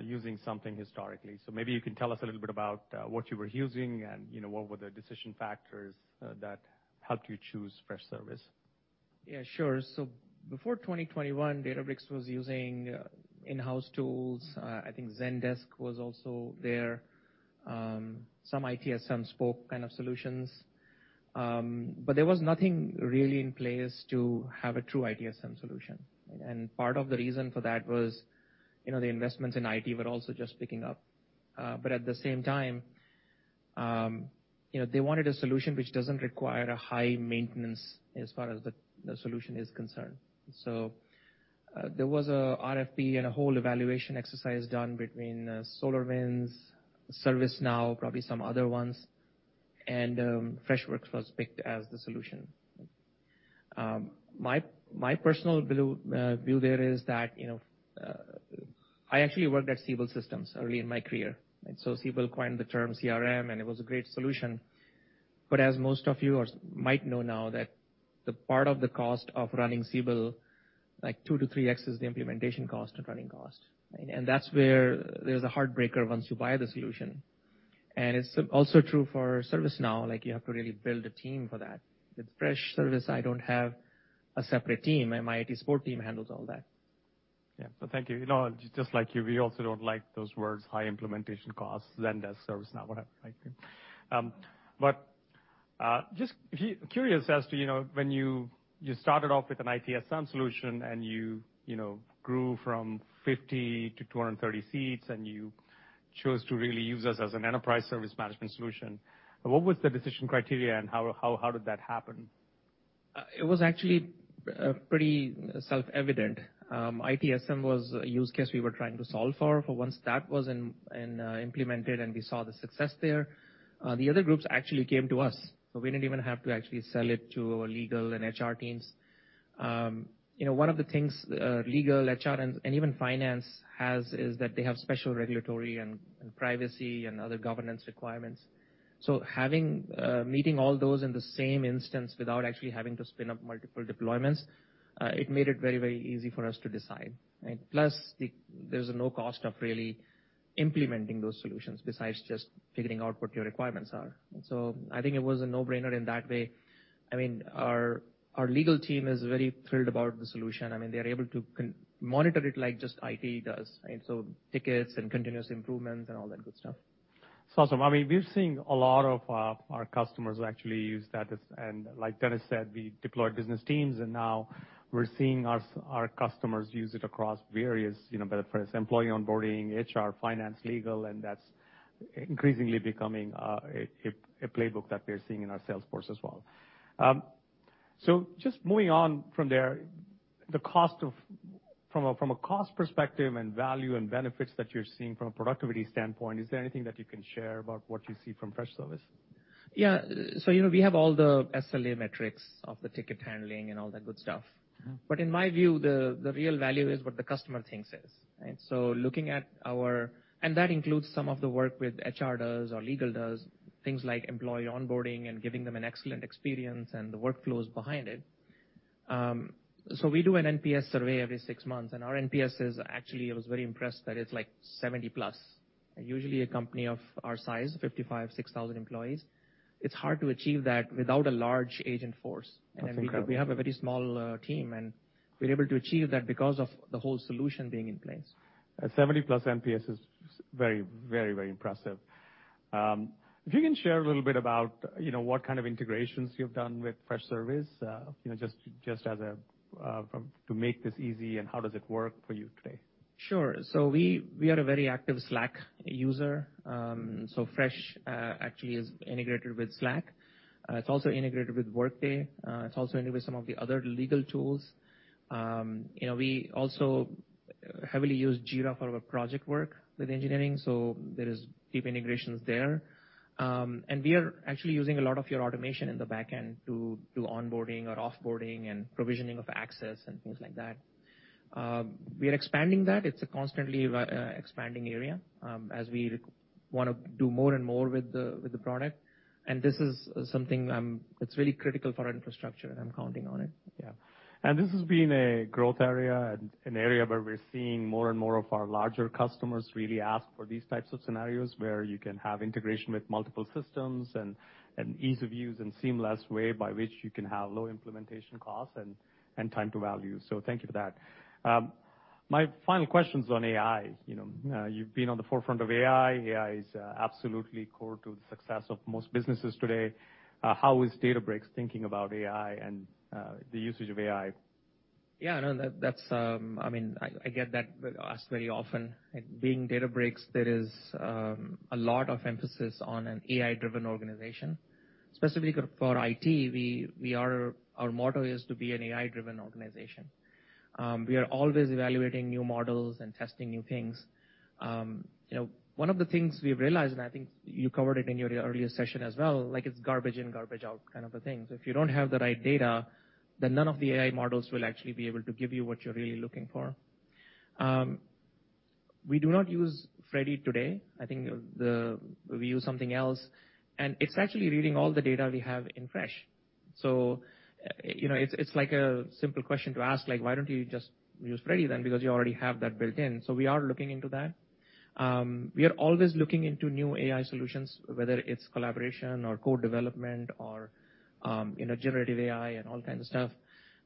using something historically. So maybe you can tell us a little bit about what you were using and, you know, what were the decision factors that helped you choose Freshservice? Yeah, sure. So before 2021, Databricks was using in-house tools. I think Zendesk was also there, some ITSM spoke kind of solutions. But there was nothing really in place to have a true ITSM solution, and part of the reason for that was, you know, the investments in IT were also just picking up. But at the same time, you know, they wanted a solution which doesn't require a high maintenance as far as the solution is concerned. So there was a RFP and a whole evaluation exercise done between SolarWinds, ServiceNow, probably some other ones, and Freshworks was picked as the solution. My personal view there is that, you know, I actually worked at Siebel Systems early in my career. And so Siebel coined the term CRM, and it was a great solution. But as most of you might know now that the part of the cost of running Siebel, like 2-3x, is the implementation cost and running cost. And that's where there's a heartbreaker once you buy the solution. And it's also true for ServiceNow, like, you have to really build a team for that. With Freshservice, I don't have a separate team, and my IT support team handles all that. Yeah. So thank you. You know, just like you, we also don't like those words, high implementation costs, Zendesk, ServiceNow, whatever, right? But just curious as to, you know, when you started off with an ITSM solution, and you know, grew from 50 to 230 seats, and you chose to really use us as an enterprise service management solution, what was the decision criteria, and how did that happen? It was actually pretty self-evident. ITSM was a use case we were trying to solve for. But once that was implemented and we saw the success there, the other groups actually came to us, so we didn't even have to actually sell it to our legal and HR teams. You know, one of the things legal, HR, and even finance has is that they have special regulatory and privacy and other governance requirements. So having meeting all those in the same instance without actually having to spin up multiple deployments, it made it very, very easy for us to decide, right? Plus, there's no cost of really implementing those solutions besides just figuring out what your requirements are. So I think it was a no-brainer in that way. I mean, our legal team is very thrilled about the solution. I mean, they're able to monitor it like just IT does, right? So tickets and continuous improvements and all that good stuff. It's awesome. I mean, we've seen a lot of our customers actually use that. And like Dennis said, we deployed business teams, and now we're seeing our customers use it across various, you know, whether for it's employee onboarding, HR, finance, legal, and that's increasingly becoming a playbook that we are seeing in our sales force as well. So just moving on from there, the cost of... From a, from a cost perspective and value and benefits that you're seeing from a productivity standpoint, is there anything that you can share about what you see from Freshservice? Yeah. So, you know, we have all the SLA metrics of the ticket handling and all that good stuff. Mm-hmm. But in my view, the real value is what the customer thinks is, right? So looking at our... And that includes some of the work with HR does or legal does, things like employee onboarding and giving them an excellent experience and the workflows behind it. So we do an NPS survey every six months, and our NPS is actually, I was very impressed that it's like 70+. Usually, a company of our size, 55, 6,000 employees, it's hard to achieve that without a large agent force. That's incredible. We have a very small team, and we're able to achieve that because of the whole solution being in place. 70+ NPS is very, very, very impressive. If you can share a little bit about, you know, what kind of integrations you've done with Freshservice, you know, just to make this easy, and how does it work for you today? Sure. So we, we are a very active Slack user. So Fresh, actually is integrated with Slack. It's also integrated with Workday. It's also integrated with some of the other legal tools. You know, we also heavily use Jira for our project work with engineering, so there is deep integrations there. And we are actually using a lot of your automation in the back end to do onboarding or off-boarding and provisioning of access and things like that. We are expanding that. It's a constantly expanding area, as we want to do more and more with the, with the product. And this is something, it's really critical for our infrastructure, and I'm counting on it. Yeah. And this has been a growth area and an area where we're seeing more and more of our larger customers really ask for these types of scenarios, where you can have integration with multiple systems and ease of use and seamless way by which you can have low implementation costs and time to value. So thank you for that. My final question's on AI. You know, you've been on the forefront of AI. AI is absolutely core to the success of most businesses today. How is Databricks thinking about AI and the usage of AI? Yeah, no, that, that's... I mean, I get that with us very often. Being Databricks, there is a lot of emphasis on an AI-driven organization. Specifically for IT, we are, our motto is to be an AI-driven organization. We are always evaluating new models and testing new things. You know, one of the things we've realized, and I think you covered it in your earlier session as well, like it's garbage in, garbage out, kind of a thing. So if you don't have the right data, then none of the AI models will actually be able to give you what you're really looking for. We do not use Freddy today. I think the, we use something else, and it's actually reading all the data we have in Fresh. So, you know, it's, it's like a simple question to ask, like, "Why don't you just use Freddy then, because you already have that built in?" So we are looking into that. We are always looking into new AI solutions, whether it's collaboration or co-development or, you know, generative AI and all kinds of stuff.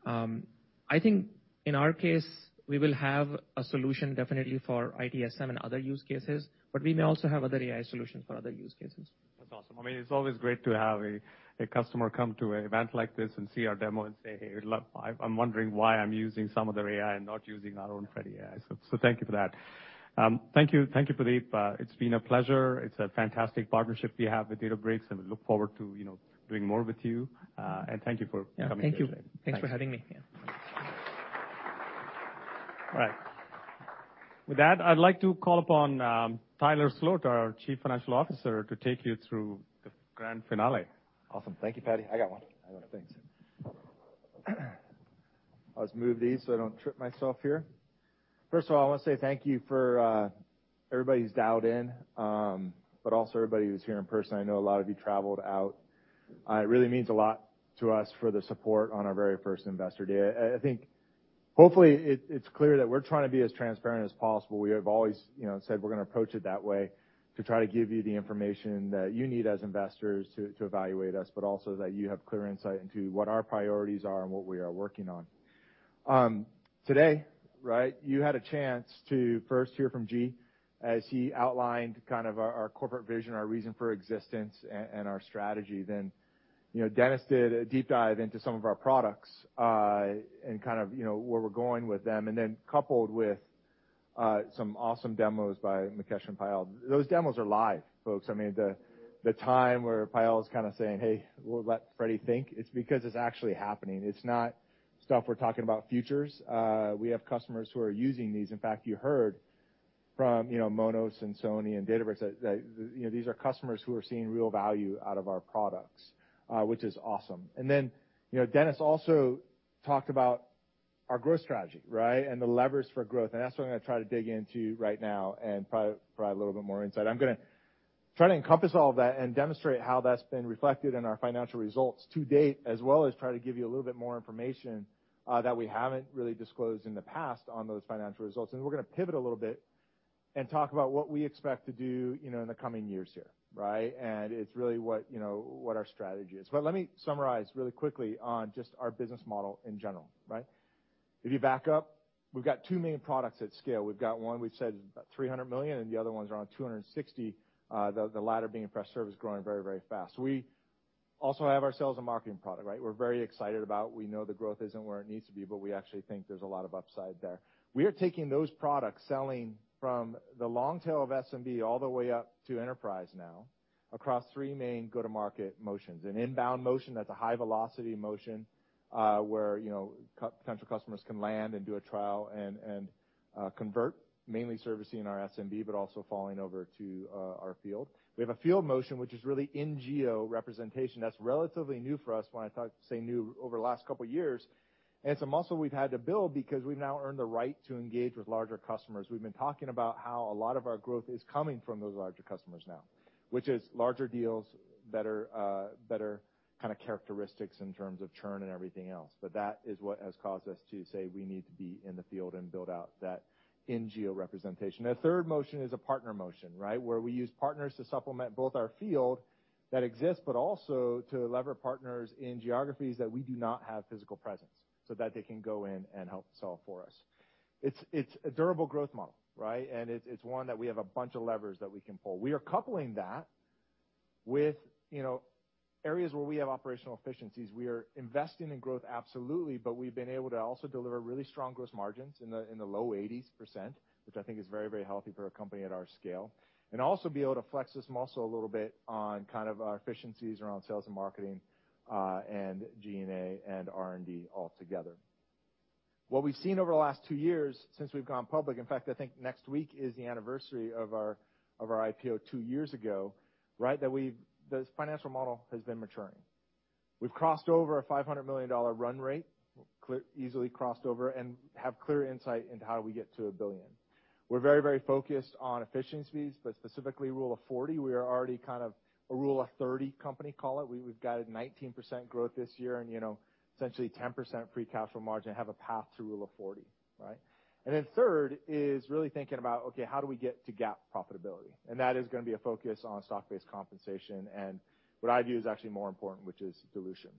I think in our case, we will have a solution definitely for ITSM and other use cases, but we may also have other AI solutions for other use cases. That's awesome. I mean, it's always great to have a customer come to an event like this and see our demo and say, "Hey, look, I'm wondering why I'm using some other AI and not using our own Freddy AI." So thank you for that. Thank you, thank you, Pradeep. It's been a pleasure. It's a fantastic partnership we have with Databricks, and we look forward to, you know, doing more with you. And thank you for coming. Yeah. Thank you. Thanks for having me. Yeah. All right. With that, I'd like to call upon Tyler Sloat, our Chief Financial Officer, to take you through the grand finale. Awesome. Thank you, Paddy. I got one. I got it. Thanks. I'll just move these so I don't trip myself here. First of all, I want to say thank you for everybody who's dialed in, but also everybody who's here in person. I know a lot of you traveled out. It really means a lot to us for the support on our very first Investor Day. I think, hopefully, it's clear that we're trying to be as transparent as possible. We have always, you know, said we're going to approach it that way to try to give you the information that you need as investors to evaluate us, but also that you have clear insight into what our priorities are and what we are working on. Today, right, you had a chance to first hear from G as he outlined kind of our corporate vision, our reason for existence, and our strategy. Then, you know, Dennis did a deep dive into some of our products, and kind of, you know, where we're going with them, and then coupled with some awesome demos by Mukesh and Payal. Those demos are live, folks. I mean, the time where Payal is kind of saying, "Hey, we'll let Freddy think," it's because it's actually happening. It's not stuff we're talking about futures. We have customers who are using these. In fact, you heard from, you know, Monos and Sony and Databricks, that, you know, these are customers who are seeing real value out of our products, which is awesome. And then, you know, Dennis also talked about our growth strategy, right? The levers for growth, and that's what I'm going to try to dig into right now and provide, provide a little bit more insight. I'm gonna try to encompass all of that and demonstrate how that's been reflected in our financial results to date, as well as try to give you a little bit more information that we haven't really disclosed in the past on those financial results. And we're going to pivot a little bit and talk about what we expect to do, you know, in the coming years here, right? And it's really what, you know, what our strategy is. But let me summarize really quickly on just our business model in general, right? If you back up, we've got two main products at scale. We've got one, we've said, about $300 million, and the other one's around $260 million. The latter being Freshservice, growing very, very fast. We also have ourselves a marketing product, right? We're very excited about. We know the growth isn't where it needs to be, but we actually think there's a lot of upside there. We are taking those products, selling from the long tail of SMB all the way up to enterprise now, across three main go-to-market motions. An inbound motion, that's a high-velocity motion, where, you know, potential customers can land and do a trial and convert, mainly servicing our SMB, but also falling over to our field. We have a field motion, which is really in-geo representation. That's relatively new for us. When I talk, say, new over the last couple of years, and some muscle we've had to build because we've now earned the right to engage with larger customers. We've been talking about how a lot of our growth is coming from those larger customers now, which is larger deals, better kind of characteristics in terms of churn and everything else. But that is what has caused us to say, "We need to be in the field and build out that in-geo representation." The third motion is a partner motion, right? Where we use partners to supplement both our field that exists, but also to lever partners in geographies that we do not have physical presence, so that they can go in and help solve for us. It's a durable growth model, right? And it's one that we have a bunch of levers that we can pull. We are coupling that with, you know, areas where we have operational efficiencies. We are investing in growth, absolutely, but we've been able to also deliver really strong growth margins in the, in the low 80s%, which I think is very, very healthy for a company at our scale. And also be able to flex this muscle a little bit on kind of our efficiencies around sales and marketing, and G&A and R&D altogether. What we've seen over the last two years since we've gone public. In fact, I think next week is the anniversary of our, of our IPO two years ago, right? That we've this financial model has been maturing. We've crossed over a $500 million run rate, clear easily crossed over, and have clear insight into how do we get to $1 billion. We're very, very focused on efficiencies, but specifically Rule of 40. We are already kind of a rule of 30 company, call it. We've guided 19% growth this year and, you know, essentially 10% free capital margin, have a path to Rule of 40, right? And then third is really thinking about, okay, how do we get to GAAP profitability? And that is gonna be a focus on stock-based compensation and what I view as actually more important, which is dilution.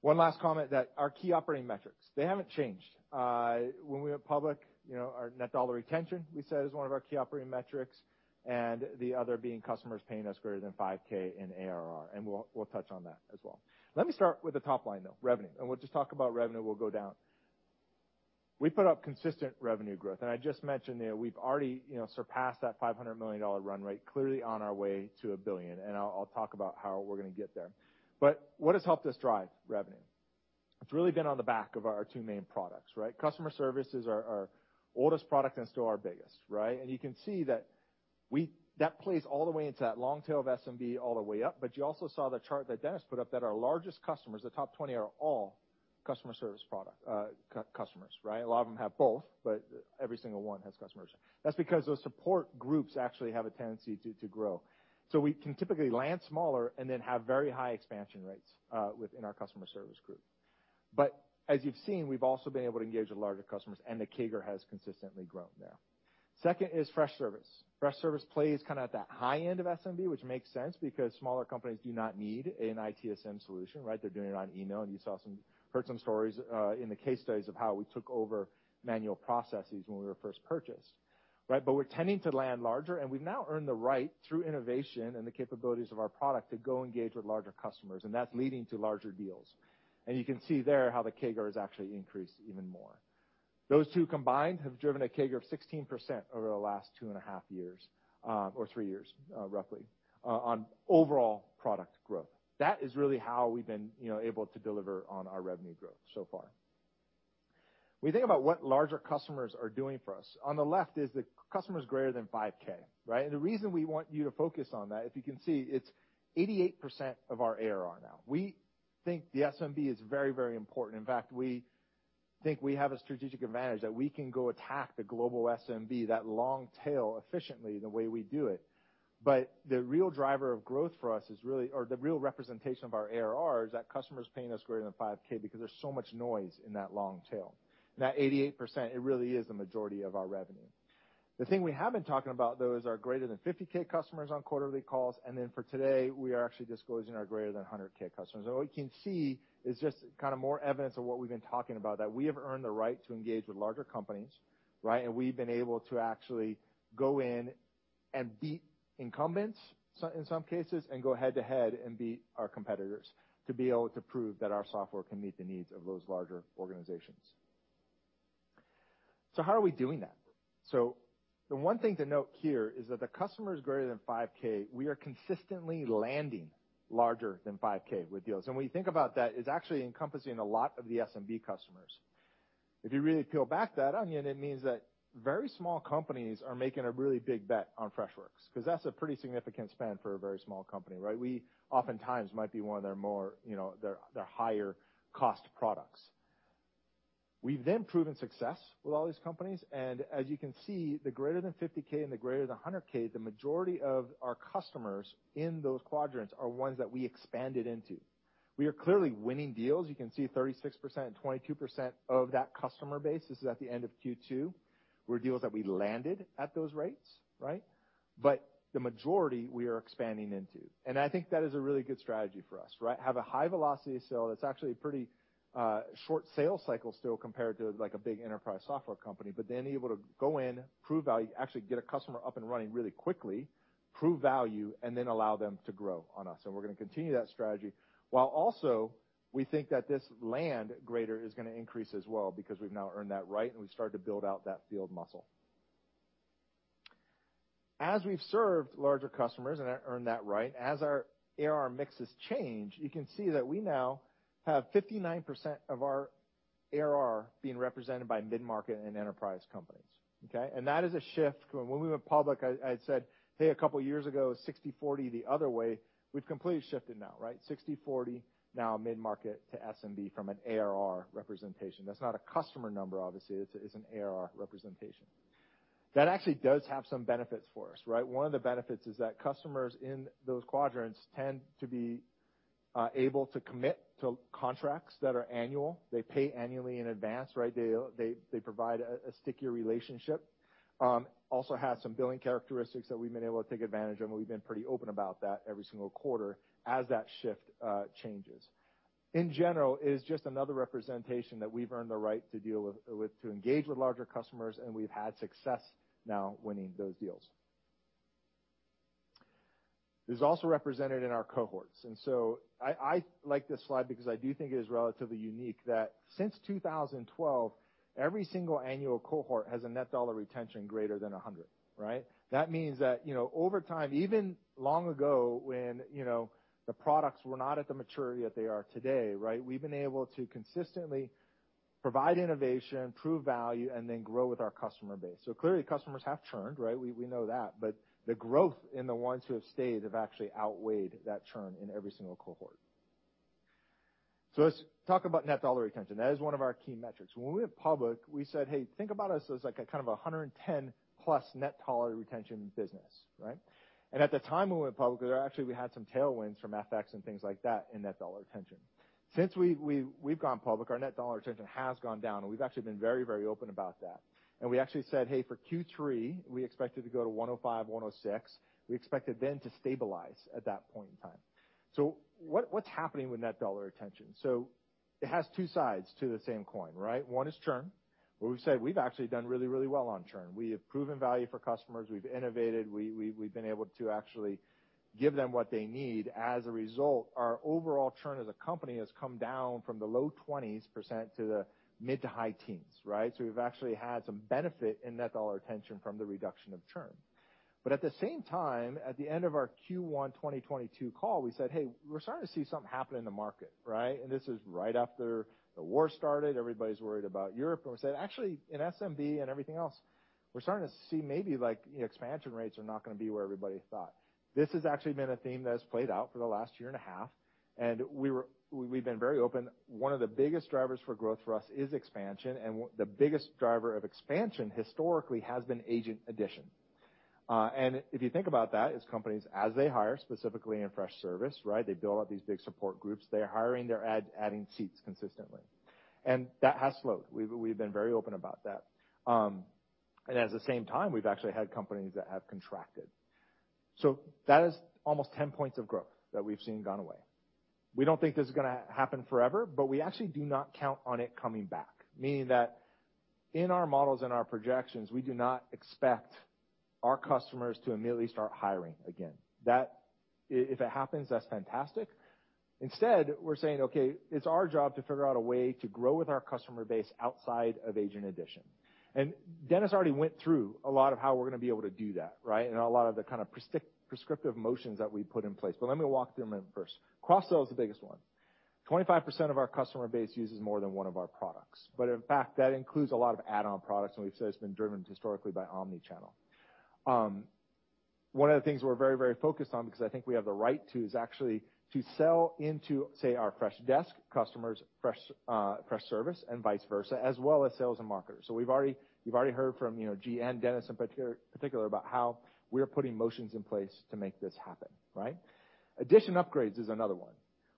One last comment, that our key operating metrics, they haven't changed. When we went public, you know, our net dollar retention, we said, is one of our key operating metrics, and the other being customers paying us greater than 5K in ARR, and we'll, we'll touch on that as well. Let me start with the top line, though, revenue, and we'll just talk about revenue, we'll go down. We put up consistent revenue growth, and I just mentioned that we've already, you know, surpassed that $500 million run rate, clearly on our way to $1 billion, and I'll talk about how we're going to get there. But what has helped us drive revenue? It's really been on the back of our two main products, right? Customer service is our oldest product and still our biggest, right? And you can see that. We -- that plays all the way into that long tail of SMB all the way up. But you also saw the chart that Dennis put up, that our largest customers, the top 20, are all customer service product customers, right? A lot of them have both, but every single one has customer service. That's because those support groups actually have a tendency to grow. So we can typically land smaller and then have very high expansion rates within our customer service group. But as you've seen, we've also been able to engage with larger customers, and the CAGR has consistently grown there. Second is Freshservice. Freshservice plays kind of at that high end of SMB, which makes sense because smaller companies do not need an ITSM solution, right? They're doing it on email. And you heard some stories in the case studies of how we took over manual processes when we were first purchased, right? But we're tending to land larger, and we've now earned the right, through innovation and the capabilities of our product, to go engage with larger customers, and that's leading to larger deals. And you can see there how the CAGR has actually increased even more. Those two combined have driven a CAGR of 16% over the last 2.5 years, or three years, roughly, on overall product growth. That is really how we've been, you know, able to deliver on our revenue growth so far. When you think about what larger customers are doing for us, on the left is the customers greater than 5K, right? And the reason we want you to focus on that, if you can see, it's 88% of our ARR now. We think the SMB is very, very important. In fact, we think we have a strategic advantage, that we can go attack the global SMB, that long tail, efficiently the way we do it. But the real driver of growth for us is really... or the real representation of our ARR is that customer's paying us greater than $5,000 because there's so much noise in that long tail. And that 88%, it really is the majority of our revenue. The thing we have been talking about, though, is our greater than $50,000 customers on quarterly calls, and then for today, we are actually disclosing our greater than $100,000 customers. And what we can see is just kind of more evidence of what we've been talking about, that we have earned the right to engage with larger companies, right? And we've been able to actually go in and beat incumbents, in some cases, and go head-to-head and beat our competitors, to be able to prove that our software can meet the needs of those larger organizations. So how are we doing that? So the one thing to note here is that the customers greater than $5,000, we are consistently landing larger than $5,000 with deals. And when you think about that, it's actually encompassing a lot of the SMB customers. If you really peel back that onion, it means that very small companies are making a really big bet on Freshworks, 'cause that's a pretty significant spend for a very small company, right? We oftentimes might be one of their more, you know, their, their higher-cost products. We've then proven success with all these companies, and as you can see, the greater than $50,000 and the greater than 100,000, the majority of our customers in those quadrants are ones that we expanded into. We are clearly winning deals. You can see 36%, 22% of that customer base, this is at the end of Q2, were deals that we landed at those rates, right? The majority, we are expanding into. I think that is a really good strategy for us, right? Have a high velocity of sale that's actually a pretty, short sales cycle still, compared to, like, a big enterprise software company, then able to go in, prove value, actually get a customer up and running really quickly, prove value, and then allow them to grow on us. We're gonna continue that strategy, while also we think that this land greater is gonna increase as well, because we've now earned that right, and we've started to build out that field muscle. As we've served larger customers and earned that right, as our ARR mixes change, you can see that we now have 59% of our ARR being represented by mid-market and enterprise companies, okay? And that is a shift. When we went public, I had said, "Hey, a couple of years ago, 60/40, the other way." We've completely shifted now, right? 60/40, now mid-market to SMB from an ARR representation. That's not a customer number, obviously, it's an ARR representation. That actually does have some benefits for us, right? One of the benefits is that customers in those quadrants tend to be able to commit to contracts that are annual. They pay annually in advance, right? They provide a stickier relationship. Also have some billing characteristics that we've been able to take advantage of, and we've been pretty open about that every single quarter as that shift changes. In general, it is just another representation that we've earned the right to deal with, with, to engage with larger customers, and we've had success now winning those deals. This is also represented in our cohorts, and so I like this slide because I do think it is relatively unique, that since 2012, every single annual cohort has a net dollar retention greater than 100, right? That means that, you know, over time, even long ago, when, you know, the products were not at the maturity that they are today, right, we've been able to consistently provide innovation, prove value, and then grow with our customer base. So clearly, customers have churned, right? We know that, but the growth in the ones who have stayed have actually outweighed that churn in every single cohort. So let's talk about net dollar retention. That is one of our key metrics. When we went public, we said, "Hey, think about us as, like, a kind of 110+ net dollar retention business," right? And at the time when we went public, actually, we had some tailwinds from FX and things like that in net dollar retention. Since we've gone public, our net dollar retention has gone down, and we've actually been very, very open about that. And we actually said, "Hey, for Q3, we expect it to go to 105, 106." We expect it then to stabilize at that point in time. So what's happening with net dollar retention? So it has two sides to the same coin, right? One is churn, where we've said we've actually done really, really well on churn. We have proven value for customers. We've innovated. We, we, we've been able to actually give them what they need. As a result, our overall churn as a company has come down from the low 20s% to the mid- to high teens%, right? So we've actually had some benefit in net dollar retention from the reduction of churn. But at the same time, at the end of our Q1 2022 call, we said, "Hey, we're starting to see something happen in the market," right? And this is right after the war started. Everybody's worried about Europe. And we said, "Actually, in SMB and everything else,... We're starting to see maybe like expansion rates are not gonna be where everybody thought. This has actually been a theme that has played out for the last year and a half, and we've been very open. One of the biggest drivers for growth for us is expansion, and the biggest driver of expansion historically has been agent addition. And if you think about that, as companies, as they hire, specifically in Freshservice, right? They build out these big support groups. They are hiring, they're adding seats consistently. And that has slowed. We've been very open about that. And at the same time, we've actually had companies that have contracted. So that is almost 10 points of growth that we've seen gone away. We don't think this is gonna happen forever, but we actually do not count on it coming back. Meaning that in our models and our projections, we do not expect our customers to immediately start hiring again. That if it happens, that's fantastic. Instead, we're saying, "Okay, it's our job to figure out a way to grow with our customer base outside of agent addition." And Dennis already went through a lot of how we're gonna be able to do that, right? And a lot of the kind of prescriptive motions that we put in place. But let me walk through them first. Cross-sell is the biggest one. 25% of our customer base uses more than one of our products, but in fact, that includes a lot of add-on products, and we've said it's been driven historically by omni-channel. One of the things we're very, very focused on, because I think we have the right to, is actually to sell into, say, our Freshdesk customers, Freshservice, and vice versa, as well as sales and marketers. So we've already- you've already heard from, you know, G and Dennis, in particular, about how we are putting motions in place to make this happen, right? Edition upgrades is another one,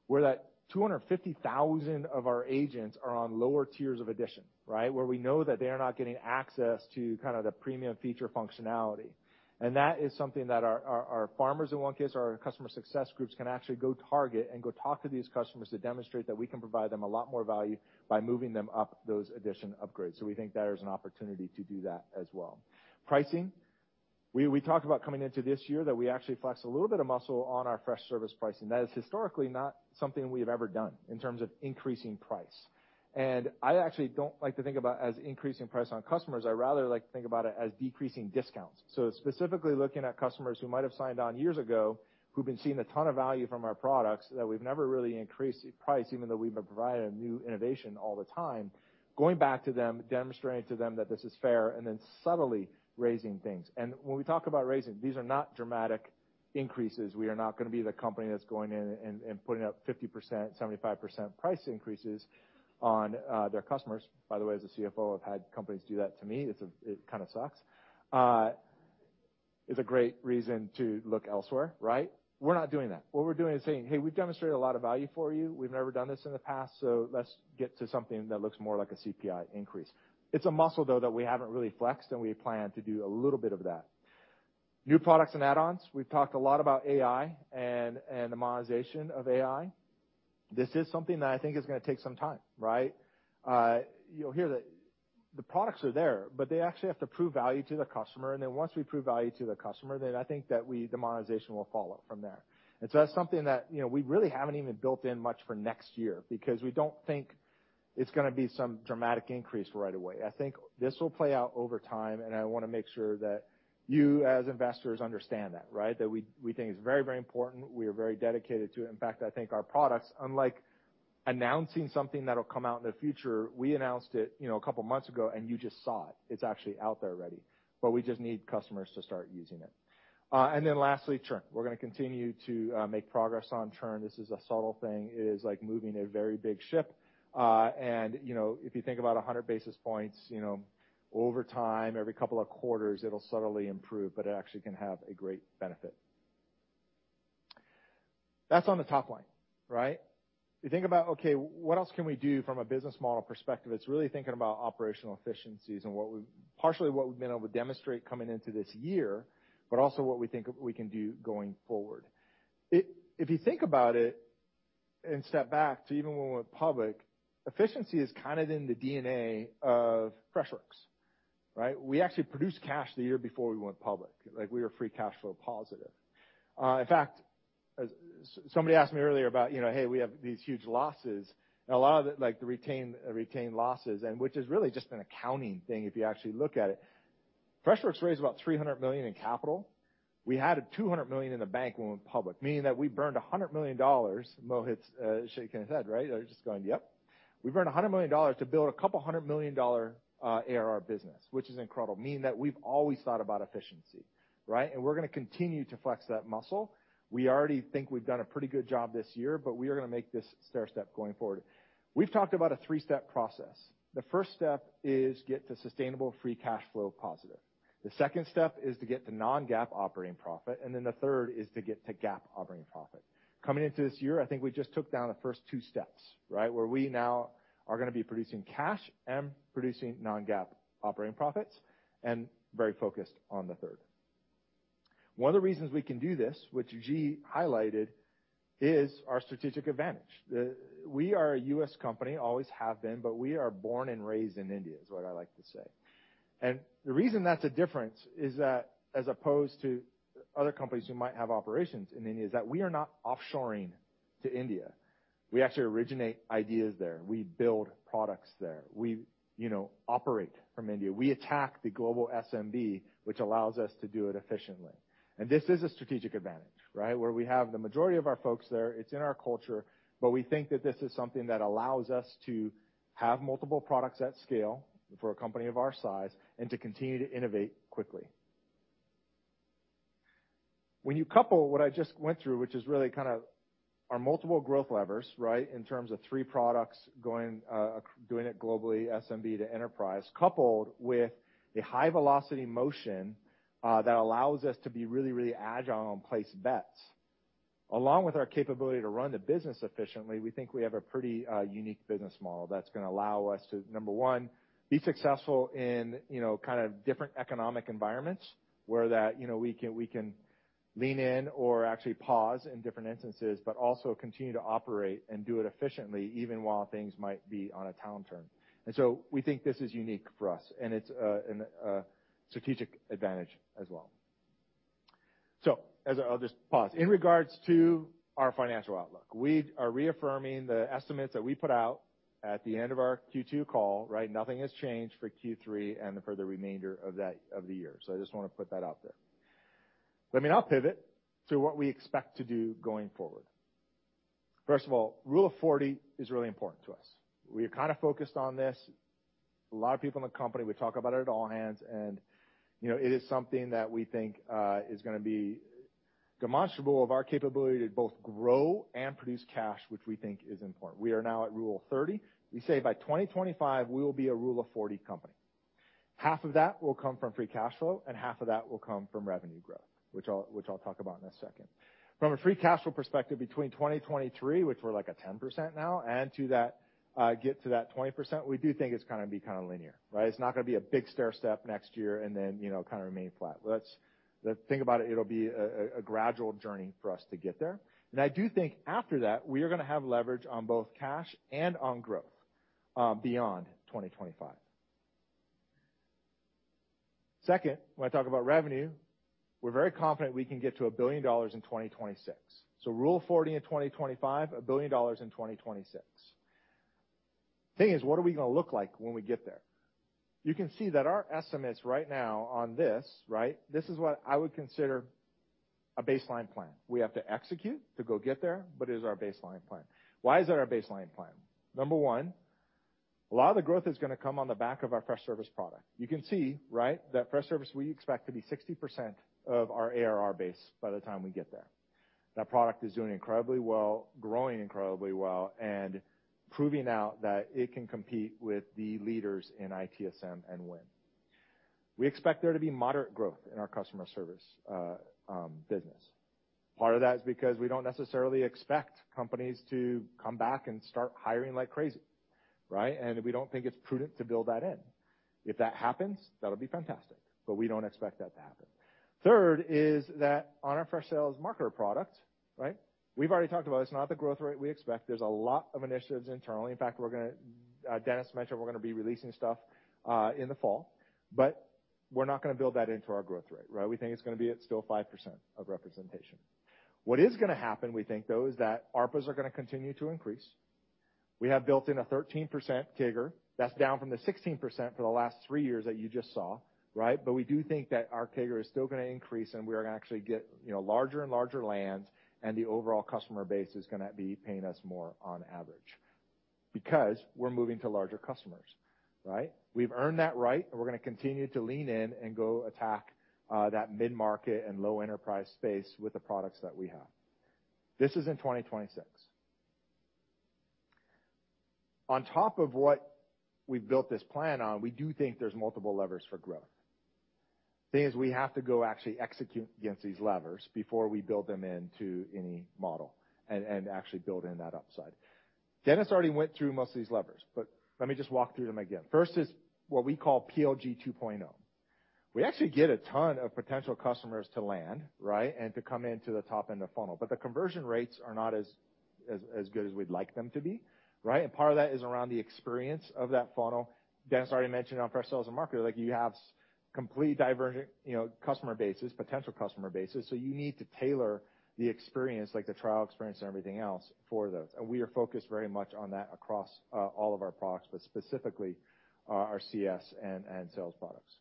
where that 250,000 of our agents are on lower tiers of edition, right? Where we know that they are not getting access to kind of the premium feature functionality. And that is something that our, our, our farmers, in one case, our customer success groups, can actually go target and go talk to these customers to demonstrate that we can provide them a lot more value by moving them up those edition upgrades. So we think that is an opportunity to do that as well. Pricing. We, we talked about coming into this year that we actually flexed a little bit of muscle on our Freshservice pricing. That is historically not something we have ever done in terms of increasing price. And I actually don't like to think about as increasing price on customers, I rather like to think about it as decreasing discounts. So specifically looking at customers who might have signed on years ago, who've been seeing a ton of value from our products, that we've never really increased the price, even though we've been providing a new innovation all the time, going back to them, demonstrating to them that this is fair, and then subtly raising things. When we talk about raising, these are not dramatic increases. We are not gonna be the company that's going in and putting up 50%, 75% price increases on their customers. By the way, as a CFO, I've had companies do that to me. It's a... It kind of sucks. It's a great reason to look elsewhere, right? We're not doing that. What we're doing is saying, "Hey, we've demonstrated a lot of value for you. We've never done this in the past, so let's get to something that looks more like a CPI increase." It's a muscle, though, that we haven't really flexed, and we plan to do a little bit of that. New products and add-ons. We've talked a lot about AI and the monetization of AI. This is something that I think is gonna take some time, right? You'll hear that the products are there, but they actually have to prove value to the customer, and then once we prove value to the customer, then I think that we, the monetization will follow from there. And so that's something that, you know, we really haven't even built in much for next year because we don't think it's gonna be some dramatic increase right away. I think this will play out over time, and I wanna make sure that you, as investors, understand that, right? That we, we think it's very, very important. We are very dedicated to it. In fact, I think our products, unlike announcing something that'll come out in the future, we announced it, you know, a couple of months ago, and you just saw it. It's actually out there already, but we just need customers to start using it. And then lastly, churn. We're gonna continue to make progress on churn. This is a subtle thing. It is like moving a very big ship. And, you know, if you think about 100 basis points, you know, over time, every couple of quarters, it'll subtly improve, but it actually can have a great benefit. That's on the top line, right? You think about, okay, what else can we do from a business model perspective? It's really thinking about operational efficiencies and what we've partially what we've been able to demonstrate coming into this year, but also what we think of we can do going forward. If you think about it and step back to even when we went public, efficiency is kind of in the DNA of Freshworks, right? We actually produced cash the year before we went public. Like, we were free cash flow positive. In fact, somebody asked me earlier about, you know, "Hey, we have these huge losses," and a lot of it, like, the retained losses, which is really just an accounting thing, if you actually look at it. Freshworks raised about $300 million in capital. We had $200 million in the bank when we went public, meaning that we burned $100 million. Mohit's shaking his head, right? They're just going, "Yep." We burned $100 million to build a couple hundred million dollar ARR business, which is incredible, meaning that we've always thought about efficiency, right? And we're gonna continue to flex that muscle. We already think we've done a pretty good job this year, but we are gonna make this stairstep going forward. We've talked about a three-step process. The first step is to get to sustainable free cash flow positive. The second step is to get to non-GAAP operating profit, and then the third is to get to GAAP operating profit. Coming into this year, I think we just took down the first two steps, right? Where we now are gonna be producing cash and producing non-GAAP operating profits, and very focused on the third. One of the reasons we can do this, which G highlighted, is our strategic advantage. We are a U.S. company, always have been, but we are born and raised in India, is what I like to say. And the reason that's a difference is that, as opposed to other companies who might have operations in India, is that we are not offshoring to India. We actually originate ideas there. We build products there. We, you know, operate from India. We attack the global SMB, which allows us to do it efficiently... And this is a strategic advantage, right? Where we have the majority of our folks there, it's in our culture, but we think that this is something that allows us to have multiple products at scale for a company of our size and to continue to innovate quickly. When you couple what I just went through, which is really kind of our multiple growth levers, right, in terms of three products going, doing it globally, SMB to enterprise, coupled with a high-velocity motion, that allows us to be really, really agile and place bets, along with our capability to run the business efficiently, we think we have a pretty unique business model that's gonna allow us to, number one, be successful in, you know, kind of different economic environments where that, you know, we can, we can lean in or actually pause in different instances, but also continue to operate and do it efficiently, even while things might be on a downturn. And so we think this is unique for us, and it's an strategic advantage as well. So as I-- I'll just pause. In regards to our financial outlook, we are reaffirming the estimates that we put out at the end of our Q2 call, right? Nothing has changed for Q3 and for the remainder of that of the year. So I just want to put that out there. Let me now pivot to what we expect to do going forward. First of all, rule of forty is really important to us. We are kind of focused on this. A lot of people in the company, we talk about it at all hands, and, you know, it is something that we think is gonna be demonstrable of our capability to both grow and produce cash, which we think is important. We are now at rule of thirty. We say by 2025, we will be a rule of forty company. Half of that will come from free cash flow, and half of that will come from revenue growth, which I'll, which I'll talk about in a second. From a free cash flow perspective, between 2023, which we're like at 10% now, and to that, get to that 20%, we do think it's gonna be kind of linear, right? It's not gonna be a big stairstep next year and then, you know, kind of remain flat. Let's, the thing about it, it'll be a, a gradual journey for us to get there. And I do think after that, we are gonna have leverage on both cash and on growth, beyond 2025. Second, when I talk about revenue, we're very confident we can get to $1 billion in 2026. So rule of forty in 2025, $1 billion in 2026. The thing is, what are we gonna look like when we get there? You can see that our estimates right now on this, right? This is what I would consider a baseline plan. We have to execute to go get there, but it is our baseline plan. Why is that our baseline plan? Number one, a lot of the growth is gonna come on the back of our Freshservice product. You can see, right, that Freshservice, we expect to be 60% of our ARR base by the time we get there. That product is doing incredibly well, growing incredibly well, and proving out that it can compete with the leaders in ITSM and win. We expect there to be moderate growth in our customer service business. Part of that is because we don't necessarily expect companies to come back and start hiring like crazy, right? We don't think it's prudent to build that in. If that happens, that'll be fantastic, but we don't expect that to happen. Third is that on our Freshsales, Freshmarketer product, right? We've already talked about it. It's not the growth rate we expect. There's a lot of initiatives internally. In fact, we're gonna, Dennis mentioned we're gonna be releasing stuff, in the fall, but we're not gonna build that into our growth rate, right? We think it's gonna be at still 5% of representation. What is gonna happen, we think, though, is that ARPAs are gonna continue to increase. We have built in a 13% CAGR. That's down from the 16% for the last three years that you just saw, right? But we do think that our CAGR is still gonna increase, and we are gonna actually get, you know, larger and larger lands, and the overall customer base is gonna be paying us more on average because we're moving to larger customers, right? We've earned that right, and we're gonna continue to lean in and go attack that mid-market and low enterprise space with the products that we have. This is in 2026. On top of what we've built this plan on, we do think there's multiple levers for growth. The thing is, we have to go actually execute against these levers before we build them into any model and actually build in that upside. Dennis already went through most of these levers, but let me just walk through them again. First is what we call PLG 2.0. We actually get a ton of potential customers to land, right, and to come into the top end of funnel, but the conversion rates are not as good as we'd like them to be, right? And part of that is around the experience of that funnel. Dennis already mentioned on Freshsales and Freshmarketer, like, you have complete divergent, you know, customer bases, potential customer bases, so you need to tailor the experience, like the trial experience and everything else, for those. And we are focused very much on that across all of our products, but specifically, our CS and sales products.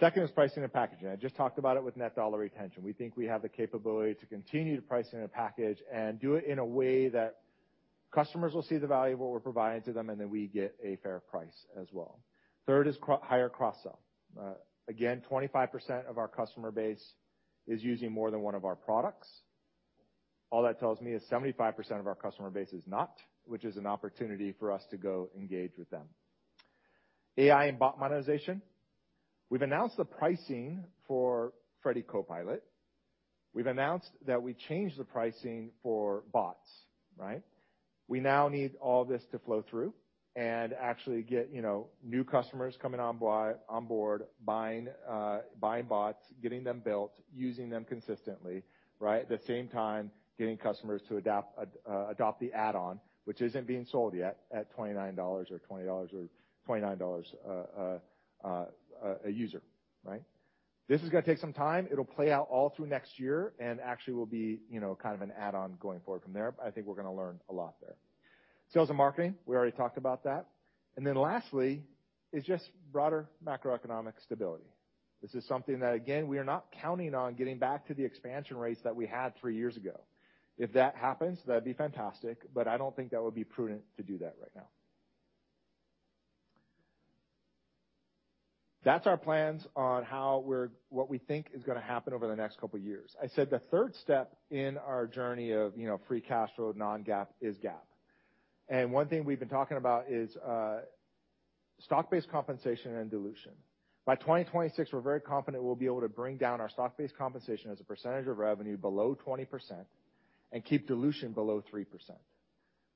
Second is pricing and packaging. I just talked about it with net dollar retention. We think we have the capability to continue to price in a package and do it in a way that customers will see the value of what we're providing to them, and then we get a fair price as well. Third is higher cross-sell. Again, 25% of our customer base is using more than one of our products. All that tells me is 75% of our customer base is not, which is an opportunity for us to go engage with them. AI and bot monetization. We've announced the pricing for Freddy Copilot. We've announced that we changed the pricing for bots, right? We now need all this to flow through and actually get, you know, new customers coming on board, buying bots, getting them built, using them consistently, right? At the same time, getting customers to adapt, adopt the add-on, which isn't being sold yet, at $29 or $20 or $29 a user, right? This is gonna take some time. It'll play out all through next year and actually will be, you know, kind of an add-on going forward from there, but I think we're gonna learn a lot there. Sales and marketing, we already talked about that. And then lastly, is just broader macroeconomic stability. This is something that, again, we are not counting on getting back to the expansion rates that we had three years ago. If that happens, that'd be fantastic, but I don't think that would be prudent to do that right now. That's our plans on how we're, what we think is gonna happen over the next couple of years. I said the third step in our journey of, you know, free cash flow, non-GAAP is GAAP. And one thing we've been talking about is stock-based compensation and dilution. By 2026, we're very confident we'll be able to bring down our stock-based compensation as a percentage of revenue below 20% and keep dilution below 3%,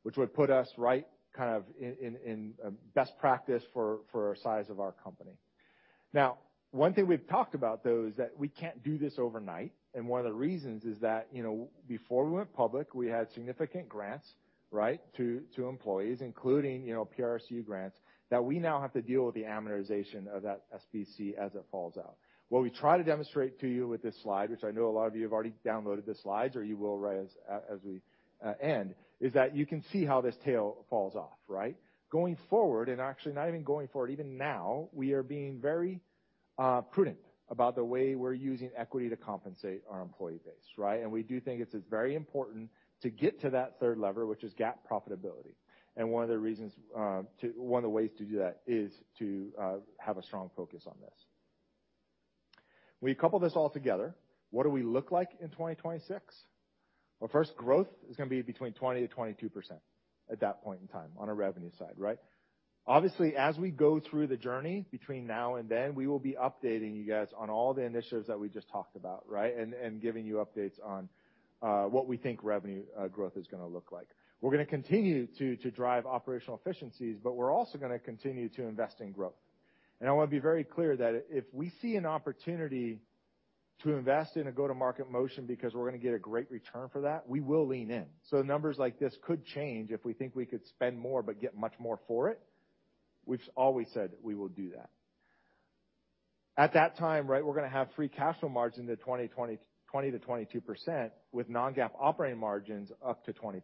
which would put us right, kind of, in best practice for our size of our company. Now, one thing we've talked about, though, is that we can't do this overnight, and one of the reasons is that, you know, before we went public, we had significant grants, right, to employees, including, you know, PRSU grants, that we now have to deal with the amortization of that SBC as it falls out. What we try to demonstrate to you with this slide, which I know a lot of you have already downloaded the slides, or you will right as we end, is that you can see how this tail falls off, right? Going forward, and actually not even going forward, even now, we are being very prudent about the way we're using equity to compensate our employee base, right? And we do think it's as very important to get to that third lever, which is GAAP profitability. And one of the reasons, one of the ways to do that is to have a strong focus on this. We couple this all together, what do we look like in 2026? Well, first, growth is gonna be between 20%-22% at that point in time on a revenue side, right? Obviously, as we go through the journey between now and then, we will be updating you guys on all the initiatives that we just talked about, right? And, and giving you updates on what we think revenue growth is gonna look like. We're gonna continue to drive operational efficiencies, but we're also gonna continue to invest in growth. And I wanna be very clear that if we see an opportunity to invest in a go-to-market motion because we're gonna get a great return for that, we will lean in. So numbers like this could change if we think we could spend more but get much more for it. We've always said we will do that. At that time, right, we're gonna have free cash flow margin to 20, 20-22%, with non-GAAP operating margins up to 20%,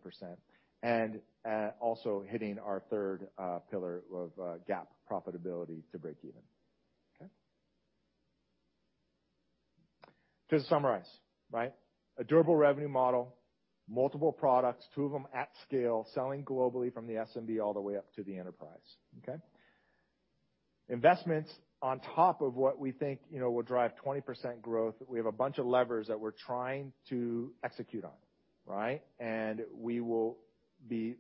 and also hitting our third pillar of GAAP profitability to break even. Okay? To summarize, right, a durable revenue model, multiple products, two of them at scale, selling globally from the SMB all the way up to the enterprise, okay? Investments on top of what we think, you know, will drive 20% growth. We have a bunch of levers that we're trying to execute on, right? And we will be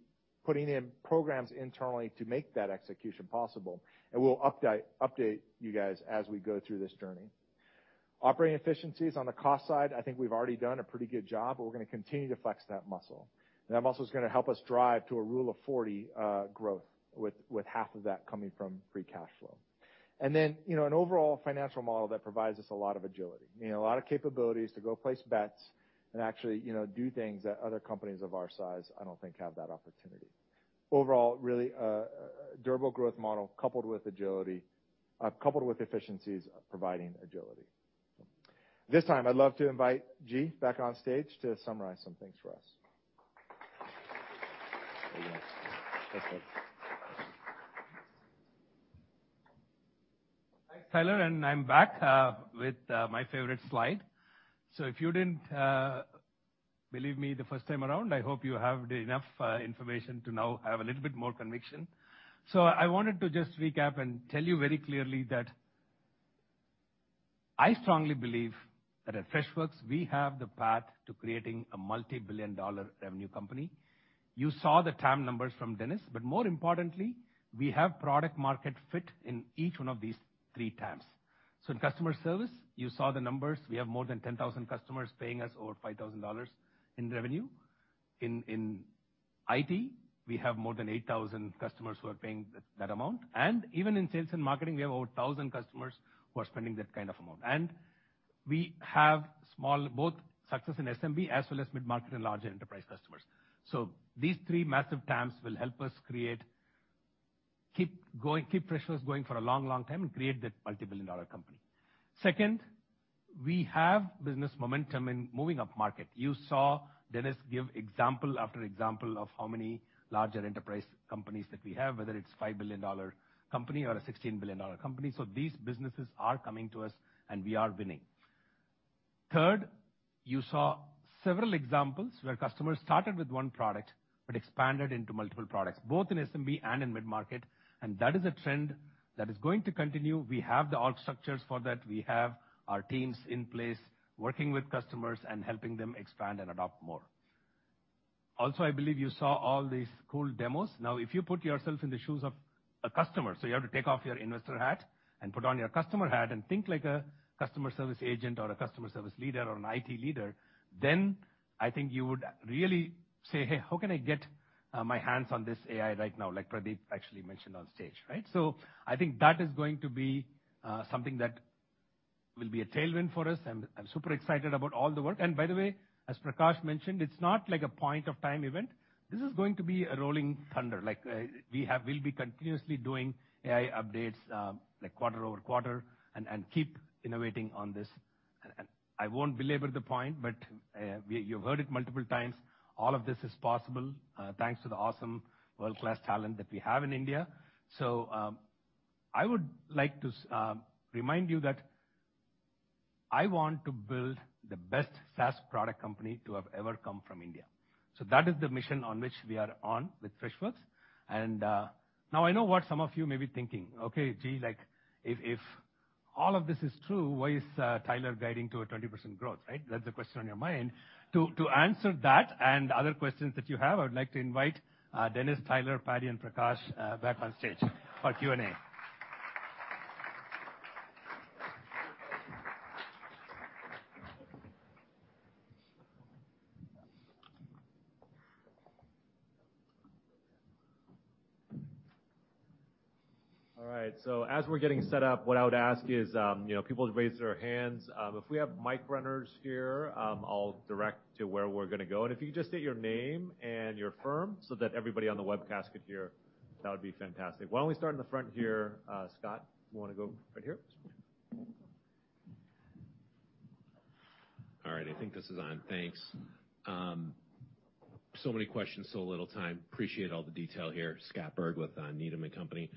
putting in programs internally to make that execution possible, and we'll update you guys as we go through this journey. Operating efficiencies on the cost side, I think we've already done a pretty good job, but we're gonna continue to flex that muscle. And that muscle is gonna help us drive to a rule of 40, growth, with half of that coming from free cash flow. And then, you know, an overall financial model that provides us a lot of agility, you know, a lot of capabilities to go place bets and actually, you know, do things that other companies of our size, I don't think, have that opportunity. Overall, really, durable growth model coupled with agility, coupled with efficiencies, providing agility. This time, I'd love to invite G back on stage to summarize some things for us. Thanks, Tyler, and I'm back with my favorite slide. So if you didn't believe me the first time around, I hope you have enough information to now have a little bit more conviction. So I wanted to just recap and tell you very clearly that I strongly believe that at Freshworks, we have the path to creating a multi-billion dollar revenue company. You saw the TAM numbers from Dennis, but more importantly, we have product-market fit in each one of these three TAMs. So in customer service, you saw the numbers. We have more than 10,000 customers paying us over $5,000 in revenue. In IT, we have more than 8,000 customers who are paying that amount, and even in sales and marketing, we have over 1,000 customers who are spending that kind of amount. We have small-- both success in SMB as well as mid-market and larger enterprise customers. These three massive TAMs will help us create... Keep going, keep Freshworks going for a long, long time and create that multi-billion dollar company. Second, we have business momentum in moving upmarket. You saw Dennis give example after example of how many larger enterprise companies that we have, whether it's a $5 billion company or a $16 billion company. These businesses are coming to us, and we are winning. Third, you saw several examples where customers started with one product but expanded into multiple products, both in SMB and in mid-market, and that is a trend that is going to continue. We have the org structures for that. We have our teams in place, working with customers and helping them expand and adopt more. Also, I believe you saw all these cool demos. Now, if you put yourself in the shoes of a customer, so you have to take off your investor hat and put on your customer hat and think like a customer service agent or a customer service leader or an IT leader, then I think you would really say, "Hey, how can I get my hands on this AI right now?" Like Pradeep actually mentioned on stage, right? So I think that is going to be something that will be a tailwind for us, and I'm super excited about all the work. And by the way, as Prakash mentioned, it's not like a point-of-time event. This is going to be a rolling thunder. Like, we'll be continuously doing AI updates, like quarter over quarter and keep innovating on this. I won't belabor the point, but, we-- you've heard it multiple times. All of this is possible, thanks to the awesome world-class talent that we have in India. So, I would like to, remind you that I want to build the best SaaS product company to have ever come from India. So that is the mission on which we are on with Freshworks. And, now I know what some of you may be thinking: "Okay, Gee, like, if, if all of this is true, why is, Tyler guiding to a 20% growth, right?" That's the question on your mind. To, to answer that and other questions that you have, I would like to invite, Dennis, Tyler, Paddy, and Prakash, back on stage for Q&A. All right. So as we're getting set up, what I would ask is, you know, people to raise their hands. If we have mic runners here, I'll direct to where we're gonna go. And if you just state your name and your firm so that everybody on the webcast could hear, that would be fantastic. Why don't we start in the front here? Scott, you wanna go right here? All right, I think this is on. Thanks. So many questions, so little time. Appreciate all the detail here. Scott Berg with Needham & Company.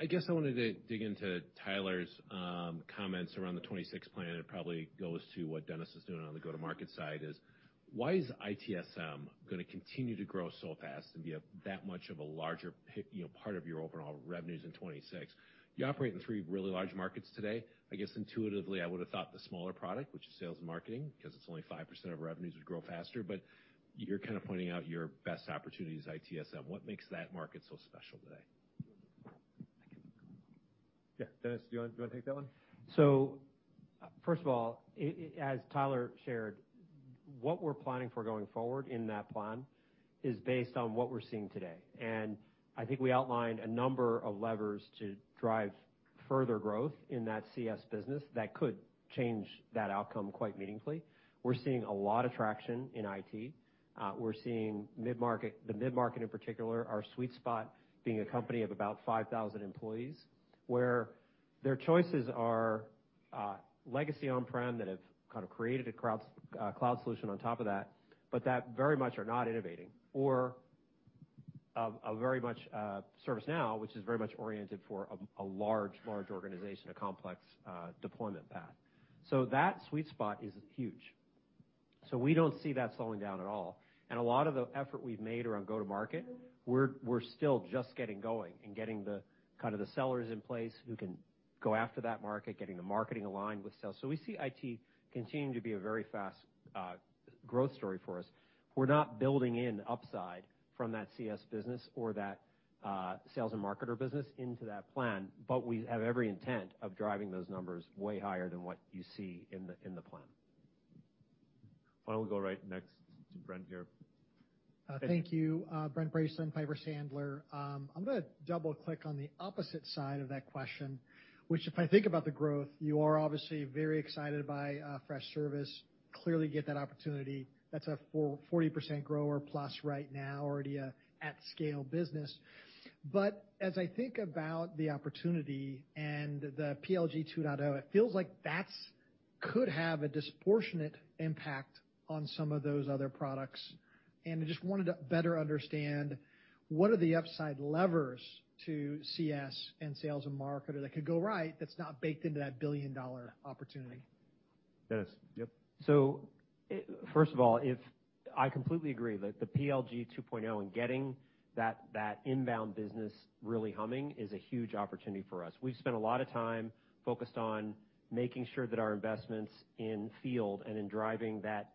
I guess I wanted to dig into Tyler's comments around the 2026 plan. It probably goes to what Dennis is doing on the go-to-market side is: why is ITSM gonna continue to grow so fast and be that much of a larger you know, part of your overall revenues in 2026? You operate in three really large markets today. I guess intuitively, I would have thought the smaller product, which is sales and marketing, 'cause it's only 5% of revenues, would grow faster, but you're kind of pointing out your best opportunity is ITSM. What makes that market so special today? Yeah, Dennis, do you wanna, do you wanna take that one? So, first of all, as Tyler shared, what we're planning for going forward in that plan is based on what we're seeing today, and I think we outlined a number of levers to drive further growth in that CS business that could change that outcome quite meaningfully. We're seeing a lot of traction in IT. We're seeing mid-market, the mid-market in particular, our sweet spot being a company of about 5,000 employees, where their choices are legacy on-prem that have kind of created a crude cloud solution on top of that, but that very much are not innovating, or a very much ServiceNow, which is very much oriented for a large, large organization, a complex deployment path. So that sweet spot is huge, so we don't see that slowing down at all. A lot of the effort we've made around go-to-market, we're, we're still just getting going and getting the, kind of, the sellers in place who can go after that market, getting the marketing aligned with sales. We see IT continuing to be a very fast growth story for us. We're not building in upside from that CS business or that sales and marketer business into that plan, but we have every intent of driving those numbers way higher than what you see in the plan. Why don't we go right next to Brent here? Thank you. Brent Bracelin, Piper Sandler. I'm gonna double-click on the opposite side of that question, which, if I think about the growth, you are obviously very excited by, Freshservice. Clearly, get that opportunity. That's a 440% grower plus right now, already an at-scale business. But as I think about the opportunity and the PLG 2.0, it feels like that's could have a disproportionate impact on some of those other products. And I just wanted to better understand, what are the upside levers to CS and sales and market, or that could go right, that's not baked into that billion-dollar opportunity? Dennis? Yep. So first of all, I completely agree that the PLG 2.0 and getting that inbound business really humming is a huge opportunity for us. We've spent a lot of time focused on making sure that our investments in field and in driving that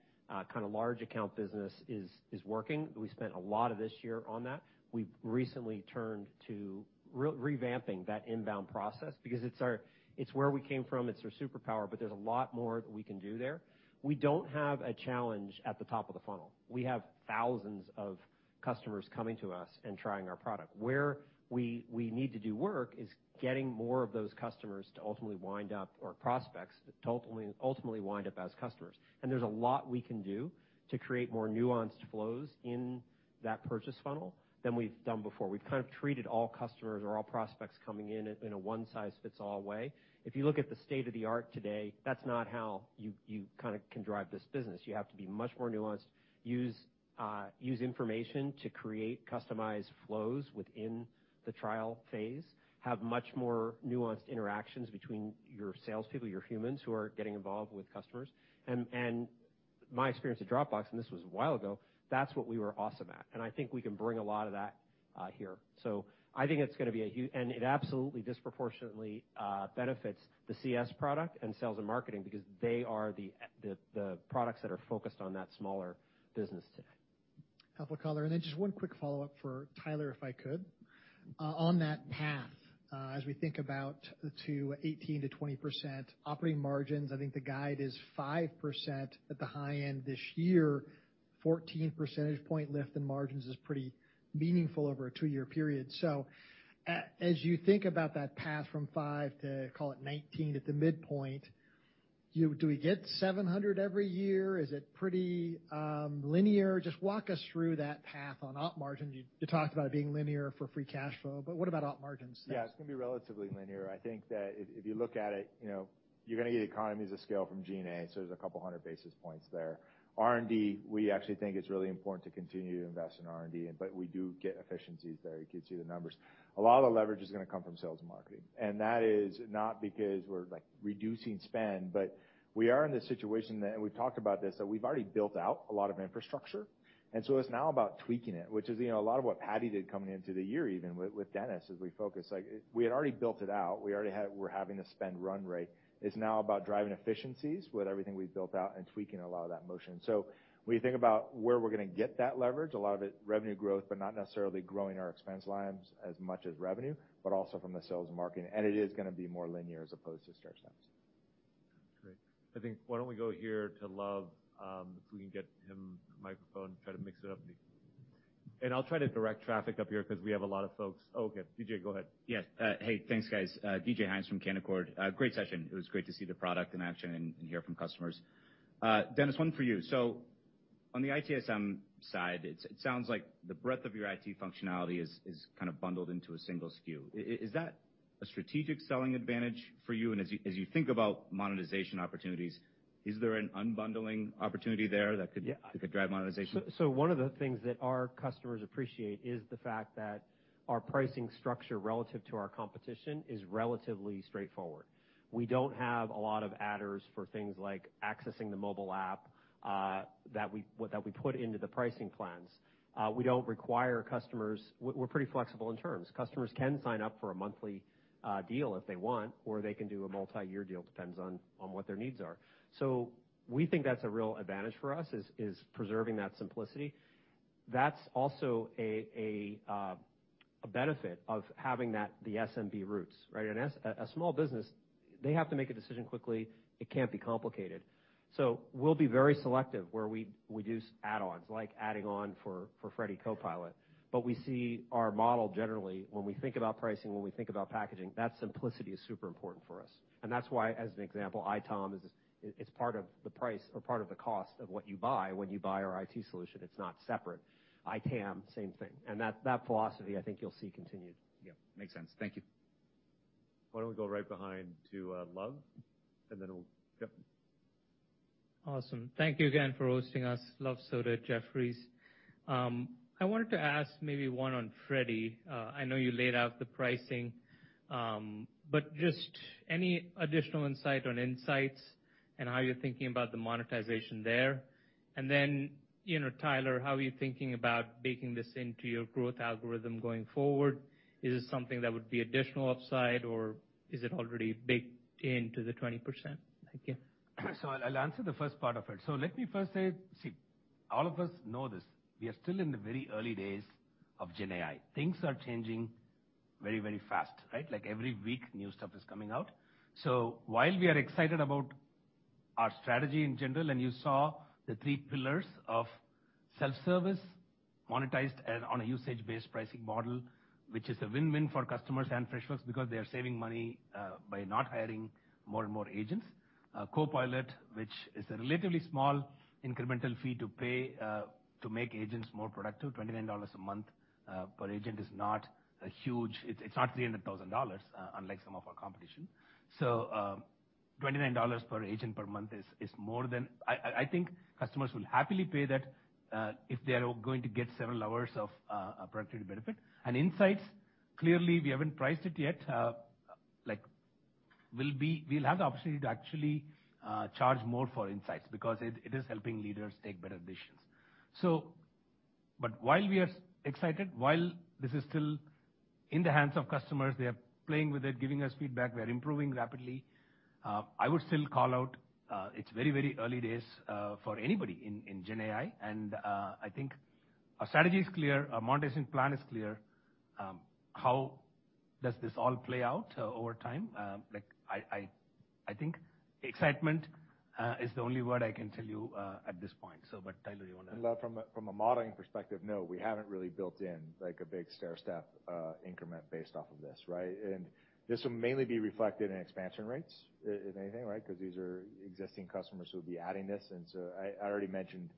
kind of large account business is working. We spent a lot of this year on that. We've recently turned to revamping that inbound process because it's our—it's where we came from, it's our superpower, but there's a lot more that we can do there. We don't have a challenge at the top of the funnel. We have thousands of customers coming to us and trying our product. Where we need to do work is getting more of those customers to ultimately wind up, or prospects, to ultimately, ultimately wind up as customers. There's a lot we can do to create more nuanced flows in that purchase funnel than we've done before. We've kind of treated all customers or all prospects coming in, in a one-size-fits-all way. If you look at the state-of-the-art today, that's not how you, you kind of can drive this business. You have to be much more nuanced, use, use information to create customized flows within the trial phase, have much more nuanced interactions between your salespeople, your humans, who are getting involved with customers. My experience at Dropbox, and this was a while ago, that's what we were awesome at, and I think we can bring a lot of that, here. So I think it's gonna be a huge and it absolutely disproportionately benefits the CS product and sales and marketing because they are the products that are focused on that smaller business today. Helpful color. And then just one quick follow-up for Tyler, if I could. On that path, as we think about the 18%-20% operating margins, I think the guide is 5% at the high end this year. 14 percentage point lift in margins is pretty meaningful over a two-year period. So as you think about that path from 5% to, call it, 19% at the midpoint, ... Do we get 700 every year? Is it pretty linear? Just walk us through that path on op margin. You talked about it being linear for free cash flow, but what about op margins? Yeah, it's gonna be relatively linear. I think that if you look at it, you know, you're gonna get economies of scale from G&A, so there's 200 basis points there. R&D, we actually think it's really important to continue to invest in R&D, but we do get efficiencies there. You can see the numbers. A lot of the leverage is gonna come from sales and marketing, and that is not because we're, like, reducing spend, but we are in this situation, and we've talked about this, that we've already built out a lot of infrastructure. So it's now about tweaking it, which is, you know, a lot of what Paddy did coming into the year, even with Dennis, as we focus. Like, we had already built it out. We already had. We're having to spend run rate. It's now about driving efficiencies with everything we've built out and tweaking a lot of that motion. So when you think about where we're gonna get that leverage, a lot of it, revenue growth, but not necessarily growing our expense lines as much as revenue, but also from the sales and marketing. And it is gonna be more linear as opposed to stair steps. Great. I think why don't we go here to Love, if we can get him a microphone, try to mix it up. I'll try to direct traffic up here 'cause we have a lot of folks. Oh, okay, DJ, go ahead. Yes. Hey, thanks, guys. DJ Hynes from Canaccord Genuity. Great session. It was great to see the product in action and hear from customers. Dennis, one for you. So on the ITSM side, it sounds like the breadth of your IT functionality is kind of bundled into a single SKU. Is that a strategic selling advantage for you? And as you think about monetization opportunities, is there an unbundling opportunity there that could- Yeah. -that could drive monetization? So, one of the things that our customers appreciate is the fact that our pricing structure relative to our competition is relatively straightforward. We don't have a lot of adders for things like accessing the mobile app that we put into the pricing plans. We don't require customers. We're pretty flexible in terms. Customers can sign up for a monthly deal if they want, or they can do a multi-year deal, depends on what their needs are. So we think that's a real advantage for us, preserving that simplicity. That's also a benefit of having that, the SMB roots, right? And as a small business, they have to make a decision quickly. It can't be complicated. So we'll be very selective where we do add-ons, like adding on for Freddy Copilot. But we see our model, generally, when we think about pricing, when we think about packaging, that simplicity is super important for us. And that's why, as an example, ITOM is, it's part of the price or part of the cost of what you buy when you buy our IT solution. It's not separate. ITAM, same thing. And that, that philosophy, I think you'll see continued. Yeah, makes sense. Thank you. Why don't we go right behind to Love, and then we'll... Yep. Awesome. Thank you again for hosting us. Luv Sodha at Jefferies. I wanted to ask maybe one on Freddy. I know you laid out the pricing, but just any additional insight on insights and how you're thinking about the monetization there? And then, you know, Tyler, how are you thinking about baking this into your growth algorithm going forward? Is this something that would be additional upside, or is it already baked into the 20%? Thank you. So I'll answer the first part of it. So let me first say... See, all of us know this, we are still in the very early days of GenAI. Things are changing very, very fast, right? Like, every week, new stuff is coming out. So while we are excited about our strategy in general, and you saw the three pillars of self-service, monetized, and on a usage-based pricing model, which is a win-win for customers and Freshworks because they are saving money, by not hiring more and more agents. Copilot, which is a relatively small incremental fee to pay, to make agents more productive, $29 a month, per agent is not a huge... It's, it's not $300,000, unlike some of our competition. So, $29 per agent per month is more than—I think customers will happily pay that, if they are going to get several hours of productivity benefit. And Insights, clearly, we haven't priced it yet. Like, we'll be—we'll have the opportunity to actually charge more for Insights because it is helping leaders make better decisions. So but while we are excited, while this is still in the hands of customers, they are playing with it, giving us feedback, we are improving rapidly, I would still call out, it's very, very early days, for anybody in GenAI, and I think our strategy is clear, our monetization plan is clear. How does this all play out over time? Like, I think excitement is the only word I can tell you at this point. So but Tyler, you want to- Love, from a modeling perspective, no, we haven't really built in, like, a big stairstep, increment based off of this, right? This will mainly be reflected in expansion rates, if anything, right? Because these are existing customers who would be adding this. So I already mentioned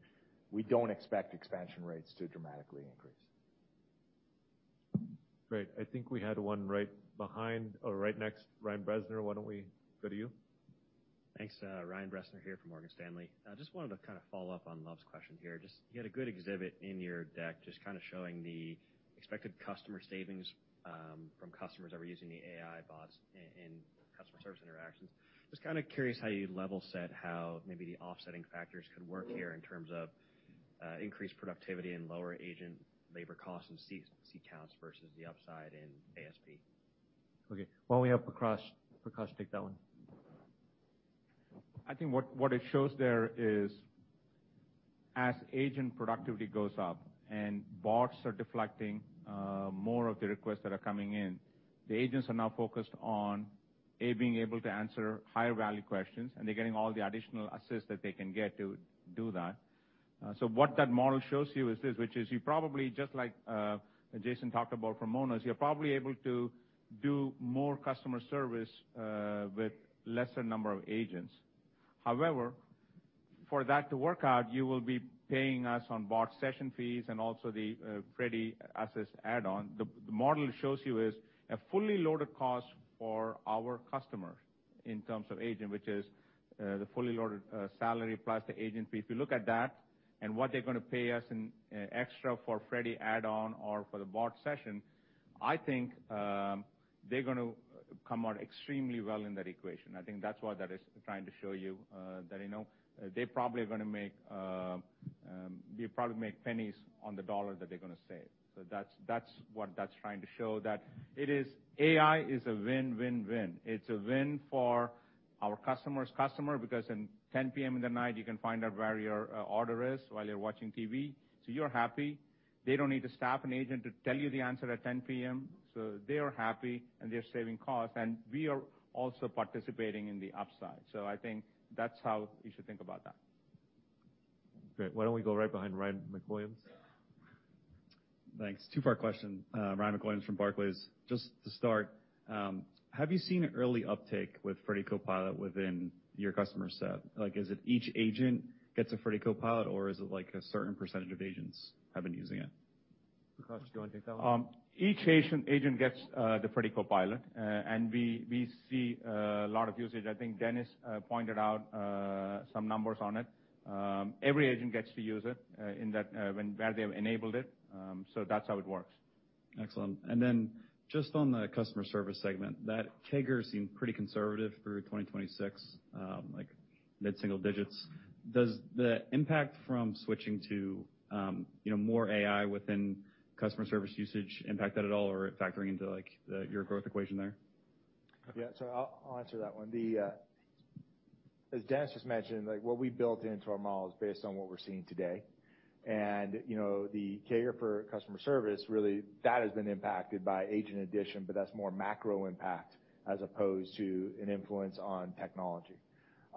we don't expect expansion rates to dramatically increase. Great. I think we had one right behind or right next. Ryan Bressner, why don't we go to you? Thanks. Ryan Bressner here from Morgan Stanley. I just wanted to kind of follow up on Love's question here. Just you had a good exhibit in your deck, just kind of showing the expected customer savings, from customers that were using the AI bots in, in customer service interactions. Just kind of curious how you level set, how maybe the offsetting factors could work here in terms of, increased productivity and lower agent labor costs and seat, seat counts versus the upside in ASP? Okay. Why don't we have Prakash, Prakash, take that one? I think what it shows there is, as agent productivity goes up and bots are deflecting more of the requests that are coming in, the agents are now focused on A, being able to answer higher value questions, and they're getting all the additional assists that they can get to do that.... So what that model shows you is this, which is you probably just like Jason talked about from Monos, you're probably able to do more customer service with lesser number of agents. However, for that to work out, you will be paying us on bot session fees and also the Freddy assist add-on. The model shows you is a fully loaded cost for our customer in terms of agent, which is the fully loaded salary plus the agent fee. If you look at that and what they're gonna pay us in extra for Freddy add-on or for the bot session, I think they're going to come out extremely well in that equation. I think that's what that is trying to show you, that, you know, they probably are gonna make, they probably make pennies on the dollar that they're gonna save. So that's, that's what that's trying to show, that it is... AI is a win, win, win. It's a win for our customer's customer, because at 10 P.M. in the night, you can find out where your order is while you're watching TV. So you're happy. They don't need to staff an agent to tell you the answer at 10 P.M., so they are happy, and they're saving costs, and we are also participating in the upside. So I think that's how you should think about that. Great. Why don't we go right behind Ryan MacWilliams? Thanks. Two-part question. Ryan MacWilliams from Barclays. Just to start, have you seen early uptake with Freddy Copilot within your customer set? Like, is it each agent gets a Freddy Copilot, or is it like a certain percentage of agents have been using it? Prakash, do you want to take that one? Each agent gets the Freddy Copilot, and we see a lot of usage. I think Dennis pointed out some numbers on it. Every agent gets to use it in that when where they have enabled it. So that's how it works. Excellent. Then just on the customer service segment, that CAGR seemed pretty conservative through 2026, like mid-single digits. Does the impact from switching to, you know, more AI within customer service usage impact that at all, or factoring into, like, the, your growth equation there? Yeah. So I'll, I'll answer that one. The, as Dennis just mentioned, like, what we built into our model is based on what we're seeing today. And, you know, the CAGR for customer service, really, that has been impacted by agent addition, but that's more macro impact as opposed to an influence on technology.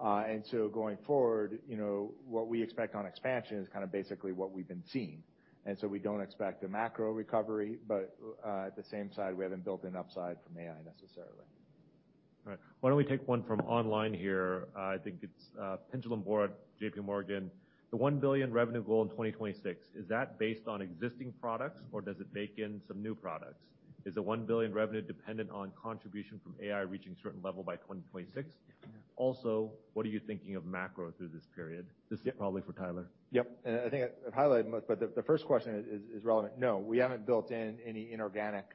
And so going forward, you know, what we expect on expansion is kind of basically what we've been seeing, and so we don't expect a macro recovery, but, at the same side, we haven't built an upside from AI necessarily. All right. Why don't we take one from online here? I think it's Pinjalim Bora, JPMorgan. The $1 billion revenue goal in 2026, is that based on existing products, or does it bake in some new products? Is the $1 billion revenue dependent on contribution from AI reaching a certain level by 2026? Also, what are you thinking of macro through this period? This is probably for Tyler. Yep, and I think I've highlighted, but the first question is relevant. No, we haven't built in any inorganic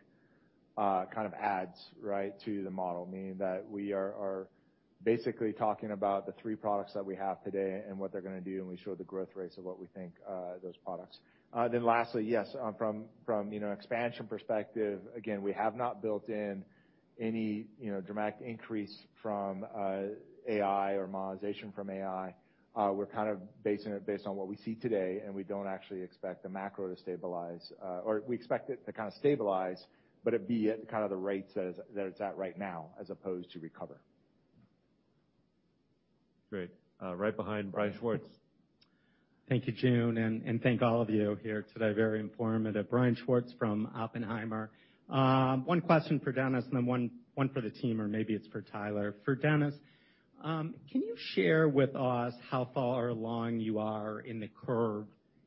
kind of ads, right, to the model. Meaning that we are basically talking about the three products that we have today and what they're gonna do, and we show the growth rates of what we think those products. Then lastly, yes, from you know, expansion perspective, again, we have not built in any you know, dramatic increase from AI or monetization from AI. We're kind of basing it based on what we see today, and we don't actually expect the macro to stabilize, or we expect it to kind of stabilize, but it be at kind of the rates that it's that it's at right now, as opposed to recover. Great. Right behind Brian Schwartz. Thank you, Joon, and thank all of you here today. Very informative. Brian Schwartz from Oppenheimer. One question for Dennis and then one for the team, or maybe it's for Tyler. For Dennis, can you share with us how far along you are in the curve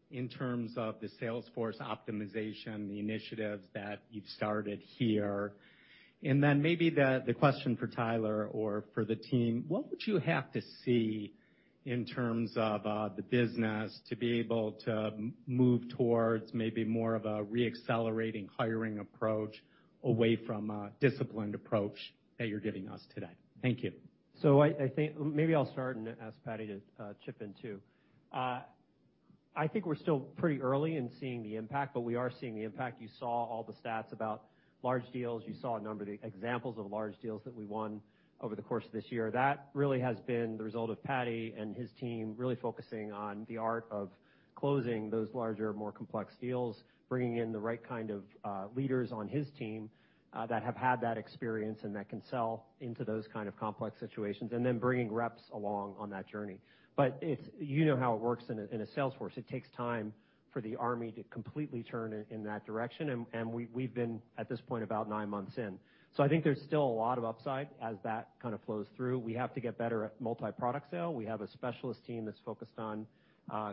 in terms of the Salesforce optimization, the initiatives that you've started here? And then maybe the question for Tyler or for the team, what would you have to see in terms of the business to be able to move towards maybe more of a reaccelerating hiring approach away from a disciplined approach that you're giving us today? Thank you. So I think... Maybe I'll start and ask Paddy to chip in, too. I think we're still pretty early in seeing the impact, but we are seeing the impact. You saw all the stats about large deals. You saw a number of the examples of large deals that we won over the course of this year. That really has been the result of Paddy and his team really focusing on the art of closing those larger, more complex deals, bringing in the right kind of leaders on his team that have had that experience and that can sell into those kind of complex situations, and then bringing reps along on that journey. But it's. You know how it works in a sales force. It takes time for the army to completely turn in that direction, and we've been, at this point, about nine months in. So I think there's still a lot of upside as that kind of flows through. We have to get better at multi-product sale. We have a specialist team that's focused on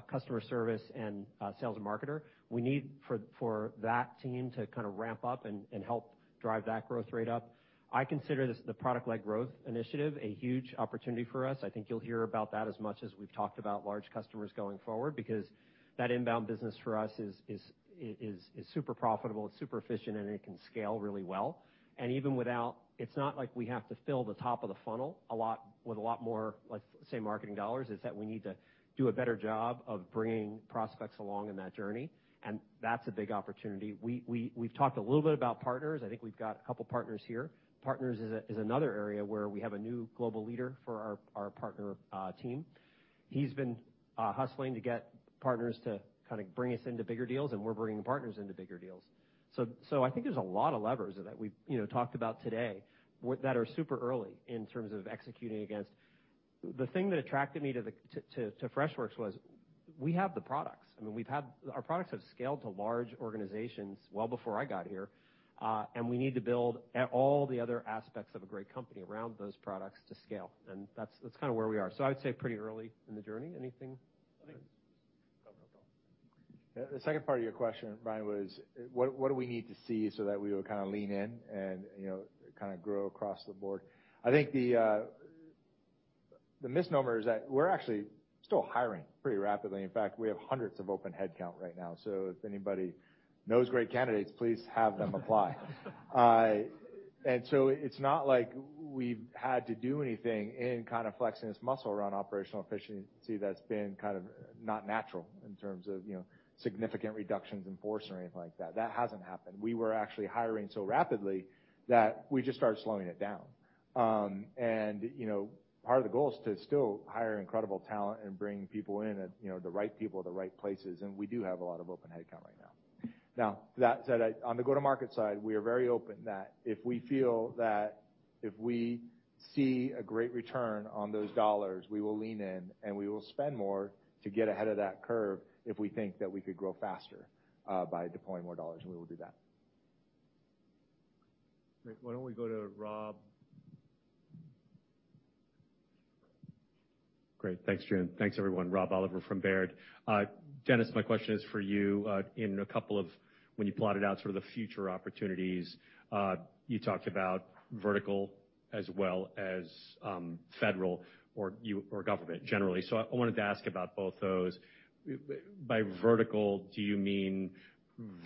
customer service and sales and marketer. We need for that team to kind of ramp up and help drive that growth rate up. I consider this the product-led growth initiative a huge opportunity for us. I think you'll hear about that as much as we've talked about large customers going forward, because that inbound business for us is super profitable, it's super efficient, and it can scale really well. And even without... It's not like we have to fill the top of the funnel a lot, with a lot more, like, say, marketing dollars. It's that we need to do a better job of bringing prospects along in that journey, and that's a big opportunity. We've talked a little bit about partners. I think we've got a couple partners here. Partners is another area where we have a new global leader for our partner team. He's been hustling to get partners to kind of bring us into bigger deals, and we're bringing partners into bigger deals. So I think there's a lot of levers that we've, you know, talked about today, that are super early in terms of executing against. The thing that attracted me to Freshworks was we have the products. I mean, our products have scaled to large organizations well before I got here, and we need to build out all the other aspects of a great company around those products to scale, and that's kind of where we are. So I would say pretty early in the journey. Anything? I think, oh, no problem. The second part of your question, Brian, was what we need to see so that we would kind of lean in and, you know, kind of grow across the board? I think the misnomer is that we're actually still hiring pretty rapidly. In fact, we have hundreds of open headcount right now, so if anybody knows great candidates, please have them apply. And so it's not like we've had to do anything in kind of flexing this muscle around operational efficiency that's been kind of not natural in terms of, you know, significant reductions in force or anything like that. That hasn't happened. We were actually hiring so rapidly that we just started slowing it down. You know, part of the goal is to still hire incredible talent and bring people in at, you know, the right people at the right places, and we do have a lot of open headcount right now. Now, that said, on the go-to-market side, we are very open that if we feel that if we see a great return on those dollars, we will lean in, and we will spend more to get ahead of that curve if we think that we could grow faster, by deploying more dollars, and we will do that. Great. Why don't we go to Rob? Great. Thanks, Jim. Thanks, everyone. Rob Oliver from Baird. Dennis, my question is for you. In a couple of... When you plotted out sort of the future opportunities, you talked about vertical as well as, federal or government generally. So I wanted to ask about both those. By vertical, do you mean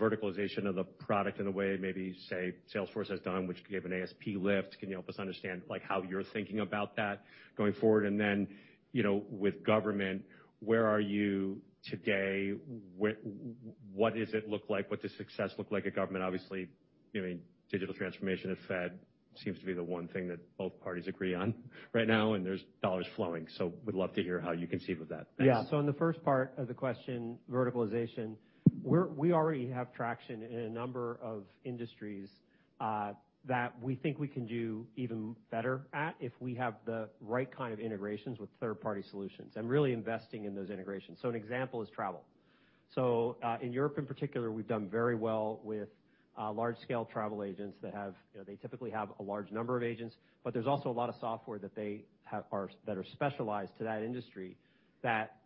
verticalization of the product in a way, maybe, say, Salesforce has done, which gave an ASP lift? Can you help us understand, like, how you're thinking about that going forward? And then, you know, with government, where are you today? What does it look like? What does success look like at government? Obviously, you know, digital transformation of Fed seems to be the one thing that both parties agree on right now, and there's dollars flowing, so would love to hear how you conceive of that. Thanks. Yeah. So in the first part of the question, verticalization, we already have traction in a number of industries, that we think we can do even better at if we have the right kind of integrations with third-party solutions, and really investing in those integrations. So an example is travel. So, in Europe, in particular, we've done very well with large-scale travel agents that have, you know, they typically have a large number of agents, but there's also a lot of software that they have that are specialized to that industry, that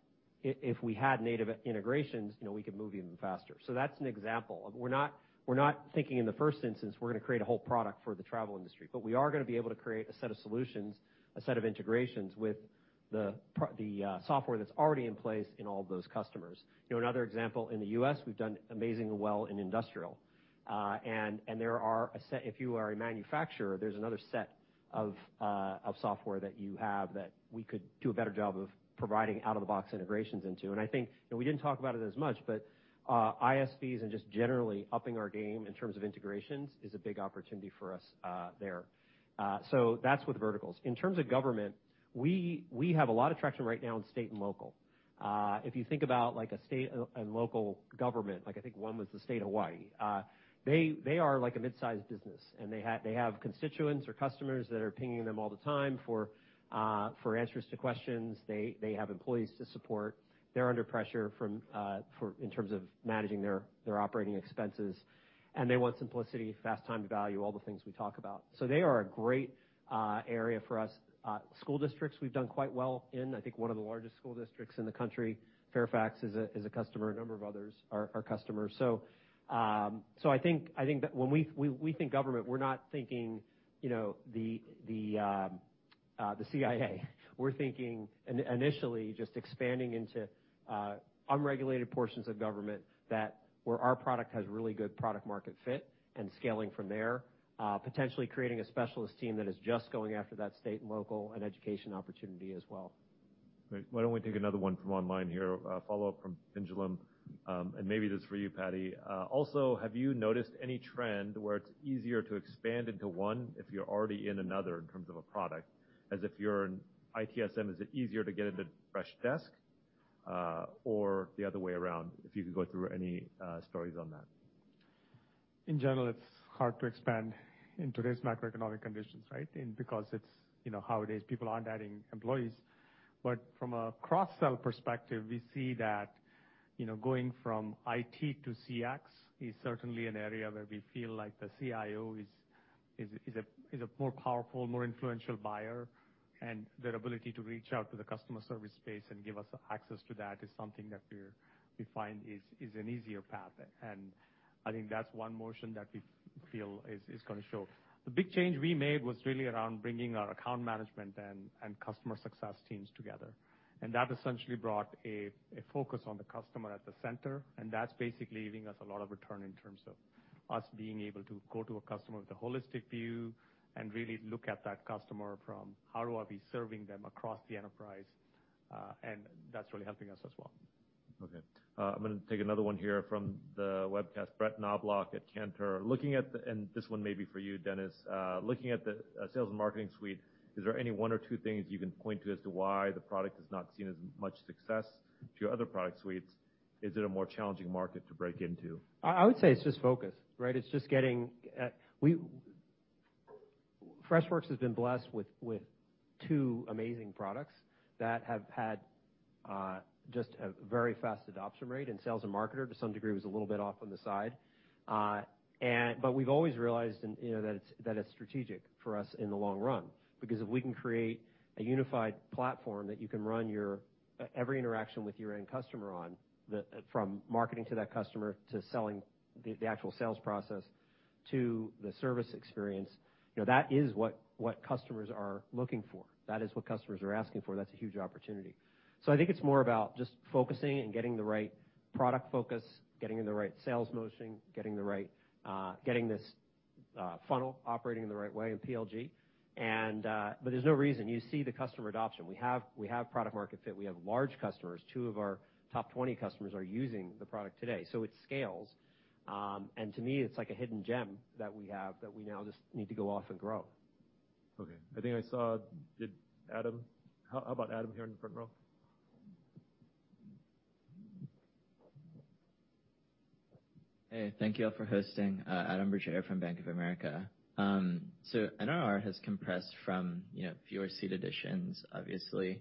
if we had native integrations, you know, we could move even faster. So that's an example. We're not, we're not thinking in the first instance, we're going to create a whole product for the travel industry, but we are going to be able to create a set of solutions, a set of integrations with the software that's already in place in all of those customers. You know, another example, in the U.S., we've done amazingly well in industrial. And there are a set... If you are a manufacturer, there's another set of software that you have that we could do a better job of providing out-of-the-box integrations into. And I think, you know, we didn't talk about it as much, but ISVs and just generally upping our game in terms of integrations is a big opportunity for us there. So that's with verticals. In terms of government, we have a lot of traction right now in state and local. If you think about, like, a state and local government, like, I think one was the state of Hawaii, they are like a mid-sized business, and they have constituents or customers that are pinging them all the time for answers to questions. They have employees to support. They're under pressure from, for, in terms of managing their operating expenses, and they want simplicity, fast time to value, all the things we talk about. So they are a great area for us. School districts, we've done quite well in. I think one of the largest school districts in the country, Fairfax, is a customer, a number of others are customers. I think that when we think government, we're not thinking, you know, the CIA. We're thinking initially just expanding into unregulated portions of government that where our product has really good product-market fit and scaling from there, potentially creating a specialist team that is just going after that state and local and education opportunity as well. Great. Why don't we take another one from online here? A follow-up from Pinjalim Bora, and maybe this is for you, Paddy. Also, have you noticed any trend where it's easier to expand into one if you're already in another, in terms of a product, as if you're in ITSM, is it easier to get into Freshdesk, or the other way around? If you could go through any stories on that? In general, it's hard to expand in today's macroeconomic conditions, right? Because it's, you know, nowadays, people aren't adding employees. But from a cross-sell perspective, we see that, you know, going from IT to CX is certainly an area where we feel like the CIO is a more powerful, more influential buyer, and their ability to reach out to the customer service space and give us access to that is something that we find is an easier path. And I think that's one motion that we feel is going to show. The big change we made was really around bringing our account management and customer success teams together, and that essentially brought a focus on the customer at the center, and that's basically giving us a lot of return in terms of us being able to go to a customer with a holistic view and really look at that customer from, how do I be serving them across the enterprise? And that's really helping us as well. Okay. I'm going to take another one here from the webcast, Brett Knoblauch at Cantor Fitzgerald. Looking at the—and this one may be for you, Dennis. Looking at the sales and marketing suite, is there any one or two things you can point to as to why the product is not seen as much success to your other product suites? Is it a more challenging market to break into? I would say it's just focus, right? It's just getting Freshworks has been blessed with two amazing products that have had just a very fast adoption rate, and Freshsales and Freshmarketer, to some degree, was a little bit off on the side. But we've always realized and, you know, that it's strategic for us in the long run, because if we can create a unified platform that you can run your every interaction with your end customer on, from marketing to that customer, to selling the actual sales process, to the service experience, you know, that is what customers are looking for. That is what customers are asking for. That's a huge opportunity. So I think it's more about just focusing and getting the right product focus, getting in the right sales motion, getting the right, getting this, funnel operating in the right way in PLG. And, but there's no reason. You see the customer adoption. We have, we have product market fit. We have large customers. 2 of our top 20 customers are using the product today, so it scales. And to me, it's like a hidden gem that we have, that we now just need to go off and grow. Okay. I think I saw, did Adam-- How about Adam, here in the front row? Hey, thank you all for hosting. Adam Bergere from Bank of America. So NRR has compressed from, you know, fewer seat additions, obviously.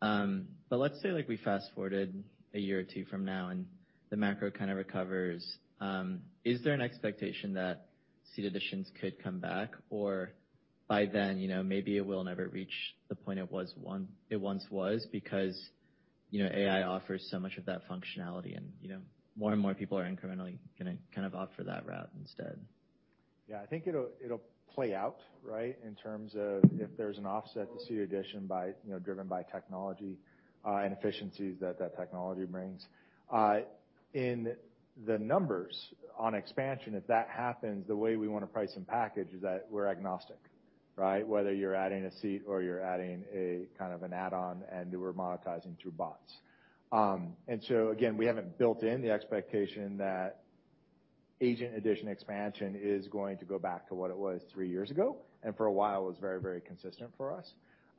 But let's say, like, we fast-forwarded a year or two from now, and the macro kind of recovers, is there an expectation that seat additions could come back, or by then, you know, maybe it will never reach the point it was one- it once was, because, you know, AI offers so much of that functionality, and, you know, more and more people are incrementally gonna kind of opt for that route instead? Yeah, I think it'll play out, right, in terms of if there's an offset to seat addition by, you know, driven by technology, and efficiencies that that technology brings. In the numbers on expansion, if that happens, the way we want to price and package is that we're agnostic, right? Whether you're adding a seat or you're adding a kind of an add-on, and we're monetizing through bots. And so again, we haven't built in the expectation that agent addition expansion is going to go back to what it was three years ago, and for a while was very, very consistent for us.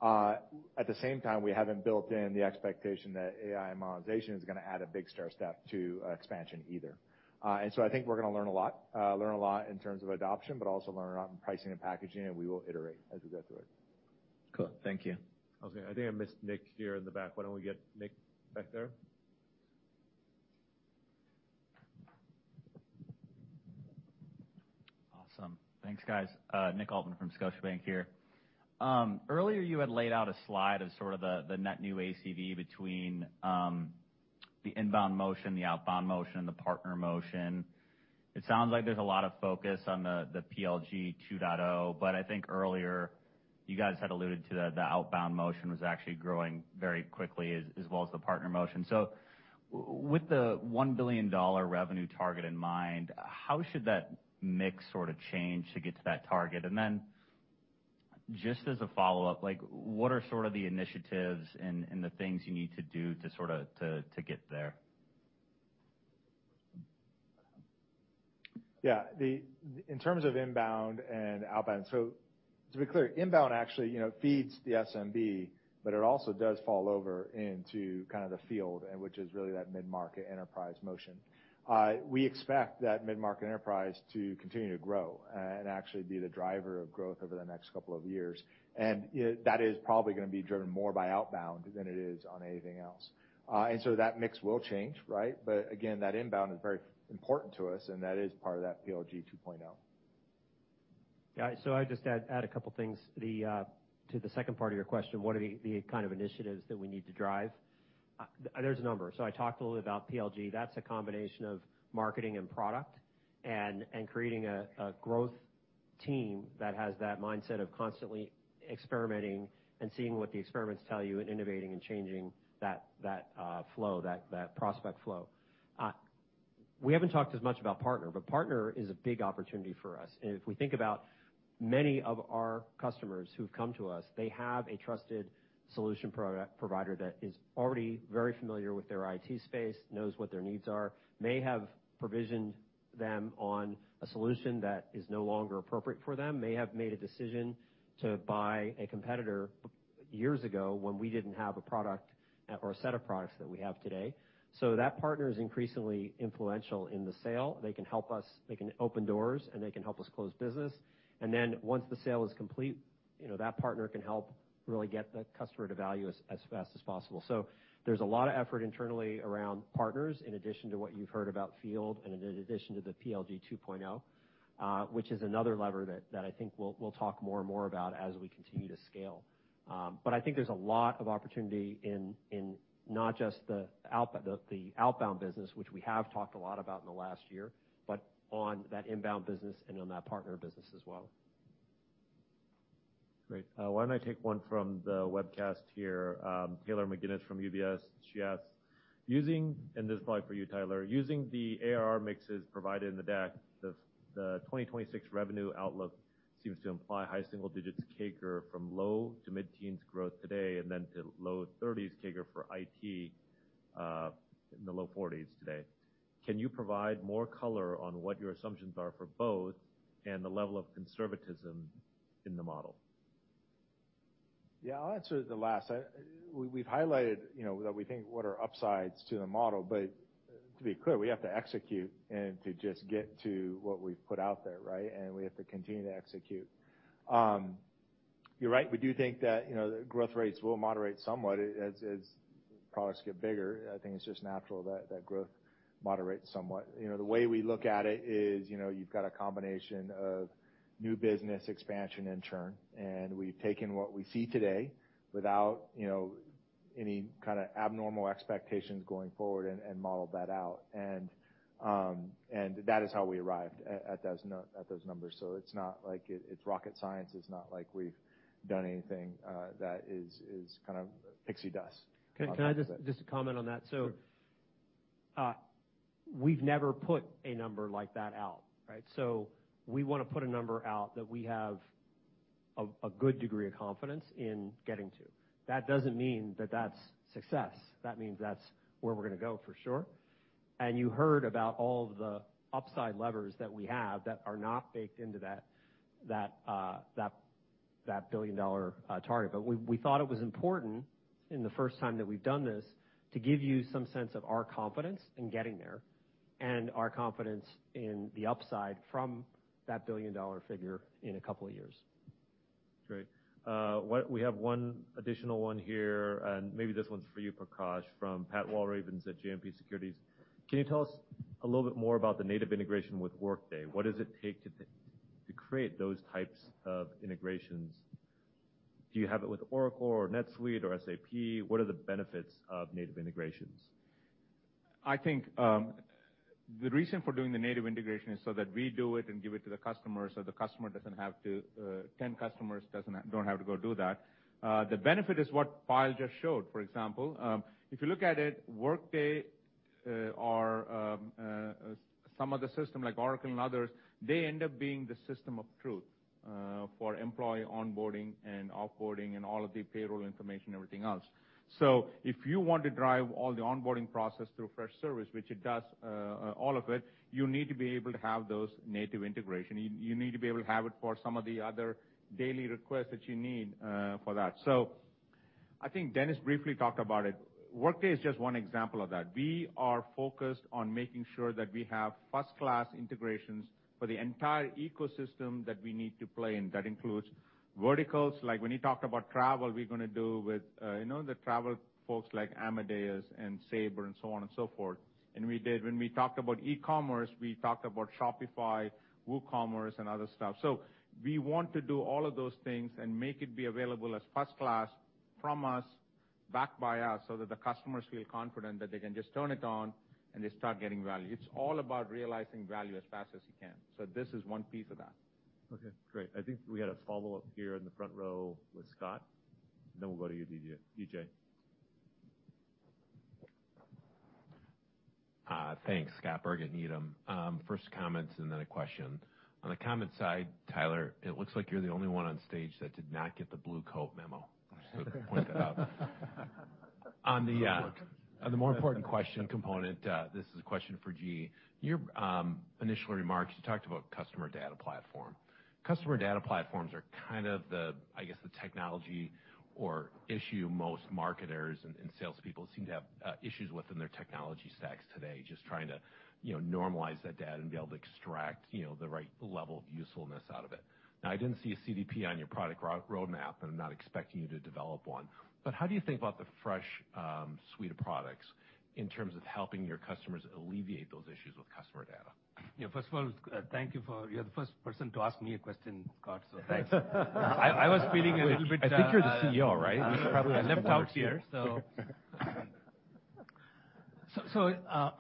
At the same time, we haven't built in the expectation that AI and monetization is gonna add a big stair step to expansion either. And so I think we're gonna learn a lot, learn a lot in terms of adoption, but also learn a lot in pricing and packaging, and we will iterate as we go through it. Cool. Thank you. Okay, I think I missed Nick here in the back. Why don't we get Nick back there? Awesome. Thanks, guys. Nick Altmann from Scotiabank here. Earlier, you had laid out a slide of sort of the net new ACV between the inbound motion, the outbound motion, and the partner motion. It sounds like there's a lot of focus on the PLG 2.0, but I think earlier, you guys had alluded to that the outbound motion was actually growing very quickly as well as the partner motion. So with the $1 billion revenue target in mind, how should that mix sort of change to get to that target? And then, just as a follow-up, like, what are sort of the initiatives and the things you need to do to sort of get there? Yeah. In terms of inbound and outbound, so to be clear, inbound actually, you know, feeds the SMB, but it also does fall over into kind of the field, and which is really that mid-market enterprise motion. We expect that mid-market enterprise to continue to grow, and actually be the driver of growth over the next couple of years. And, you know, that is probably gonna be driven more by outbound than it is on anything else. And so that mix will change, right? But again, that inbound is very important to us, and that is part of that PLG 2.0. Yeah, so I'd just add a couple things. To the second part of your question, what are the kind of initiatives that we need to drive? There's a number. So I talked a little about PLG. That's a combination of marketing and product and creating a growth team that has that mindset of constantly experimenting and seeing what the experiments tell you, and innovating and changing that flow, that prospect flow. We haven't talked as much about partner, but partner is a big opportunity for us. And if we think about many of our customers who've come to us, they have a trusted solution provider that is already very familiar with their IT space, knows what their needs are, may have provisioned them on a solution that is no longer appropriate for them, may have made a decision to buy a competitor years ago when we didn't have a product or a set of products that we have today. So that partner is increasingly influential in the sale. They can help us, they can open doors, and they can help us close business. And then once the sale is complete, you know, that partner can help really get the customer to value as fast as possible. So there's a lot of effort internally around partners, in addition to what you've heard about field and in addition to the PLG 2.0, which is another lever that I think we'll talk more and more about as we continue to scale. But I think there's a lot of opportunity in not just the outbound business, which we have talked a lot about in the last year, but on that inbound business and on that partner business as well. Great. Why don't I take one from the webcast here? Taylor McGinnis from UBS. She asks, "Using the ARR mixes provided in the deck, the 2026 revenue outlook seems to imply high single digits CAGR from low to mid-teens growth today, and then to low thirties CAGR for IT, in the low forties today. Can you provide more color on what your assumptions are for both and the level of conservatism in the model? ... Yeah, I'll answer the last. We, we've highlighted, you know, that we think what are upsides to the model, but to be clear, we have to execute and to just get to what we've put out there, right? And we have to continue to execute. You're right, we do think that, you know, the growth rates will moderate somewhat as products get bigger. I think it's just natural that that growth moderates somewhat. You know, the way we look at it is, you know, you've got a combination of new business expansion and churn, and we've taken what we see today without, you know, any kind of abnormal expectations going forward and modeled that out. And that is how we arrived at those numbers. So it's not like it, it's rocket science. It's not like we've done anything that is kind of pixie dust. Can I just, just comment on that? Sure. So, we've never put a number like that out, right? So we want to put a number out that we have a good degree of confidence in getting to. That doesn't mean that that's success. That means that's where we're going to go, for sure. And you heard about all the upside levers that we have that are not baked into that billion-dollar target. But we thought it was important in the first time that we've done this, to give you some sense of our confidence in getting there and our confidence in the upside from that billion-dollar figure in a couple of years. Great. One, we have one additional one here, and maybe this one's for you, Prakash, from Pat Walravens at JMP Securities. Can you tell us a little bit more about the native integration with Workday? What does it take to create those types of integrations? Do you have it with Oracle or NetSuite or SAP? What are the benefits of native integrations? I think, the reason for doing the native integration is so that we do it and give it to the customer, so the customer doesn't have to. Ten customers don't have to go do that. The benefit is what Payal just showed, for example. If you look at it, Workday, or, some other system like Oracle and others, they end up being the system of truth, for employee onboarding and off-boarding and all of the payroll information and everything else. So if you want to drive all the onboarding process through Freshservice, which it does, all of it, you need to be able to have those native integration. You need to be able to have it for some of the other daily requests that you need, for that. So I think Dennis briefly talked about it. Workday is just one example of that. We are focused on making sure that we have first-class integrations for the entire ecosystem that we need to play in. That includes verticals, like when you talked about travel, we're going to do with, you know, the travel folks like Amadeus and Sabre and so on and so forth. And we did when we talked about e-commerce, we talked about Shopify, WooCommerce, and other stuff. So we want to do all of those things and make it be available as first class from us, backed by us, so that the customers feel confident that they can just turn it on, and they start getting value. It's all about realizing value as fast as you can. So this is one piece of that. Okay, great. I think we had a follow-up here in the front row with Scott, and then we'll go to you, DJ, DJ. Thanks. Scott Berg, Needham. First comments and then a question. On the comment side, Tyler, it looks like you're the only one on stage that did not get the blue coat memo. Just to point that out. On the more important question component, this is a question for G. Your initial remarks, you talked about customer data platform. Customer data platforms are kind of the, I guess, the technology or issue most marketers and salespeople seem to have issues with in their technology stacks today, just trying to, you know, normalize that data and be able to extract, you know, the right level of usefulness out of it. Now, I didn't see a CDP on your product roadmap, and I'm not expecting you to develop one, but how do you think about the Fresh suite of products in terms of helping your customers alleviate those issues with customer data? Yeah, first of all, thank you for... You're the first person to ask me a question, Scott, so thanks. I, I was feeling a little bit, I think you're the CEO, right? This is probably- I left out here, so. So, so, so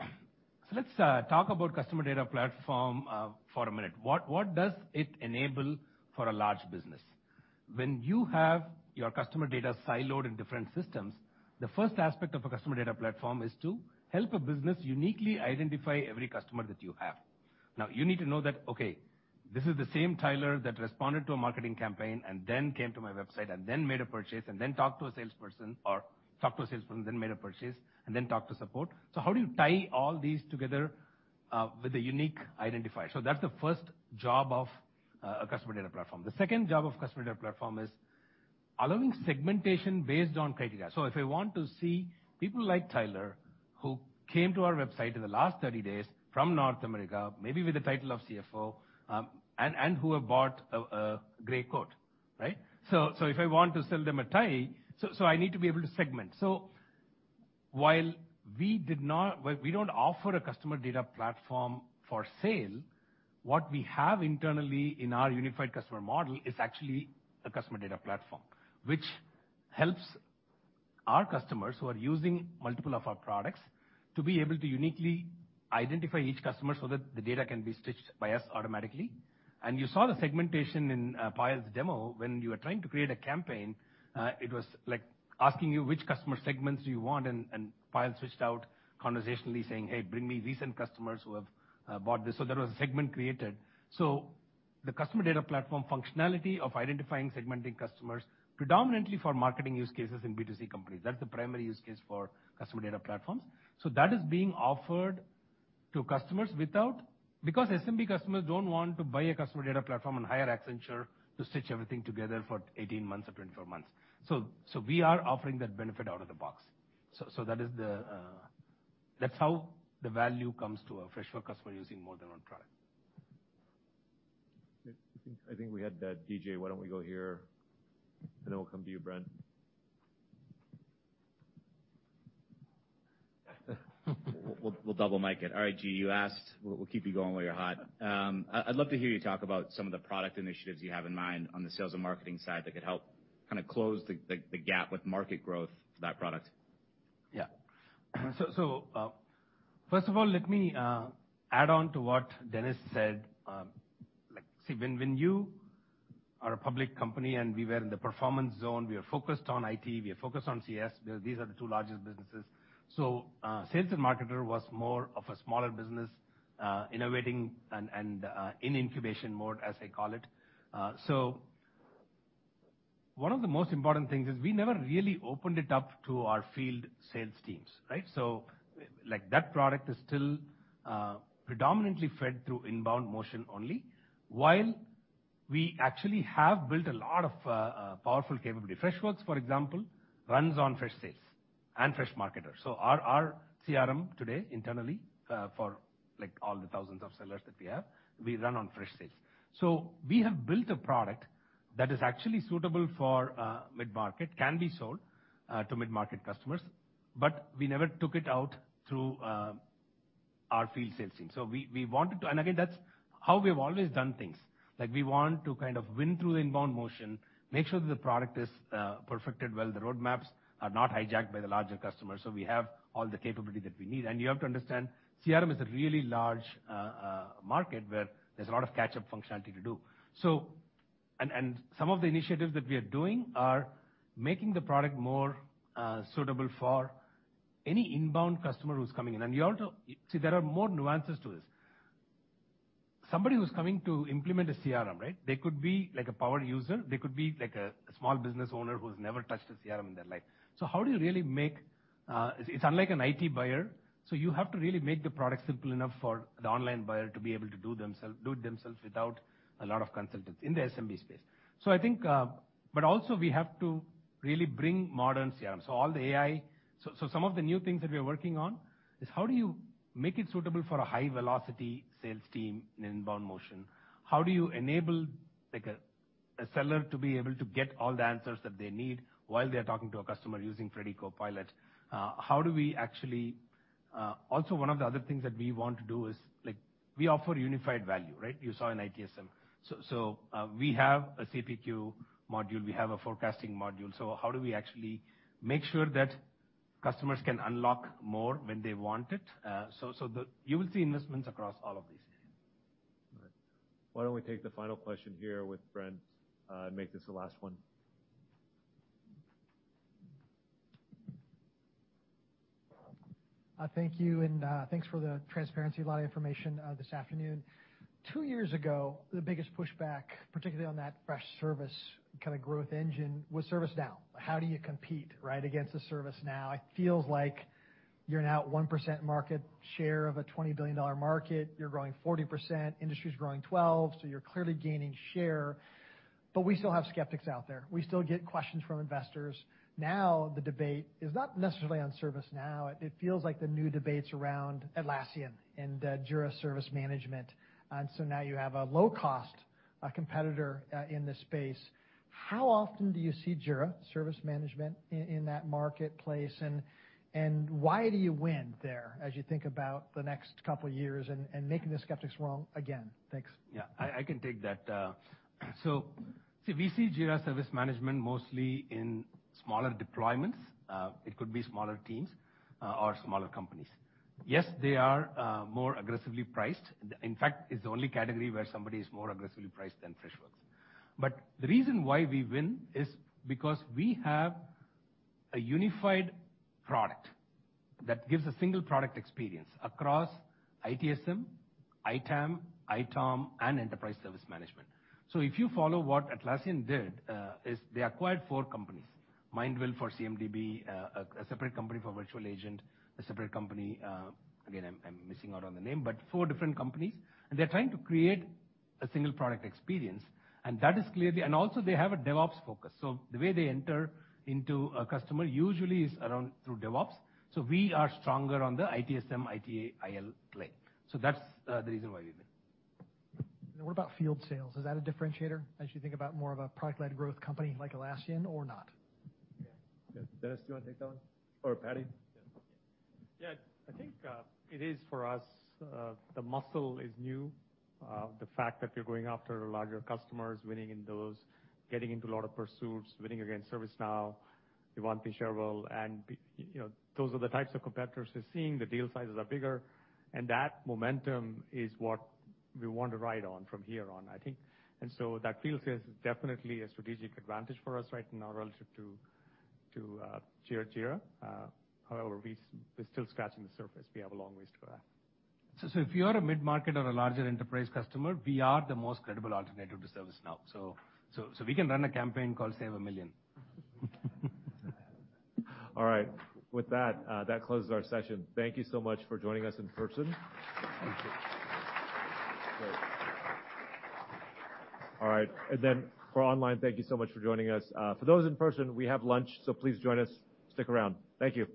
let's talk about customer data platform for a minute. What does it enable for a large business? When you have your customer data siloed in different systems, the first aspect of a customer data platform is to help a business uniquely identify every customer that you have. Now, you need to know that, okay, this is the same Tyler that responded to a marketing campaign and then came to my website, and then made a purchase, and then talked to a salesperson, or talked to a salesperson, then made a purchase, and then talked to support. So how do you tie all these together with a unique identifier? So that's the first job of a customer data platform. The second job of customer data platform is allowing segmentation based on criteria. So if I want to see people like Tyler, who came to our website in the last 30 days from North America, maybe with the title of CFO, and who have bought a gray coat, right? So if I want to sell them a tie, I need to be able to segment. So while we did not—we don't offer a customer data platform for sale, what we have internally in our unified customer model is actually a customer data platform. Which helps our customers who are using multiple of our products, to be able to uniquely identify each customer so that the data can be stitched by us automatically. And you saw the segmentation in Payal's demo. When you are trying to create a campaign, it was like asking you which customer segments do you want, and, and Payal switched out conversationally saying, "Hey, bring me recent customers who have bought this." So there was a segment created. So the customer data platform functionality of identifying, segmenting customers, predominantly for marketing use cases in B2C companies, that's the primary use case for customer data platforms. So that is being offered to customers without, because SMB customers don't want to buy a customer data platform and hire Accenture to stitch everything together for 18 months or 24 months. So, so we are offering that benefit out of the box. So, so that is the, that's how the value comes to a Freshworks customer using more than one product. I think, I think we had DJ, why don't we go here? And then we'll come to you, Brent. We'll double mic it. All right, G, you asked. We'll keep you going while you're hot. I'd love to hear you talk about some of the product initiatives you have in mind on the sales and marketing side that could help kinda close the gap with market growth for that product. Yeah. So, first of all, let me add on to what Dennis said. Like, see, when you are a public company, and we were in the performance zone, we are focused on IT, we are focused on CS, these are the two largest businesses. So, sales and marketer was more of a smaller business, innovating and in incubation mode, as I call it. So one of the most important things is we never really opened it up to our field sales teams, right? So like, that product is still predominantly fed through inbound motion only, while we actually have built a lot of powerful capability. Freshworks, for example, runs on Freshsales and Freshmarketer. So our CRM today, internally, for like all the thousands of sellers that we have, we run on Freshsales. So we have built a product that is actually suitable for mid-market, can be sold to mid-market customers, but we never took it out through our field sales team. So we wanted to... And again, that's how we've always done things. Like, we want to kind of win through the inbound motion, make sure that the product is perfected well, the roadmaps are not hijacked by the larger customers, so we have all the capability that we need. And you have to understand, CRM is a really large market where there's a lot of catch-up functionality to do. So, and some of the initiatives that we are doing are making the product more suitable for any inbound customer who's coming in. And you also—See, there are more nuances to this. Somebody who's coming to implement a CRM, right? They could be like a power user, they could be like a small business owner who's never touched a CRM in their life. So how do you really make... It's unlike an IT buyer, so you have to really make the product simple enough for the online buyer to be able to do themselves, do it themselves without a lot of consultants in the SMB space. So I think, but also we have to really bring modern CRM. So all the AI... So, so some of the new things that we are working on is, how do you make it suitable for a high-velocity sales team in inbound motion? How do you enable, like, a seller to be able to get all the answers that they need while they are talking to a customer using Freddy Copilot? How do we actually... Also, one of the other things that we want to do is, like, we offer unified value, right? You saw in ITSM. We have a CPQ module, we have a forecasting module. So how do we actually make sure that customers can unlock more when they want it? You will see investments across all of these. All right. Why don't we take the final question here with Brent, and make this the last one? Thank you, and thanks for the transparency, a lot of information this afternoon. Two years ago, the biggest pushback, particularly on that Freshservice, kind of, growth engine, was ServiceNow. How do you compete, right, against a ServiceNow? It feels like you're now at 1% market share of a $20 billion market. You're growing 40%, industry's growing 12%, so you're clearly gaining share. But we still have skeptics out there. We still get questions from investors. Now, the debate is not necessarily on ServiceNow. It feels like the new debate's around Atlassian and Jira Service Management. And so now you have a low-cost competitor in this space. How often do you see Jira Service Management in that marketplace, and why do you win there, as you think about the next couple of years and making the skeptics wrong again? Thanks. Yeah, I can take that. So we see Jira Service Management mostly in smaller deployments. It could be smaller teams or smaller companies. Yes, they are more aggressively priced. In fact, it's the only category where somebody is more aggressively priced than Freshworks. But the reason why we win is because we have a unified product that gives a single product experience across ITSM, ITAM, ITOM, and enterprise service management. So if you follow what Atlassian did, is they acquired four companies. Mindville for CMDB, a separate company for Virtual Agent, a separate company, again, I'm missing out on the name, but four different companies. And they're trying to create a single product experience, and that is clearly. And also, they have a DevOps focus. So the way they enter into a customer usually is around through DevOps. So we are stronger on the ITSM, ITIL play. So that's the reason why we win. What about field sales? Is that a differentiator, as you think about more of a product-led growth company like Atlassian or not? Dennis, do you want to take that one? Or Paddy? Yeah, I think it is for us the muscle is new. The fact that we're going after larger customers, winning in those, getting into a lot of pursuits, winning against ServiceNow, Ivanti, Cherwell, and, you know, those are the types of competitors we're seeing. The deal sizes are bigger, and that momentum is what we want to ride on from here on, I think. And so that field sales is definitely a strategic advantage for us right now relative to Jira. However, we're still scratching the surface. We have a long ways to go. If you are a mid-market or a larger enterprise customer, we are the most credible alternative to ServiceNow. We can run a campaign called Save a Million. All right, with that, that closes our session. Thank you so much for joining us in person. Great. All right, and then for online, thank you so much for joining us. For those in person, we have lunch, so please join us. Stick around. Thank you.